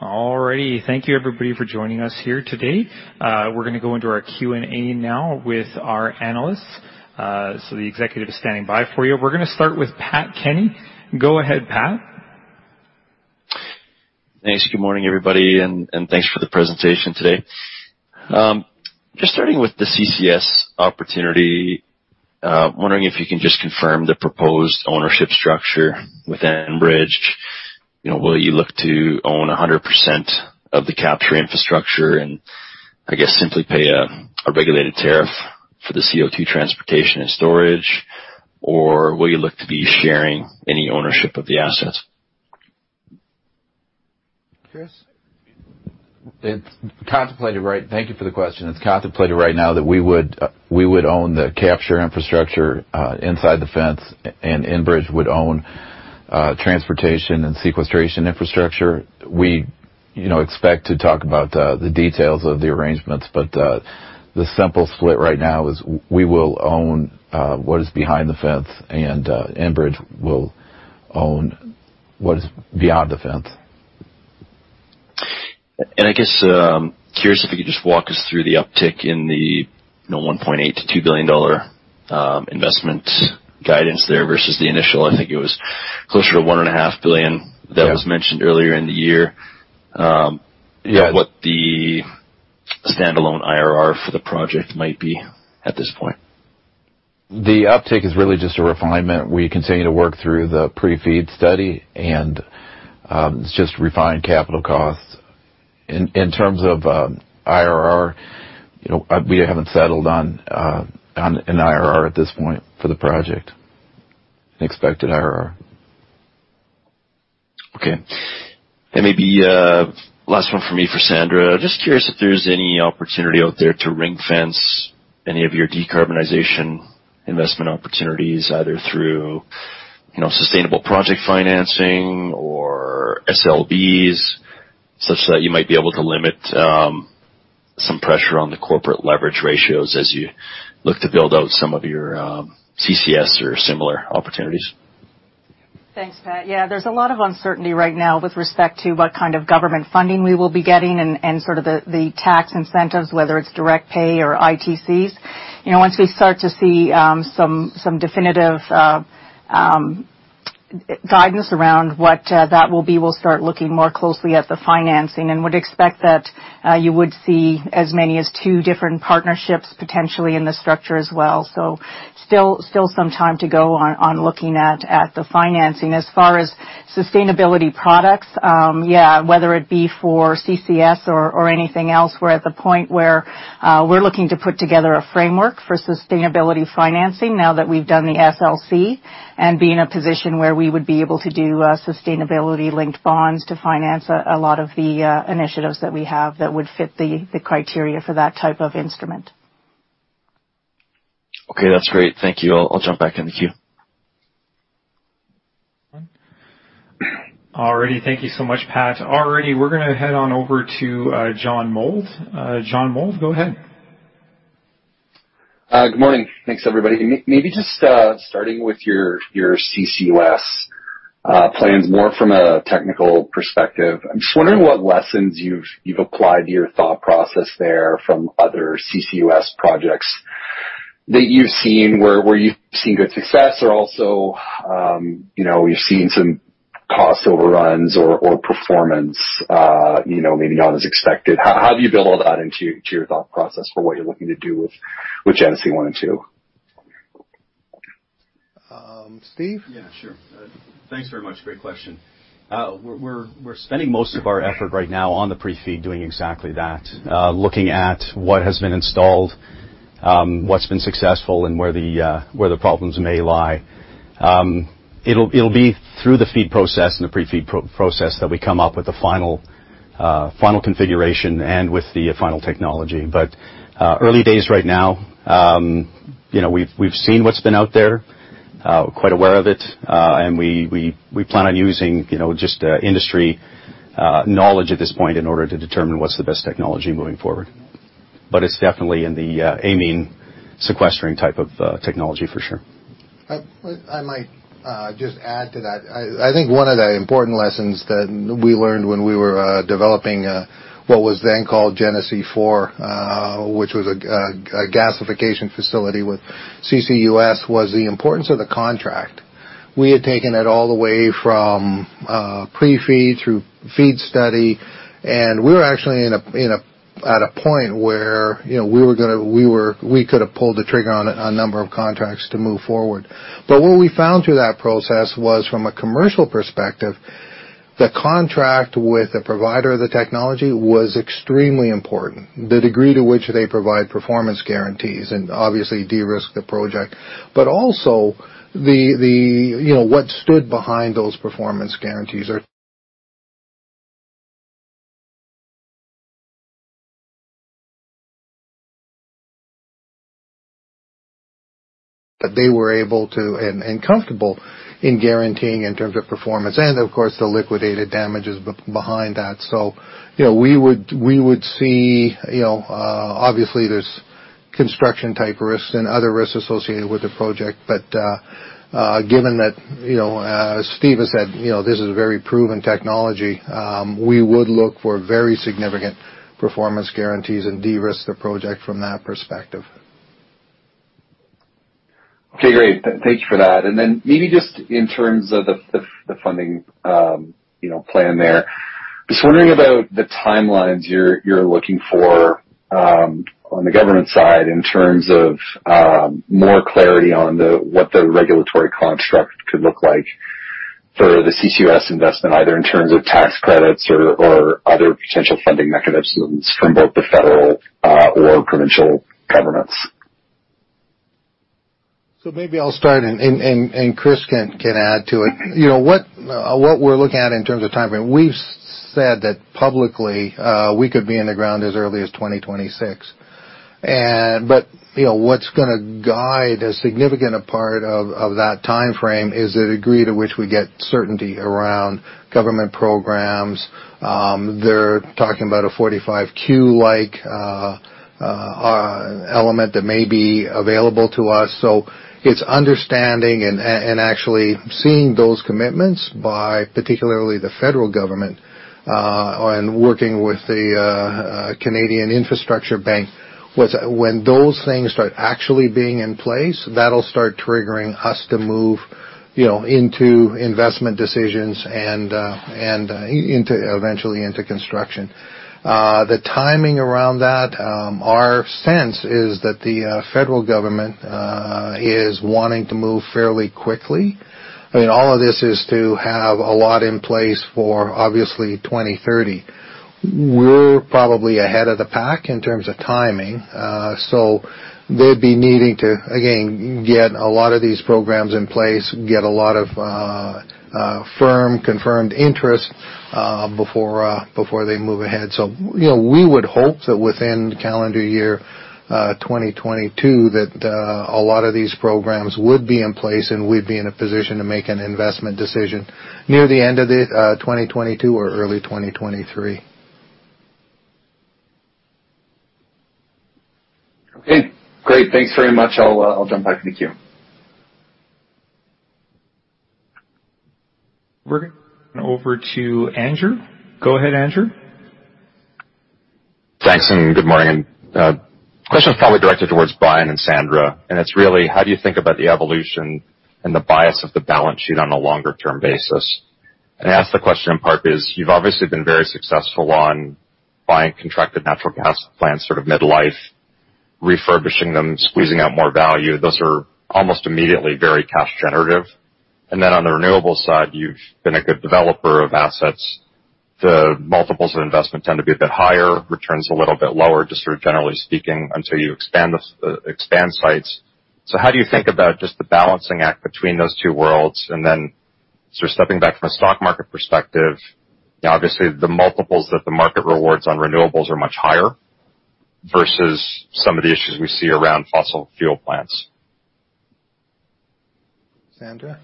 All righty. Thank you, everybody, for joining us here today. We're gonna go into our Q&A now with our analysts. The executive is standing by for you. We're gonna start with Patrick Kenny. Go ahead, Pat. Thanks. Good morning, everybody, and thanks for the presentation today. Just starting with the CCS opportunity, wondering if you can just confirm the proposed ownership structure within Enbridge. You know, will you look to own 100% of the capture infrastructure and, I guess, simply pay a regulated tariff for the CO2 transportation and storage? Or will you look to be sharing any ownership of the assets? Chris? Thank you for the question. It's contemplated right now that we would own the capture infrastructure inside the fence and Enbridge would own transportation and sequestration infrastructure. We, you know, expect to talk about the details of the arrangements, but the simple split right now is we will own what is behind the fence and Enbridge will own what is beyond the fence. I guess, curious if you could just walk us through the uptick in the, you know, 1.8 billion-2 billion dollar investment guidance there versus the initial. I think it was closer to 1.5 billion- Yeah. That was mentioned earlier in the year. Yeah. What the standalone IRR for the project might be at this point. The uptick is really just a refinement. We continue to work through the pre-FEED study and it's just refined capital costs. In terms of IRR, we haven't settled on an IRR at this point for the project. Expected IRR. Okay. Maybe last one from me for Sandra. Just curious if there's any opportunity out there to ring-fence any of your decarbonization investment opportunities, either through, you know, sustainable project financing or SLBs, such that you might be able to limit some pressure on the corporate leverage ratios as you look to build out some of your CCS or similar opportunities. Thanks, Pat. Yeah, there's a lot of uncertainty right now with respect to what kind of government funding we will be getting and sort of the tax incentives, whether it's direct pay or ITCs. You know, once we start to see some definitive guidance around what that will be, we'll start looking more closely at the financing and would expect that you would see as many as two different partnerships potentially in the structure as well. So still some time to go on looking at the financing. As far as sustainability products, whether it be for CCS or anything else, we're at the point where we're looking to put together a framework for sustainability financing now that we've done the SLC and be in a position where we would be able to do sustainability-linked bonds to finance a lot of the initiatives that we have that would fit the criteria for that type of instrument. Okay, that's great. Thank you. I'll jump back in the queue. All righty. Thank you so much, Pat. All righty. We're gonna head on over to John Mould. John Mould, go ahead. Good morning. Thanks, everybody. Maybe just starting with your CCUS plans more from a technical perspective. I'm just wondering what lessons you've applied to your thought process there from other CCUS projects that you've seen, where you've seen good success or also, you know, you've seen some cost overruns or performance, you know, maybe not as expected. How do you build all that into your thought process for what you're looking to do with Genesee 1 and 2? Steve? Yeah, sure. Thanks very much. Great question. We're spending most of our effort right now on the pre-FEED doing exactly that, looking at what has been installed, what's been successful and where the problems may lie. It'll be through the FEED process and the pre-FEED process that we come up with the final configuration and with the final technology. Early days right now. You know, we've seen what's been out there, quite aware of it. We plan on using, you know, just industry knowledge at this point in order to determine what's the best technology moving forward. It's definitely in the amine sequestering type of technology for sure. I might just add to that. I think one of the important lessons that we learned when we were developing what was then called Genesee four, which was a gasification facility with CCUS, was the importance of the contract. We had taken it all the way from pre-FEED through FEED study, and we were actually at a point where, you know, we could have pulled the trigger on a number of contracts to move forward. But what we found through that process was, from a commercial perspective, the contract with the provider of the technology was extremely important. The degree to which they provide performance guarantees and obviously de-risk the project, but also the, you know, what stood behind those performance guarantees are. That they were able to and comfortable in guaranteeing in terms of performance and of course the liquidated damages behind that. You know, we would see, you know, obviously there's construction-type risks and other risks associated with the project. Given that, you know, as Steve has said, you know, this is a very proven technology, we would look for very significant performance guarantees and de-risk the project from that perspective. Okay, great. Thank you for that. Then maybe just in terms of the funding plan there. Just wondering about the timelines you're looking for on the government side in terms of more clarity on what the regulatory construct could look like for the CCUS investment, either in terms of tax credits or other potential funding mechanisms from both the federal or provincial governments. maybe I'll start and Chris can add to it. You know, what we're looking at in terms of timeframe, we've said that publicly, we could be in the ground as early as 2026. You know, what's gonna guide a significant part of that timeframe is the degree to which we get certainty around government programs. They're talking about a 45Q like element that may be available to us. It's understanding and actually seeing those commitments by particularly the federal government and working with the Canada Infrastructure Bank, was when those things start actually being in place, that'll start triggering us to move, you know, into investment decisions and eventually into construction. The timing around that, our sense is that the federal government is wanting to move fairly quickly. I mean, all of this is to have a lot in place for obviously 2030. We're probably ahead of the pack in terms of timing. So they'd be needing to, again, get a lot of these programs in place, get a lot of firm confirmed interest before they move ahead. So, you know, we would hope that within calendar year 2022, that a lot of these programs would be in place and we'd be in a position to make an investment decision near the end of the 2022 or early 2023. Okay, great. Thanks very much. I'll jump back in the queue. We're gonna over to Andrew. Go ahead, Andrew. Thanks, and good morning. Question is probably directed towards Brian and Sandra, and it's really how do you think about the evolution and the bias of the balance sheet on a longer term basis? I ask the question in part because you've obviously been very successful on buying contracted natural gas plants sort of mid life, refurbishing them, squeezing out more value. Those are almost immediately very cash generative. On the renewable side, you've been a good developer of assets. The multiples of investment tend to be a bit higher, returns a little bit lower, just sort of generally speaking, until you expand sites. How do you think about just the balancing act between those two worlds? Sort of stepping back from a stock market perspective, obviously the multiples that the market rewards on renewables are much higher versus some of the issues we see around fossil fuel plants. Sandra?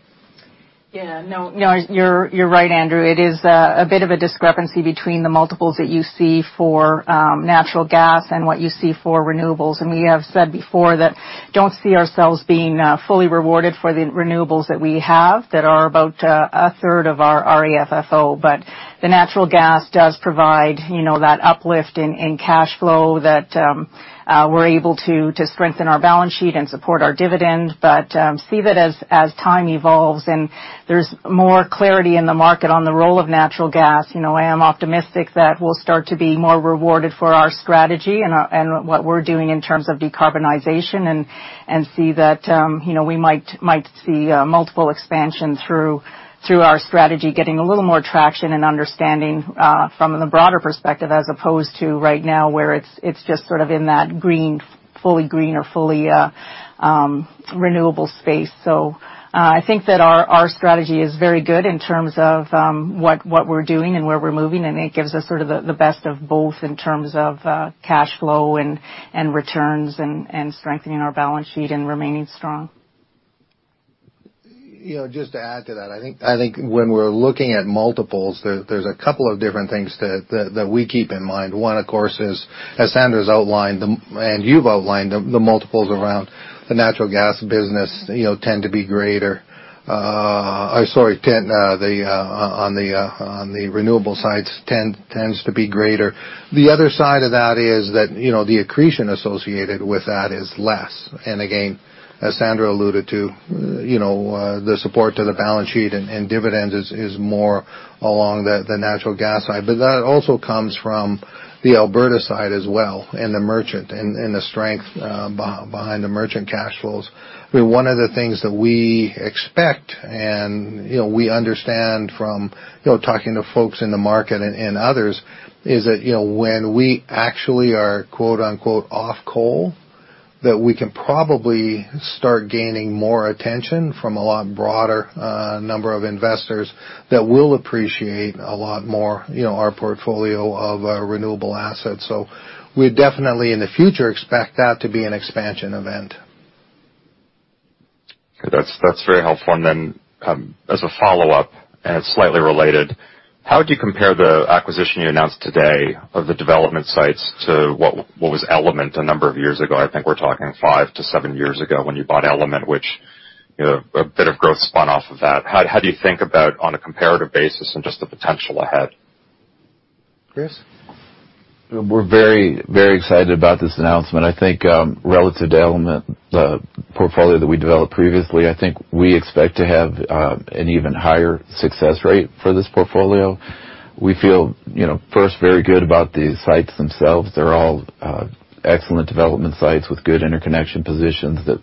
Yeah, no, you're right, Andrew. It is a bit of a discrepancy between the multiples that you see for natural gas and what you see for renewables. We have said before that don't see ourselves being fully rewarded for the renewables that we have that are about a third of our AFFO. The natural gas does provide, you know, that uplift in cash flow that we're able to strengthen our balance sheet and support our dividend. See that as time evolves and there's more clarity in the market on the role of natural gas, you know, I am optimistic that we'll start to be more rewarded for our strategy and what we're doing in terms of decarbonization. See that you know, we might see multiple expansion through our strategy getting a little more traction and understanding from the broader perspective, as opposed to right now, where it's just sort of in that fully green or fully renewable space. I think that our strategy is very good in terms of what we're doing and where we're moving, and it gives us sort of the best of both in terms of cash flow and returns and strengthening our balance sheet and remaining strong. You know, just to add to that, I think when we're looking at multiples, there's a couple of different things that we keep in mind. One, of course, is, as Sandra's outlined and you've outlined, the multiples around the natural gas business, you know, tend to be greater. Or sorry, on the renewable sides tends to be greater. The other side of that is that, you know, the accretion associated with that is less. Again, as Sandra alluded to, you know, the support to the balance sheet and dividends is more along the natural gas side. That also comes from the Alberta side as well, and the merchant and the strength behind the merchant cash flows. I mean, one of the things that we expect, and, you know, we understand from, you know, talking to folks in the market and others, is that, you know, when we actually are, quote-unquote, off coal, that we can probably start gaining more attention from a lot broader number of investors that will appreciate a lot more, you know, our portfolio of renewable assets. We definitely, in the future, expect that to be an expansion event. That's very helpful. As a follow-up, it's slightly related. How would you compare the acquisition you announced today of the development sites to what was Element a number of years ago? I think we're talking 5-7 years ago when you bought Element, which, you know, a bit of growth spun off of that. How do you think about on a comparative basis and just the potential ahead? Chris? We're very, very excited about this announcement. I think, relative to Element, the portfolio that we developed previously, I think we expect to have an even higher success rate for this portfolio. We feel, you know, first, very good about the sites themselves. They're all excellent development sites with good interconnection positions that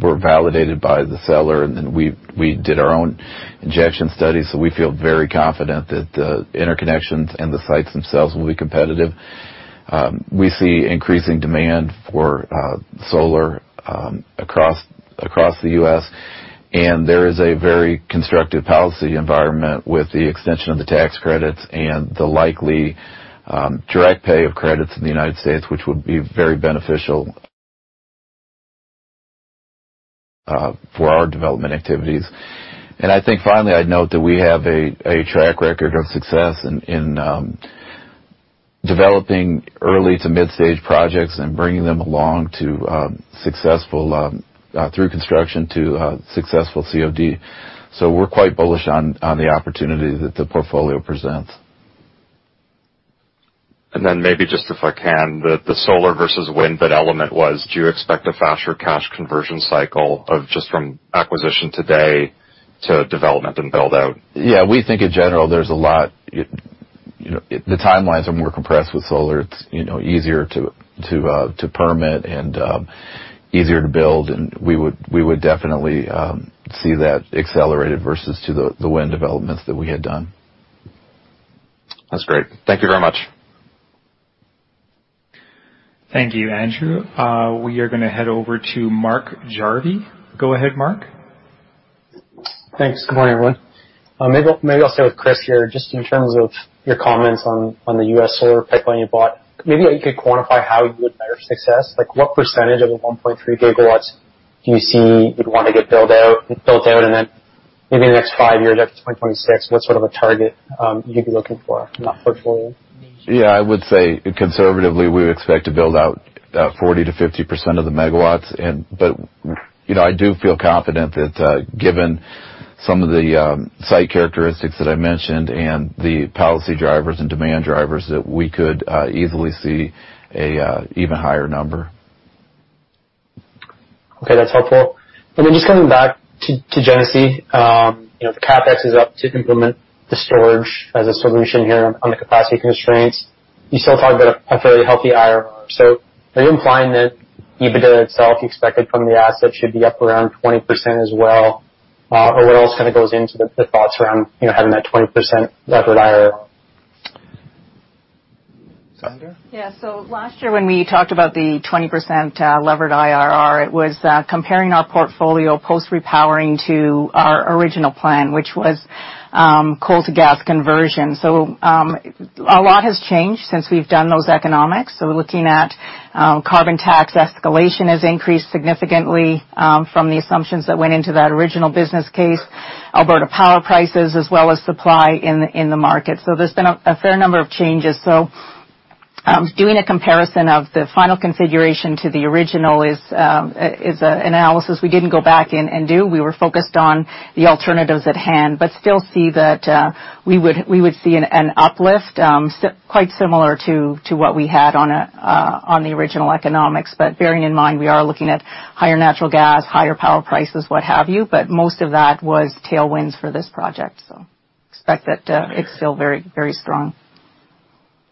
were validated by the seller. We did our own injection studies, so we feel very confident that the interconnections and the sites themselves will be competitive. We see increasing demand for solar across the U.S. There is a very constructive policy environment with the extension of the tax credits and the likely direct pay of credits in the United States, which would be very beneficial for our development activities. I think finally, I'd note that we have a track record of success in developing early to mid-stage projects and bringing them along through construction to successful COD. We're quite bullish on the opportunity that the portfolio presents. Maybe just if I can, the solar versus wind that Element Power was, do you expect a faster cash conversion cycle just from acquisition today to development and build-out? Yeah. We think in general, there's a lot, you know, the timelines are more compressed with solar. It's, you know, easier to permit and easier to build, and we would definitely see that accelerated versus the wind developments that we had done. That's great. Thank you very much. Thank you, Andrew. We are gonna head over to Mark Jarvi. Go ahead, Mark. Thanks. Good morning, everyone. Maybe I'll stay with Chris here, just in terms of your comments on the U.S. solar pipeline you bought. Maybe you could quantify how you would measure success. Like, what percentage of the 1.3 gigawatts do you see you'd wanna get built out? Maybe in the next five years, up to 2026, what sort of a target you'd be looking for in that portfolio? Yeah. I would say conservatively, we would expect to build out 40%-50% of the megawatts. You know, I do feel confident that, given some of the site characteristics that I mentioned and the policy drivers and demand drivers, that we could easily see an even higher number. Okay, that's helpful. Just coming back to Genesee, you know, the CapEx is up to implement the storage as a solution here on the capacity constraints. You still talk about a fairly healthy IRR. Are you implying that EBITDA itself expected from the asset should be up around 20% as well? Or what else kind of goes into the thoughts around, you know, having that 20% levered IRR? Sandra? Yeah. Last year when we talked about the 20% levered IRR, it was comparing our portfolio post repowering to our original plan, which was coal to gas conversion. A lot has changed since we've done those economics. Looking at carbon tax escalation has increased significantly from the assumptions that went into that original business case, Alberta power prices as well as supply in the market. There's been a fair number of changes. Doing a comparison of the final configuration to the original is an analysis we didn't go back and do. We were focused on the alternatives at hand, but still see that we would see an uplift quite similar to what we had on the original economics. Bearing in mind, we are looking at higher natural gas, higher power prices, what have you. Most of that was tailwinds for this project, so expect that, it's still very, very strong.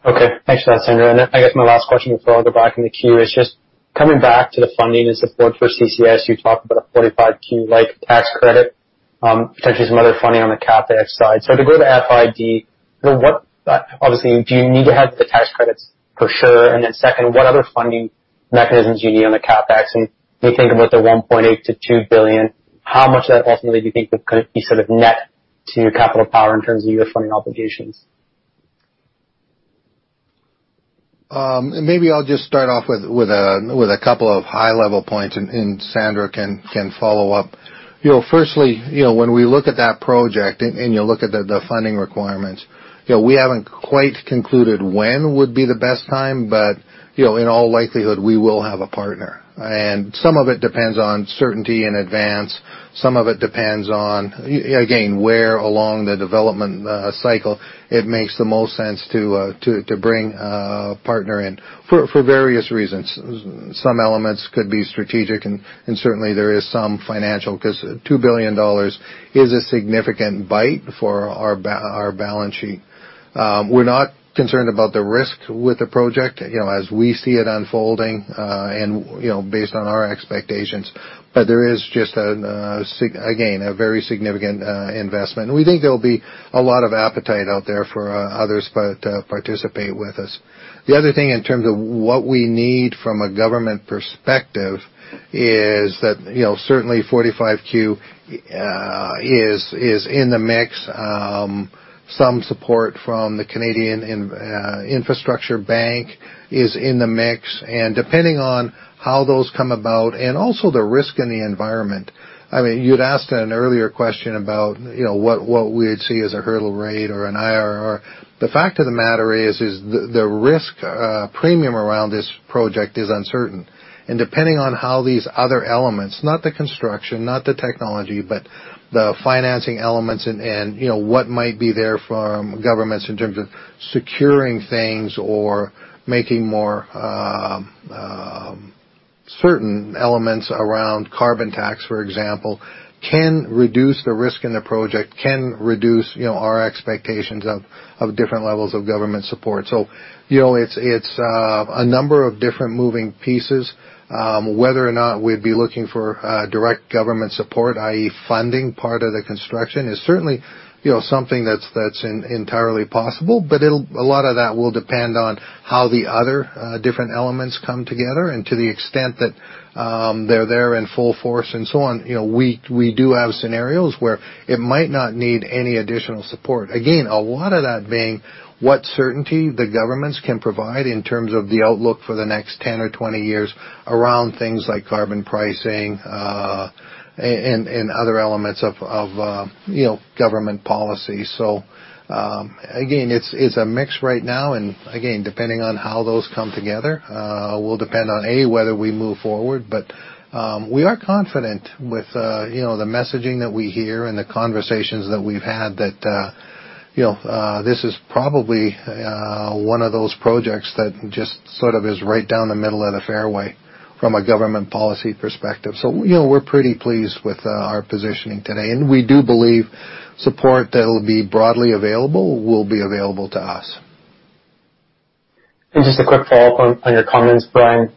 Okay. Thanks for that, Sandra. I guess my last question before I'll go back in the queue is just coming back to the funding and support for CCS. You talked about a 45Q-like tax credit, potentially some other funding on the CapEx side. To go to FID, you know, obviously, do you need to have the tax credits for sure? Then second, what other funding mechanisms you need on the CapEx? When you think about the 1.8 billion-2 billion, how much of that ultimately do you think could be sort of net to Capital Power in terms of your funding obligations? Maybe I'll just start off with a couple of high-level points and Sandra can follow up. You know, firstly, you know, when we look at that project and you look at the funding requirements, you know, we haven't quite concluded when would be the best time, but you know, in all likelihood, we will have a partner. Some of it depends on certainty in advance. Some of it depends on, again, where along the development cycle it makes the most sense to bring a partner in for various reasons. Some elements could be strategic, and certainly there is some financial because 2 billion dollars is a significant bite for our balance sheet. We're not concerned about the risk with the project, you know, as we see it unfolding, and, you know, based on our expectations. There is just, again, a very significant investment. We think there will be a lot of appetite out there for others to participate with us. The other thing in terms of what we need from a government perspective is that, you know, certainly 45Q is in the mix. Some support from the Canada Infrastructure Bank is in the mix, depending on how those come about and also the risk in the environment. I mean, you'd asked an earlier question about, you know, what we'd see as a hurdle rate or an IRR. The fact of the matter is the risk premium around this project is uncertain. Depending on how these other elements, not the construction, not the technology, but the financing elements and you know, what might be there from governments in terms of securing things or making more certain elements around carbon tax, for example, can reduce the risk in the project, can reduce you know, our expectations of different levels of government support. You know, it's a number of different moving pieces. Whether or not we'd be looking for direct government support, i.e., funding part of the construction is certainly you know, something that's entirely possible. But a lot of that will depend on how the other different elements come together. To the extent that they're there in full force and so on, you know, we do have scenarios where it might not need any additional support. Again, a lot of that being the certainty that the governments can provide in terms of the outlook for the next 10 or 20 years around things like carbon pricing, and other elements of, you know, government policy. Again, it's a mix right now. Again, depending on how those come together, will depend on a, whether we move forward. We are confident with, you know, the messaging that we hear and the conversations that we've had that, you know, this is probably one of those projects that just sort of is right down the middle of the fairway from a government policy perspective. You know, we're pretty pleased with our positioning today. We do believe support that will be broadly available will be available to us. Just a quick follow-up on your comments, Brian.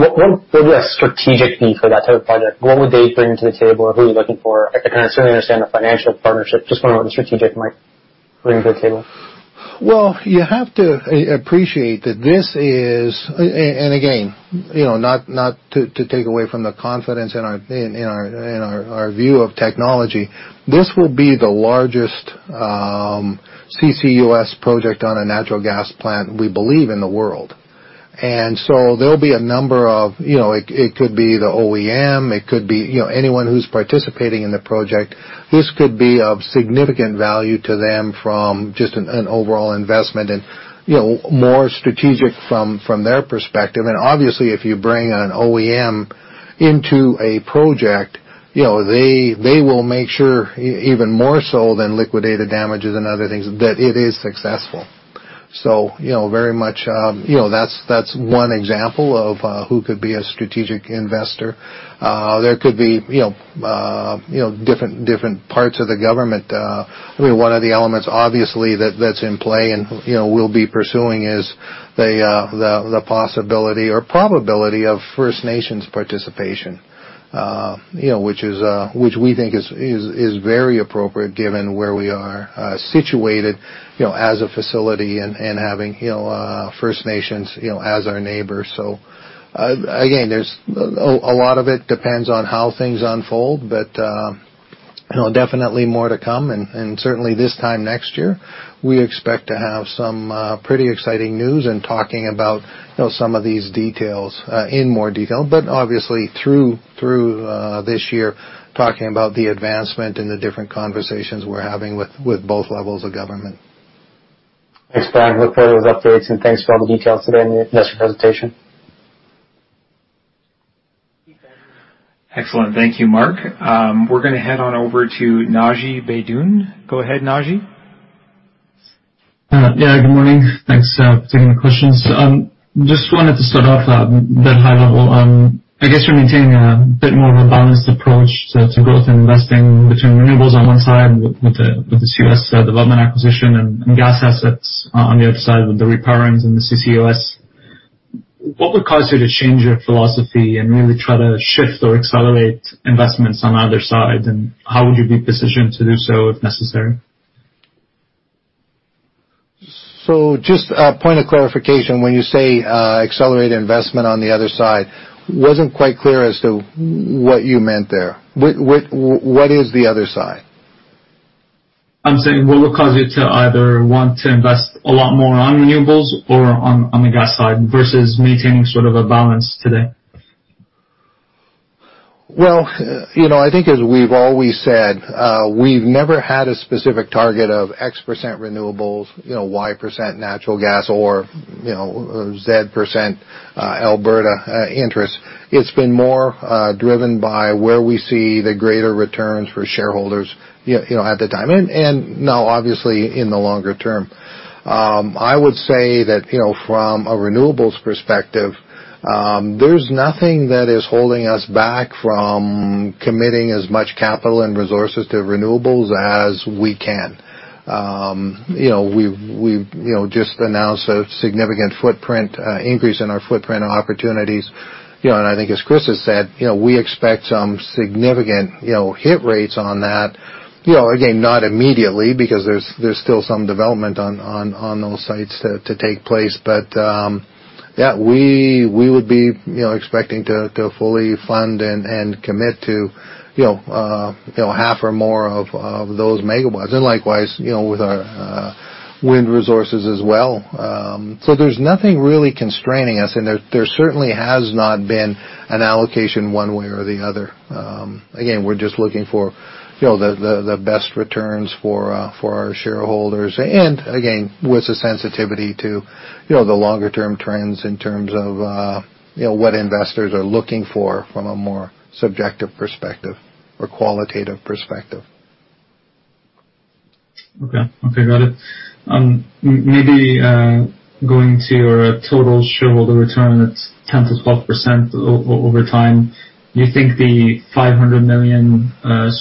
What would be a strategic need for that type of project? What would they bring to the table or who are you looking for? I can certainly understand the financial partnership. Just wondering what the strategic might bring to the table. You have to appreciate that this is. And again, you know, not to take away from the confidence in our view of technology. This will be the largest CCUS project on a natural gas plant, we believe in the world. There'll be a number of, you know, it could be the OEM, it could be, you know, anyone who's participating in the project. This could be of significant value to them from just an overall investment and, you know, more strategic from their perspective. Obviously, if you bring an OEM into a project, you know, they will make sure even more so than liquidated damages and other things, that it is successful. You know, very much, that's one example of who could be a strategic investor. There could be, you know, different parts of the government. I mean, one of the elements, obviously, that's in play and, you know, we'll be pursuing is the possibility or probability of First Nations participation, you know, which we think is very appropriate given where we are situated, you know, as a facility and having, you know, First Nations, you know, as our neighbors. Again, there's a lot of it depends on how things unfold, but, you know, definitely more to come. Certainly this time next year, we expect to have some pretty exciting news and talking about, you know, some of these details in more detail. Obviously, through this year talking about the advancement and the different conversations we're having with both levels of government. Thanks, Brian. I look forward to those updates, and thanks for all the details today in the investor presentation. Excellent. Thank you, Mark. We're gonna head on over to Naji Baydoun. Go ahead, Naji. Yeah, good morning. Thanks. Taking the questions. Just wanted to start off, a bit high level. I guess you're maintaining a bit more of a balanced approach to growth and investing between renewables on one side with the CCUS development acquisition and gas assets on the other side with the repowerings and the CCUS. What would cause you to change your philosophy and really try to shift or accelerate investments on the other side? How would you be positioned to do so if necessary? Just a point of clarification. When you say, accelerate investment on the other side, wasn't quite clear as to what you meant there. What is the other side? I'm saying, what would cause you to either want to invest a lot more on renewables or on the gas side versus maintaining sort of a balance today? Well, you know, I think as we've always said, we've never had a specific target of X% renewables, you know, Y% natural gas or, you know, Z% Alberta interest. It's been more driven by where we see the greater returns for shareholders, you know, at the time. Now obviously in the longer term. I would say that, you know, from a renewables perspective, there's nothing that is holding us back from committing as much capital and resources to renewables as we can. You know, we've you know, just announced a significant footprint increase in our footprint opportunities. You know, I think as Chris has said, you know, we expect some significant hit rates on that. You know, again, not immediately because there's still some development on those sites to take place. Yeah, we would be, you know, expecting to fully fund and commit to, you know, half or more of those megawatts. Likewise, you know, with our wind resources as well. There's nothing really constraining us, and there certainly has not been an allocation one way or the other. Again, we're just looking for, you know, the best returns for our shareholders and again, with a sensitivity to, you know, the longer term trends in terms of, you know, what investors are looking for from a more subjective perspective or qualitative perspective. Got it. Maybe going to your total shareholder return that's 10%-12% over time. You think the 500 million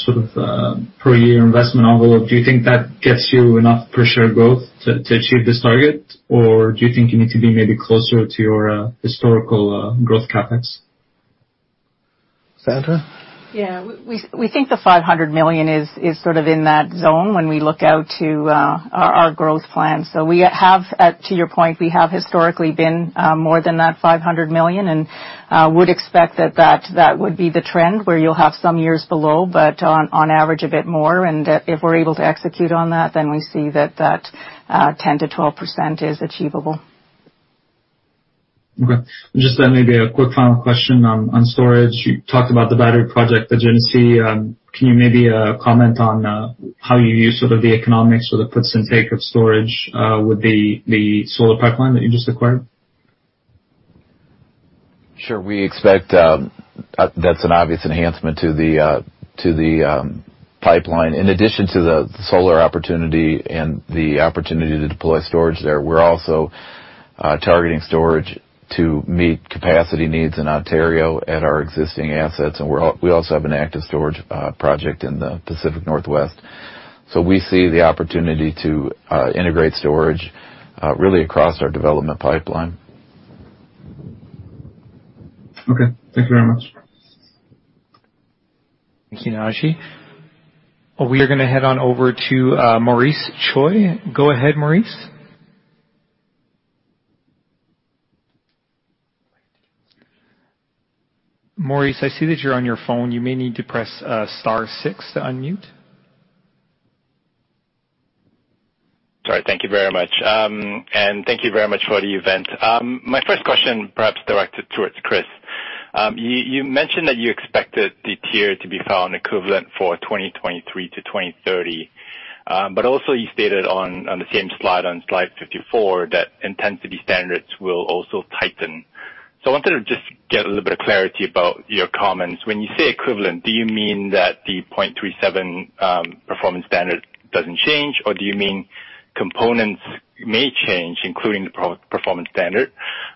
sort of per year investment envelope, do you think that gets you enough per share growth to achieve this target? Or do you think you need to be maybe closer to your historical growth CapEx? Sandra? Yeah. We think the 500 million is sort of in that zone when we look out to our growth plans. We have, to your point, we have historically been more than that 500 million, and would expect that would be the trend where you'll have some years below, but on average a bit more. If we're able to execute on that, then we see that 10%-12% is achievable. Okay. Just then maybe a quick final question on storage. You talked about the battery project at Genesee. Can you maybe comment on how you view sort of the economics or the puts and take of storage with the solar pipeline that you just acquired? Sure. We expect that's an obvious enhancement to the pipeline. In addition to the solar opportunity and the opportunity to deploy storage there, we're also targeting storage to meet capacity needs in Ontario at our existing assets. We also have an active storage project in the Pacific Northwest. We see the opportunity to integrate storage really across our development pipeline. Okay. Thank you very much. Thank you, Naji. We are gonna head on over to Maurice Choy. Go ahead, Maurice. Maurice, I see that you're on your phone. You may need to press star six to unmute. Sorry. Thank you very much. Thank you very much for the event. My first question, perhaps directed towards Chris. You mentioned that you expected the TIER to be found equivalent for 2023 to 2030. But also you stated on the same slide, on slide 54, that intensity standards will also tighten. I wanted to just get a little bit of clarity about your comments. When you say equivalent, do you mean that the 0.37 performance standard doesn't change, or do you mean components may change, including the per-performance standard?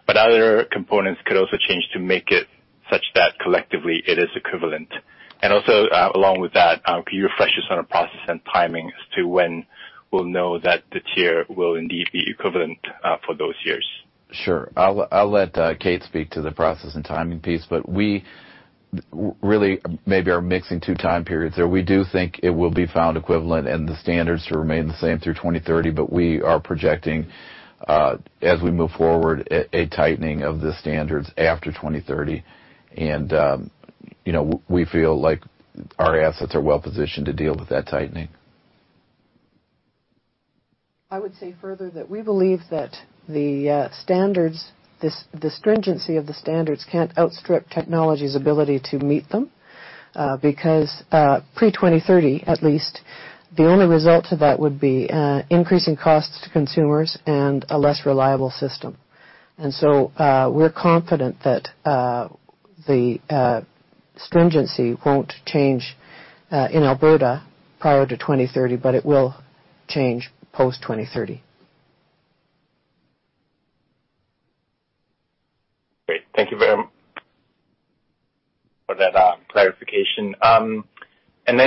Other components could also change to make it such that collectively it is equivalent. Also, along with that, can you refresh us on the process and timing as to when we'll know that the tier will indeed be equivalent, for those years? Sure. I'll let Kate speak to the process and timing piece, but we really maybe are mixing two time periods there. We do think it will be found equivalent and the standards to remain the same through 2030, but we are projecting, as we move forward, a tightening of the standards after 2030. You know, we feel like our assets are well-positioned to deal with that tightening. I would say further that we believe that the standards, the stringency of the standards can't outstrip technology's ability to meet them. Because pre-2030, at least, the only result to that would be increasing costs to consumers and a less reliable system. We're confident that the stringency won't change in Alberta prior to 2030, but it will change post 2030. Great. Thank you for that clarification.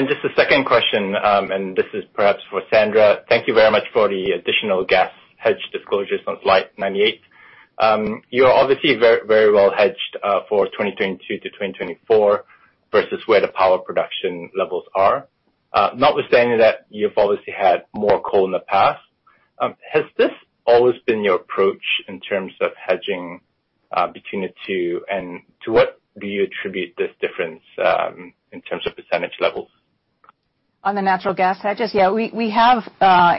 Just a second question, and this is perhaps for Sandra. Thank you very much for the additional gas hedge disclosures on slide 98. You're obviously very, very well hedged for 2022-2024 versus where the power production levels are. Notwithstanding that you've obviously had more coal in the past, has this always been your approach in terms of hedging between the two? And to what do you attribute this difference in terms of percentage levels? On the natural gas hedges? Yeah, we have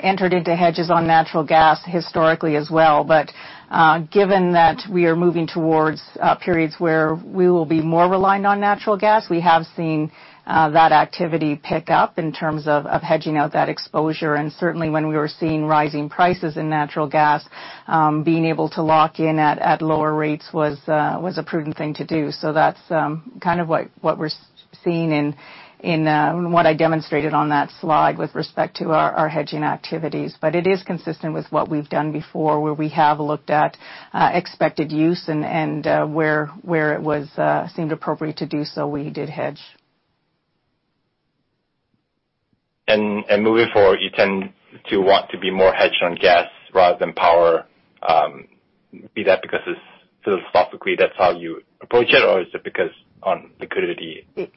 entered into hedges on natural gas historically as well. Given that we are moving towards periods where we will be more reliant on natural gas, we have seen that activity pick up in terms of hedging out that exposure. Certainly when we were seeing rising prices in natural gas, being able to lock in at lower rates was a prudent thing to do. That's kind of what we're seeing in what I demonstrated on that slide with respect to our hedging activities. It is consistent with what we've done before, where we have looked at expected use and where it seemed appropriate to do so, we did hedge. Moving forward, you tend to want to be more hedged on gas rather than power. Be that because it's philosophically that's how you approach it or is it because on liquidity, the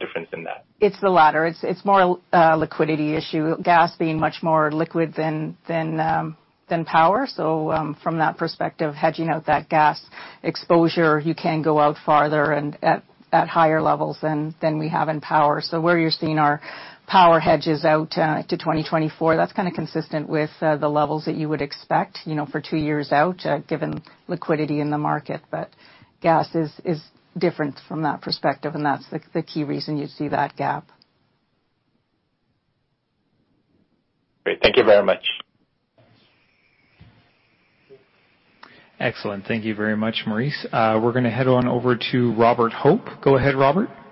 difference in that? It's the latter. It's more a liquidity issue, gas being much more liquid than power. From that perspective, hedging out that gas exposure, you can go out farther and at higher levels than we have in power. Where you're seeing our power hedges out to 2024, that's kind of consistent with the levels that you would expect, you know, for two years out, given liquidity in the market. Gas is different from that perspective, and that's the key reason you see that gap. Great. Thank you very much. Excellent. Thank you very much, Maurice. We're gonna head on over to Robert Hope. Go ahead, Robert. Yep. Thank you.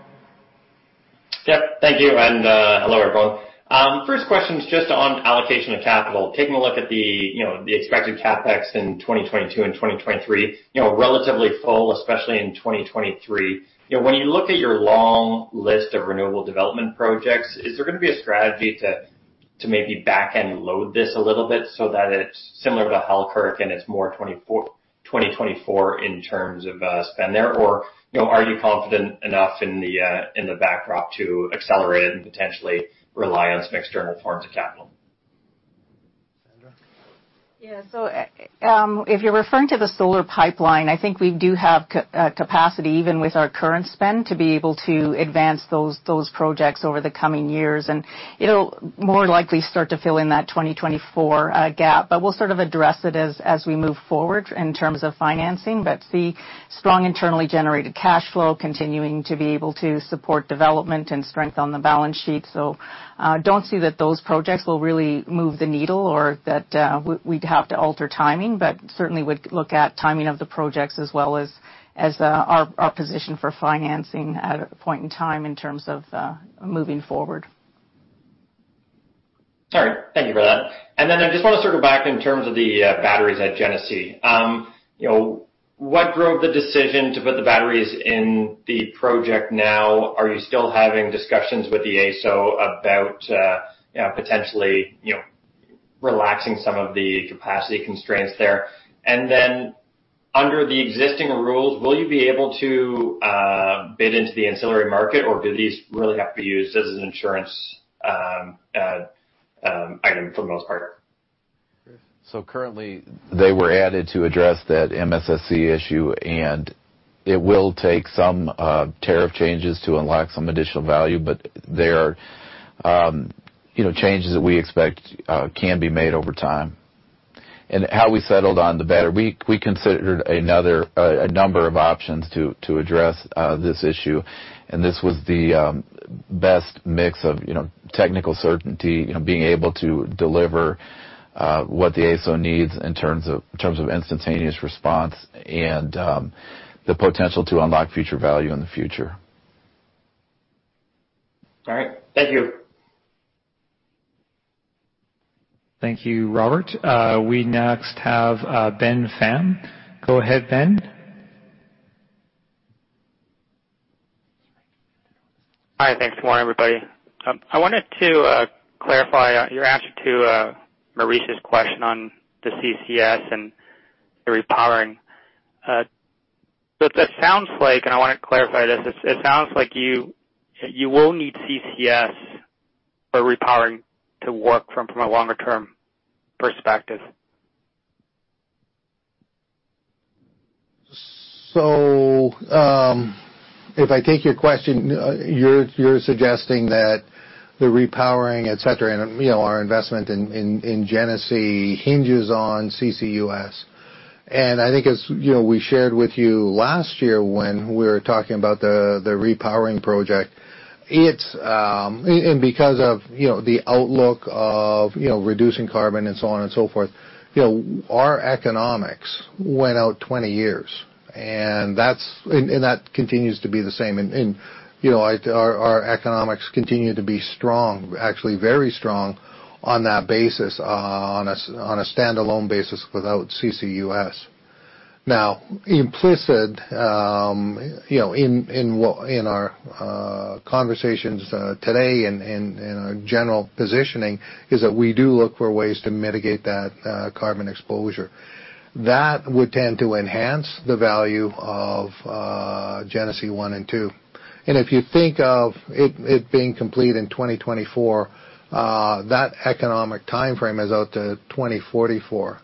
Hello, everyone. First question is just on allocation of capital. Taking a look at the expected CapEx in 2022 and 2023, relatively full, especially in 2023. When you look at your long list of renewable development projects, is there gonna be a strategy to maybe back-end load this a little bit so that it's similar to Halkirk and it's more 2024 in terms of spend there? Or are you confident enough in the backdrop to accelerate it and potentially rely on some external forms of capital? Sandra? Yeah. If you're referring to the solar pipeline, I think we do have capacity, even with our current spend, to be able to advance those projects over the coming years. It'll more likely start to fill in that 2024 gap. We'll sort of address it as we move forward in terms of financing. The strong internally generated cash flow continuing to be able to support development and strength on the balance sheet. Don't see that those projects will really move the needle or that we'd have to alter timing, but certainly would look at timing of the projects as well as our position for financing at a point in time in terms of moving forward. All right. Thank you for that. I just want to circle back in terms of the batteries at Genesee. You know, what drove the decision to put the batteries in the project now? Are you still having discussions with the AESO about, you know, potentially relaxing some of the capacity constraints there? Under the existing rules, will you be able to bid into the ancillary market, or do these really have to be used as an insurance item for the most part? Currently, they were added to address that MSSC issue, and it will take some tariff changes to unlock some additional value. But there are, you know, changes that we expect can be made over time. How we settled on the battery, we considered a number of options to address this issue, and this was the best mix of, you know, technical certainty, you know, being able to deliver what the AESO needs in terms of instantaneous response and the potential to unlock future value in the future. All right. Thank you. Thank you, Robert. We next have Benjamin Pham. Go ahead, Ben. Hi. Thanks, good morning, everybody. I wanted to clarify your answer to Maurice's question on the CCS and the repowering. It sounds like, and I want to clarify this, it sounds like you will need CCS for repowering to work from a longer-term perspective. If I take your question, you're suggesting that the repowering, et cetera, and you know, our investment in Genesee hinges on CCUS. I think as you know, we shared with you last year when we were talking about the repowering project, it's and because of you know, the outlook of you know, reducing carbon and so on and so forth, you know, our economics went out 20 years. That's and that continues to be the same. You know, our economics continue to be strong, actually very strong on that basis, on a standalone basis without CCUS. Now, implicit you know, in our conversations today and in our general positioning is that we do look for ways to mitigate that carbon exposure. That would tend to enhance the value of Genesee 1 and 2. If you think of it being complete in 2024, that economic timeframe is out to 2044.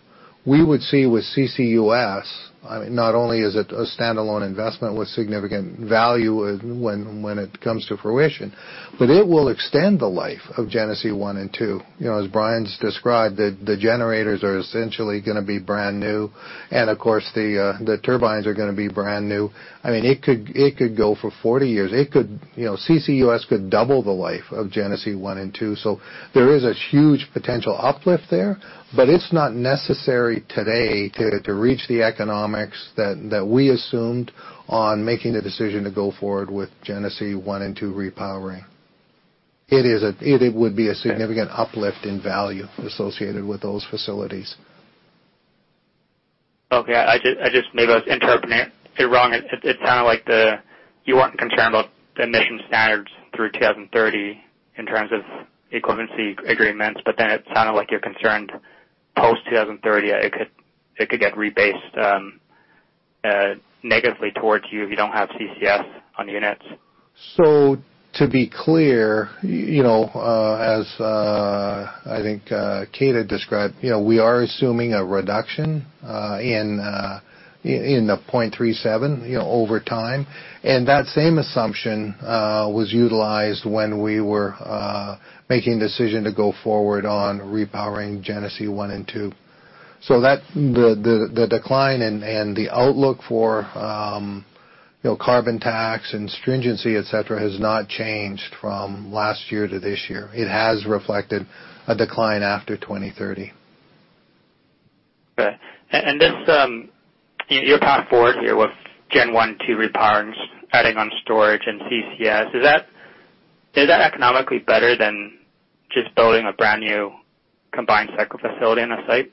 We would see with CCUS. I mean, not only is it a standalone investment with significant value when it comes to fruition, but it will extend the life of Genesee 1 and 2. You know, as Brian's described, the generators are essentially gonna be brand new. Of course, the turbines are gonna be brand new. I mean, it could go for 40 years. It could, you know, CCUS could double the life of Genesee 1 and 2. There is a huge potential uplift there. It's not necessary today to reach the economics that we assumed on making the decision to go forward with Genesee 1 and 2 repowering. It would be a significant uplift in value associated with those facilities. Okay. I just maybe I was interpreting it wrong. It sounded like you weren't concerned about the emission standards through 2030 in terms of equivalency agreements, but then it sounded like you're concerned post 2030. It could get rebased negatively towards you if you don't have CCS on the units. To be clear, you know, as I think Kate had described, you know, we are assuming a reduction in the 0.37, you know, over time. That same assumption was utilized when we were making the decision to go forward on repowering Genesee 1 and 2. That the decline and the outlook for, you know, carbon tax and stringency, et cetera, has not changed from last year to this year. It has reflected a decline after 2030. Okay. This, your path forward here with Gen 1, 2 repowerings, adding on storage and CCS, is that economically better than just building a brand-new combined cycle facility on a site?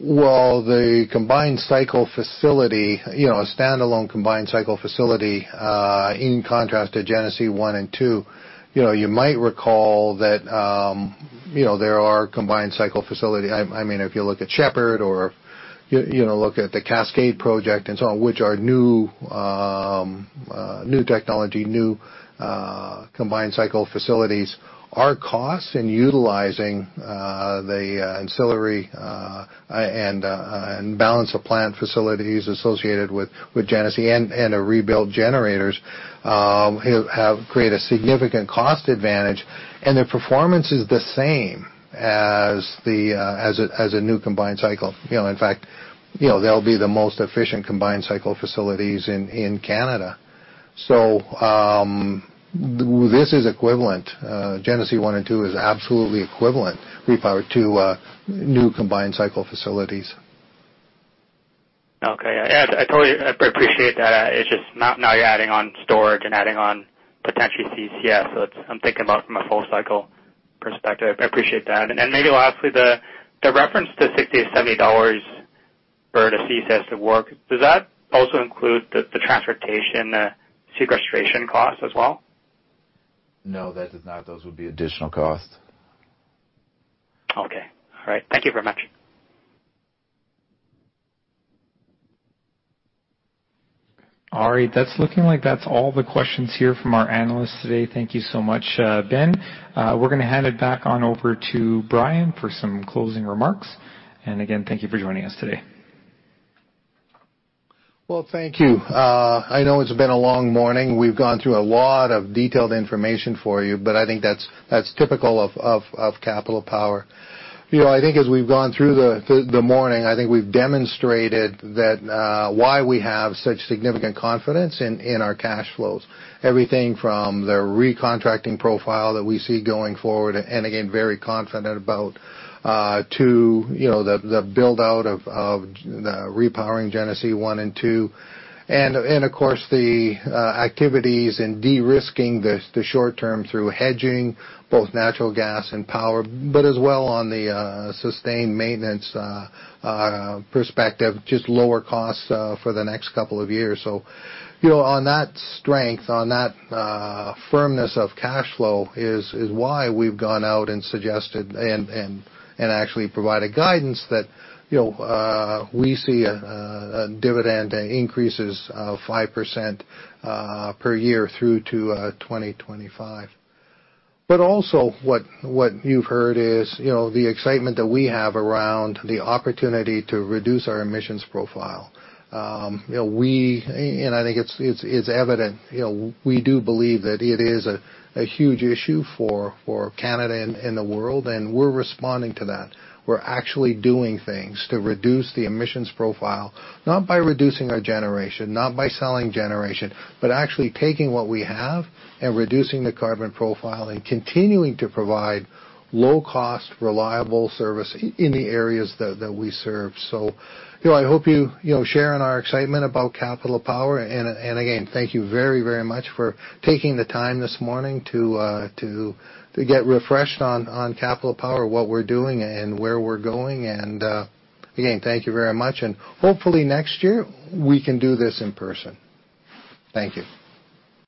Well, the combined cycle facility, you know, a standalone combined cycle facility, in contrast to Genesee 1 and 2, you know, you might recall that, you know, there are combined cycle facility. I mean, if you look at Shepard or you know, look at the Cascade project and so on, which are new technology combined cycle facilities. Our costs in utilizing the ancillary and balance of plant facilities associated with Genesee and our rebuilt generators have created a significant cost advantage, and their performance is the same as a new combined cycle. You know, in fact, you know, they'll be the most efficient combined cycle facilities in Canada. This is equivalent. Genesee 1 and 2 is absolutely equivalent repowered to new combined cycle facilities. Okay. Yeah, I totally appreciate that. It's just now you're adding on storage and adding on potentially CCS, so it's. I'm thinking about from a full cycle perspective. I appreciate that. Then maybe lastly, the reference to $60-$70 for the CCS to work, does that also include the transportation sequestration cost as well? No, that does not. Those would be additional costs. Okay. All right. Thank you very much. All right. That's all the questions here from our analysts today. Thank you so much, Ben. We're gonna hand it back on over to Brian for some closing remarks. Again, thank you for joining us today. Well, thank you. I know it's been a long morning. We've gone through a lot of detailed information for you, but I think that's typical of Capital Power. You know, I think as we've gone through the morning, I think we've demonstrated why we have such significant confidence in our cash flows. Everything from the recontracting profile that we see going forward, and again, very confident about, to you know, the build-out of the repowering Genesee 1 and 2. And of course, the activities in de-risking the short-term through hedging, both natural gas and power. But as well on the sustained maintenance perspective, just lower costs for the next couple of years. You know, on that strength, on that firmness of cash flow is why we've gone out and suggested and actually provided guidance that you know we see a dividend increases of 5% per year through to 2025. But also what you've heard is you know the excitement that we have around the opportunity to reduce our emissions profile. You know, and I think it's evident you know we do believe that it is a huge issue for Canada and the world, and we're responding to that. We're actually doing things to reduce the emissions profile, not by reducing our generation, not by selling generation, but actually taking what we have and reducing the carbon profile and continuing to provide low-cost, reliable service in the areas that we serve. You know, I hope you know, share in our excitement about Capital Power. Again, thank you very, very much for taking the time this morning to get refreshed on Capital Power, what we're doing and where we're going. Again, thank you very much. Hopefully next year we can do this in person. Thank you.